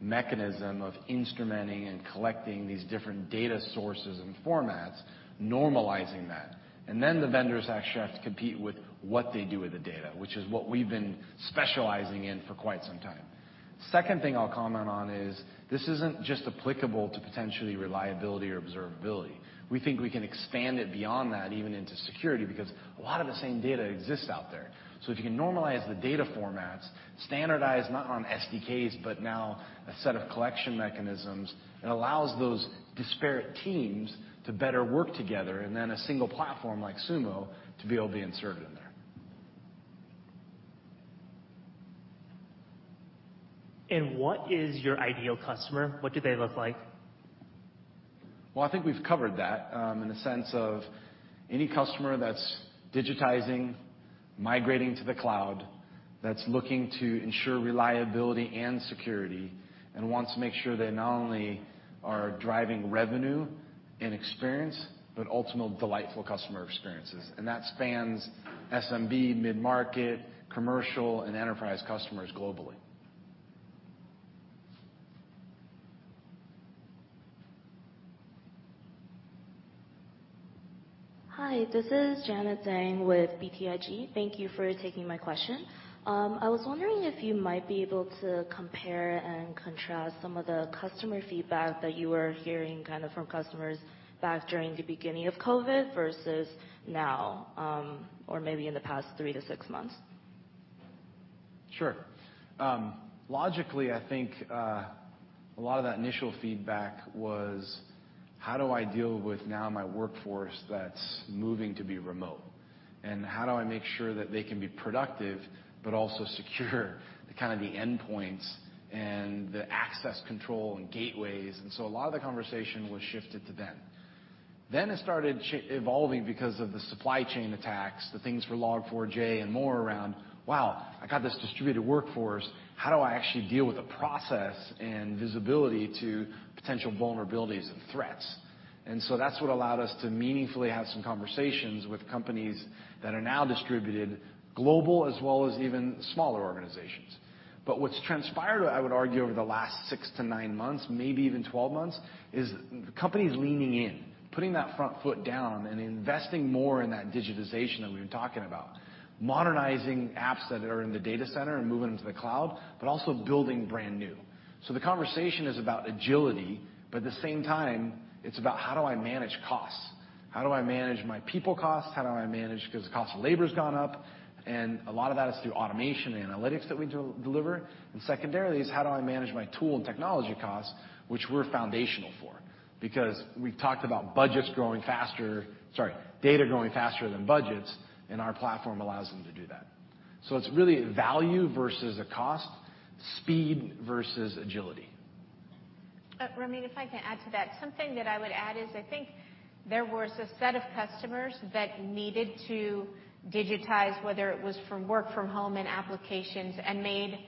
mechanism of instrumenting and collecting these different data sources and formats, normalizing that. Then the vendors actually have to compete with what they do with the data, which is what we've been specializing in for quite some time. Second thing I'll comment on is this isn't just applicable to potentially reliability or observability. We think we can expand it beyond that even into security, because a lot of the same data exists out there. If you can normalize the data formats, standardize not on SDKs, but now a set of collection mechanisms, it allows those disparate teams to better work together, and then a single platform like Sumo to be able to be inserted in there. What is your ideal customer? What do they look like? Well, I think we've covered that, in the sense of any customer that's digitizing, migrating to the cloud, that's looking to ensure reliability and security and wants to make sure they not only are driving revenue and experience, but ultimate delightful customer experiences. That spans SMB, mid-market, commercial, and enterprise customers globally. Hi, this is Janet Zhang with BTIG. Thank you for taking my question. I was wondering if you might be able to compare and contrast some of the customer feedback that you were hearing kind of from customers back during the beginning of COVID versus now, or maybe in the past three to six months. Sure. Logically, I think, a lot of that initial feedback was, how do I deal with now my workforce that's moving to be remote? How do I make sure that they can be productive, but also secure the kind of the endpoints and the access control and gateways? A lot of the conversation was shifted to then. It started evolving because of the supply chain attacks, the things for Log4j and more around, "Wow, I got this distributed workforce. How do I actually deal with the process and visibility to potential vulnerabilities and threats?" That's what allowed us to meaningfully have some conversations with companies that are now distributed global as well as even smaller organizations. What's transpired, I would argue, over the last six to nine months, maybe even 12 months, is companies leaning in, putting that front foot down and investing more in that digitization that we've been talking about. Modernizing apps that are in the data center and moving them to the cloud, but also building brand new. The conversation is about agility, but at the same time, it's about how do I manage costs? How do I manage my people costs? How do I manage 'cause the cost of labor's gone up. A lot of that is through automation and analytics that we deliver. Secondarily is how do I manage my tool and technology costs, which we're foundational for. Because we've talked about data growing faster than budgets, and our platform allows them to do that. It's really value versus a cost, speed versus agility. Ramin, if I can add to that. Something that I would add is I think there was a set of customers that needed to digitize whether it was from work from home and applications, and made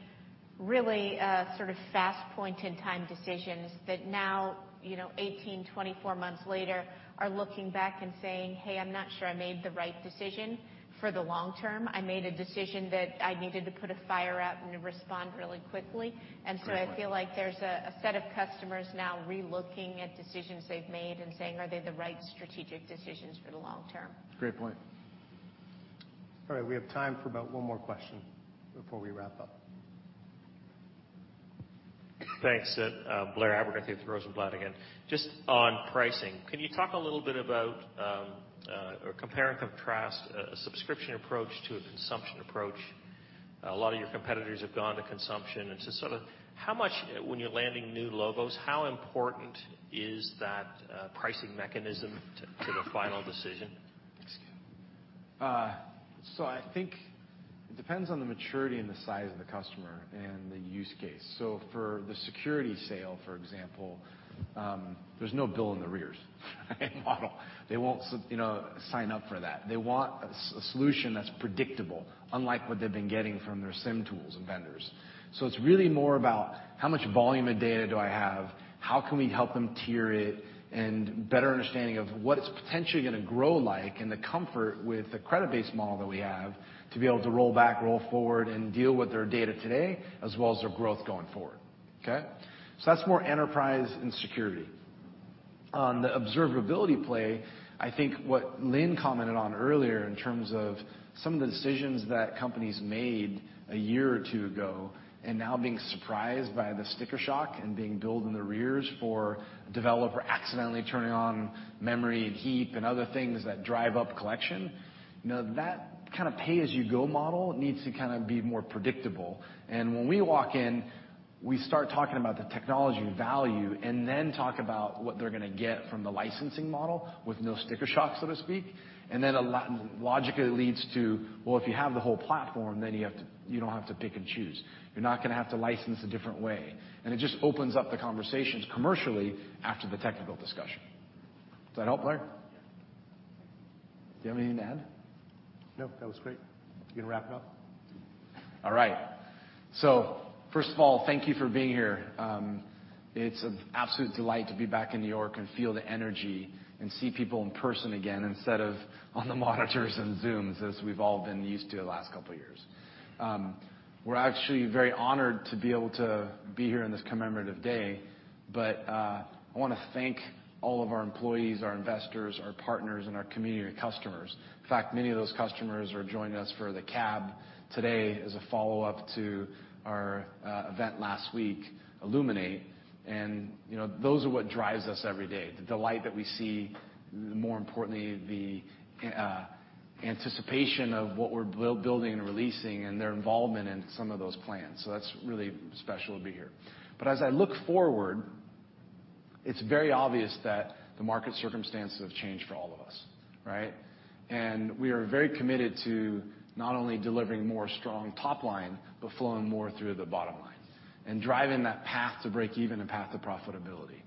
really, sort of fast point in time decisions that now, you know, 18, 24 months later, are looking back and saying, "Hey, I'm not sure I made the right decision for the long term. I made a decision that I needed to put a fire out and to respond really quickly. I feel like there's a set of customers now relooking at decisions they've made and saying, "Are they the right strategic decisions for the long term? That's a great point. All right, we have time for about one more question before we wrap up. Thanks. Blair Abernethy with Rosenblatt again. Just on pricing, can you talk a little bit about or compare and contrast a subscription approach to a consumption approach? A lot of your competitors have gone to consumption. Just sort of how much, when you're landing new logos, how important is that pricing mechanism to the final decision? Thanks. I think it depends on the maturity and the size of the customer and the use case. For the security sale, for example, there's no bill in arrears model. They won't, you know, sign up for that. They want a solution that's predictable, unlike what they've been getting from their SIEM tools and vendors. It's really more about how much volume of data do I have? How can we help them tier it? And better understanding of what it's potentially gonna grow like, and the comfort with the credit-based model that we have to be able to roll back, roll forward, and deal with their data today as well as their growth going forward, okay? That's more enterprise and security. On the observability play, I think what Lynne commented on earlier in terms of some of the decisions that companies made a year or two ago, and now being surprised by the sticker shock and being billed in the rears for a developer accidentally turning on memory and heap and other things that drive up collection. You know, that kind of pay-as-you-go model needs to kind of be more predictable. And when we walk in, we start talking about the technology value and then talk about what they're gonna get from the licensing model with no sticker shock, so to speak. And then a lot logically, it leads to, well, if you have the whole platform, then you don't have to pick and choose. You're not gonna have to license a different way. It just opens up the conversations commercially after the technical discussion. Does that help, Blair? Do you have anything to add? No. That was great. You gonna wrap it up? All right. First of all, thank you for being here. It's an absolute delight to be back in New York and feel the energy and see people in person again, instead of on the monitors and Zooms as we've all been used to the last couple of years. We're actually very honored to be able to be here on this commemorative day. I wanna thank all of our employees, our investors, our partners, and our community customers. In fact, many of those customers are joining us for the call today as a follow-up to our event last week, Illuminate. You know, those are what drives us every day, the delight that we see, more importantly, the anticipation of what we're building and releasing and their involvement in some of those plans. That's really special to be here. As I look forward, it's very obvious that the market circumstances have changed for all of us, right? We are very committed to not only delivering more strong top line, but flowing more through the bottom line and driving that path to break even a path to profitability.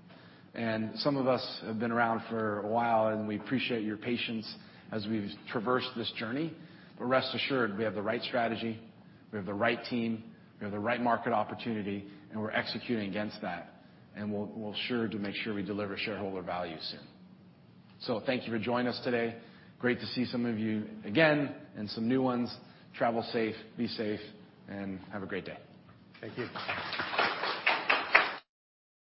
Some of us have been around for a while, and we appreciate your patience as we've traversed this journey. Rest assured we have the right strategy, we have the right team, we have the right market opportunity, and we're executing against that. We'll sure to make sure we deliver shareholder value soon. Thank you for joining us today. Great to see some of you again and some new ones. Travel safe, be safe, and have a great day. Thank you.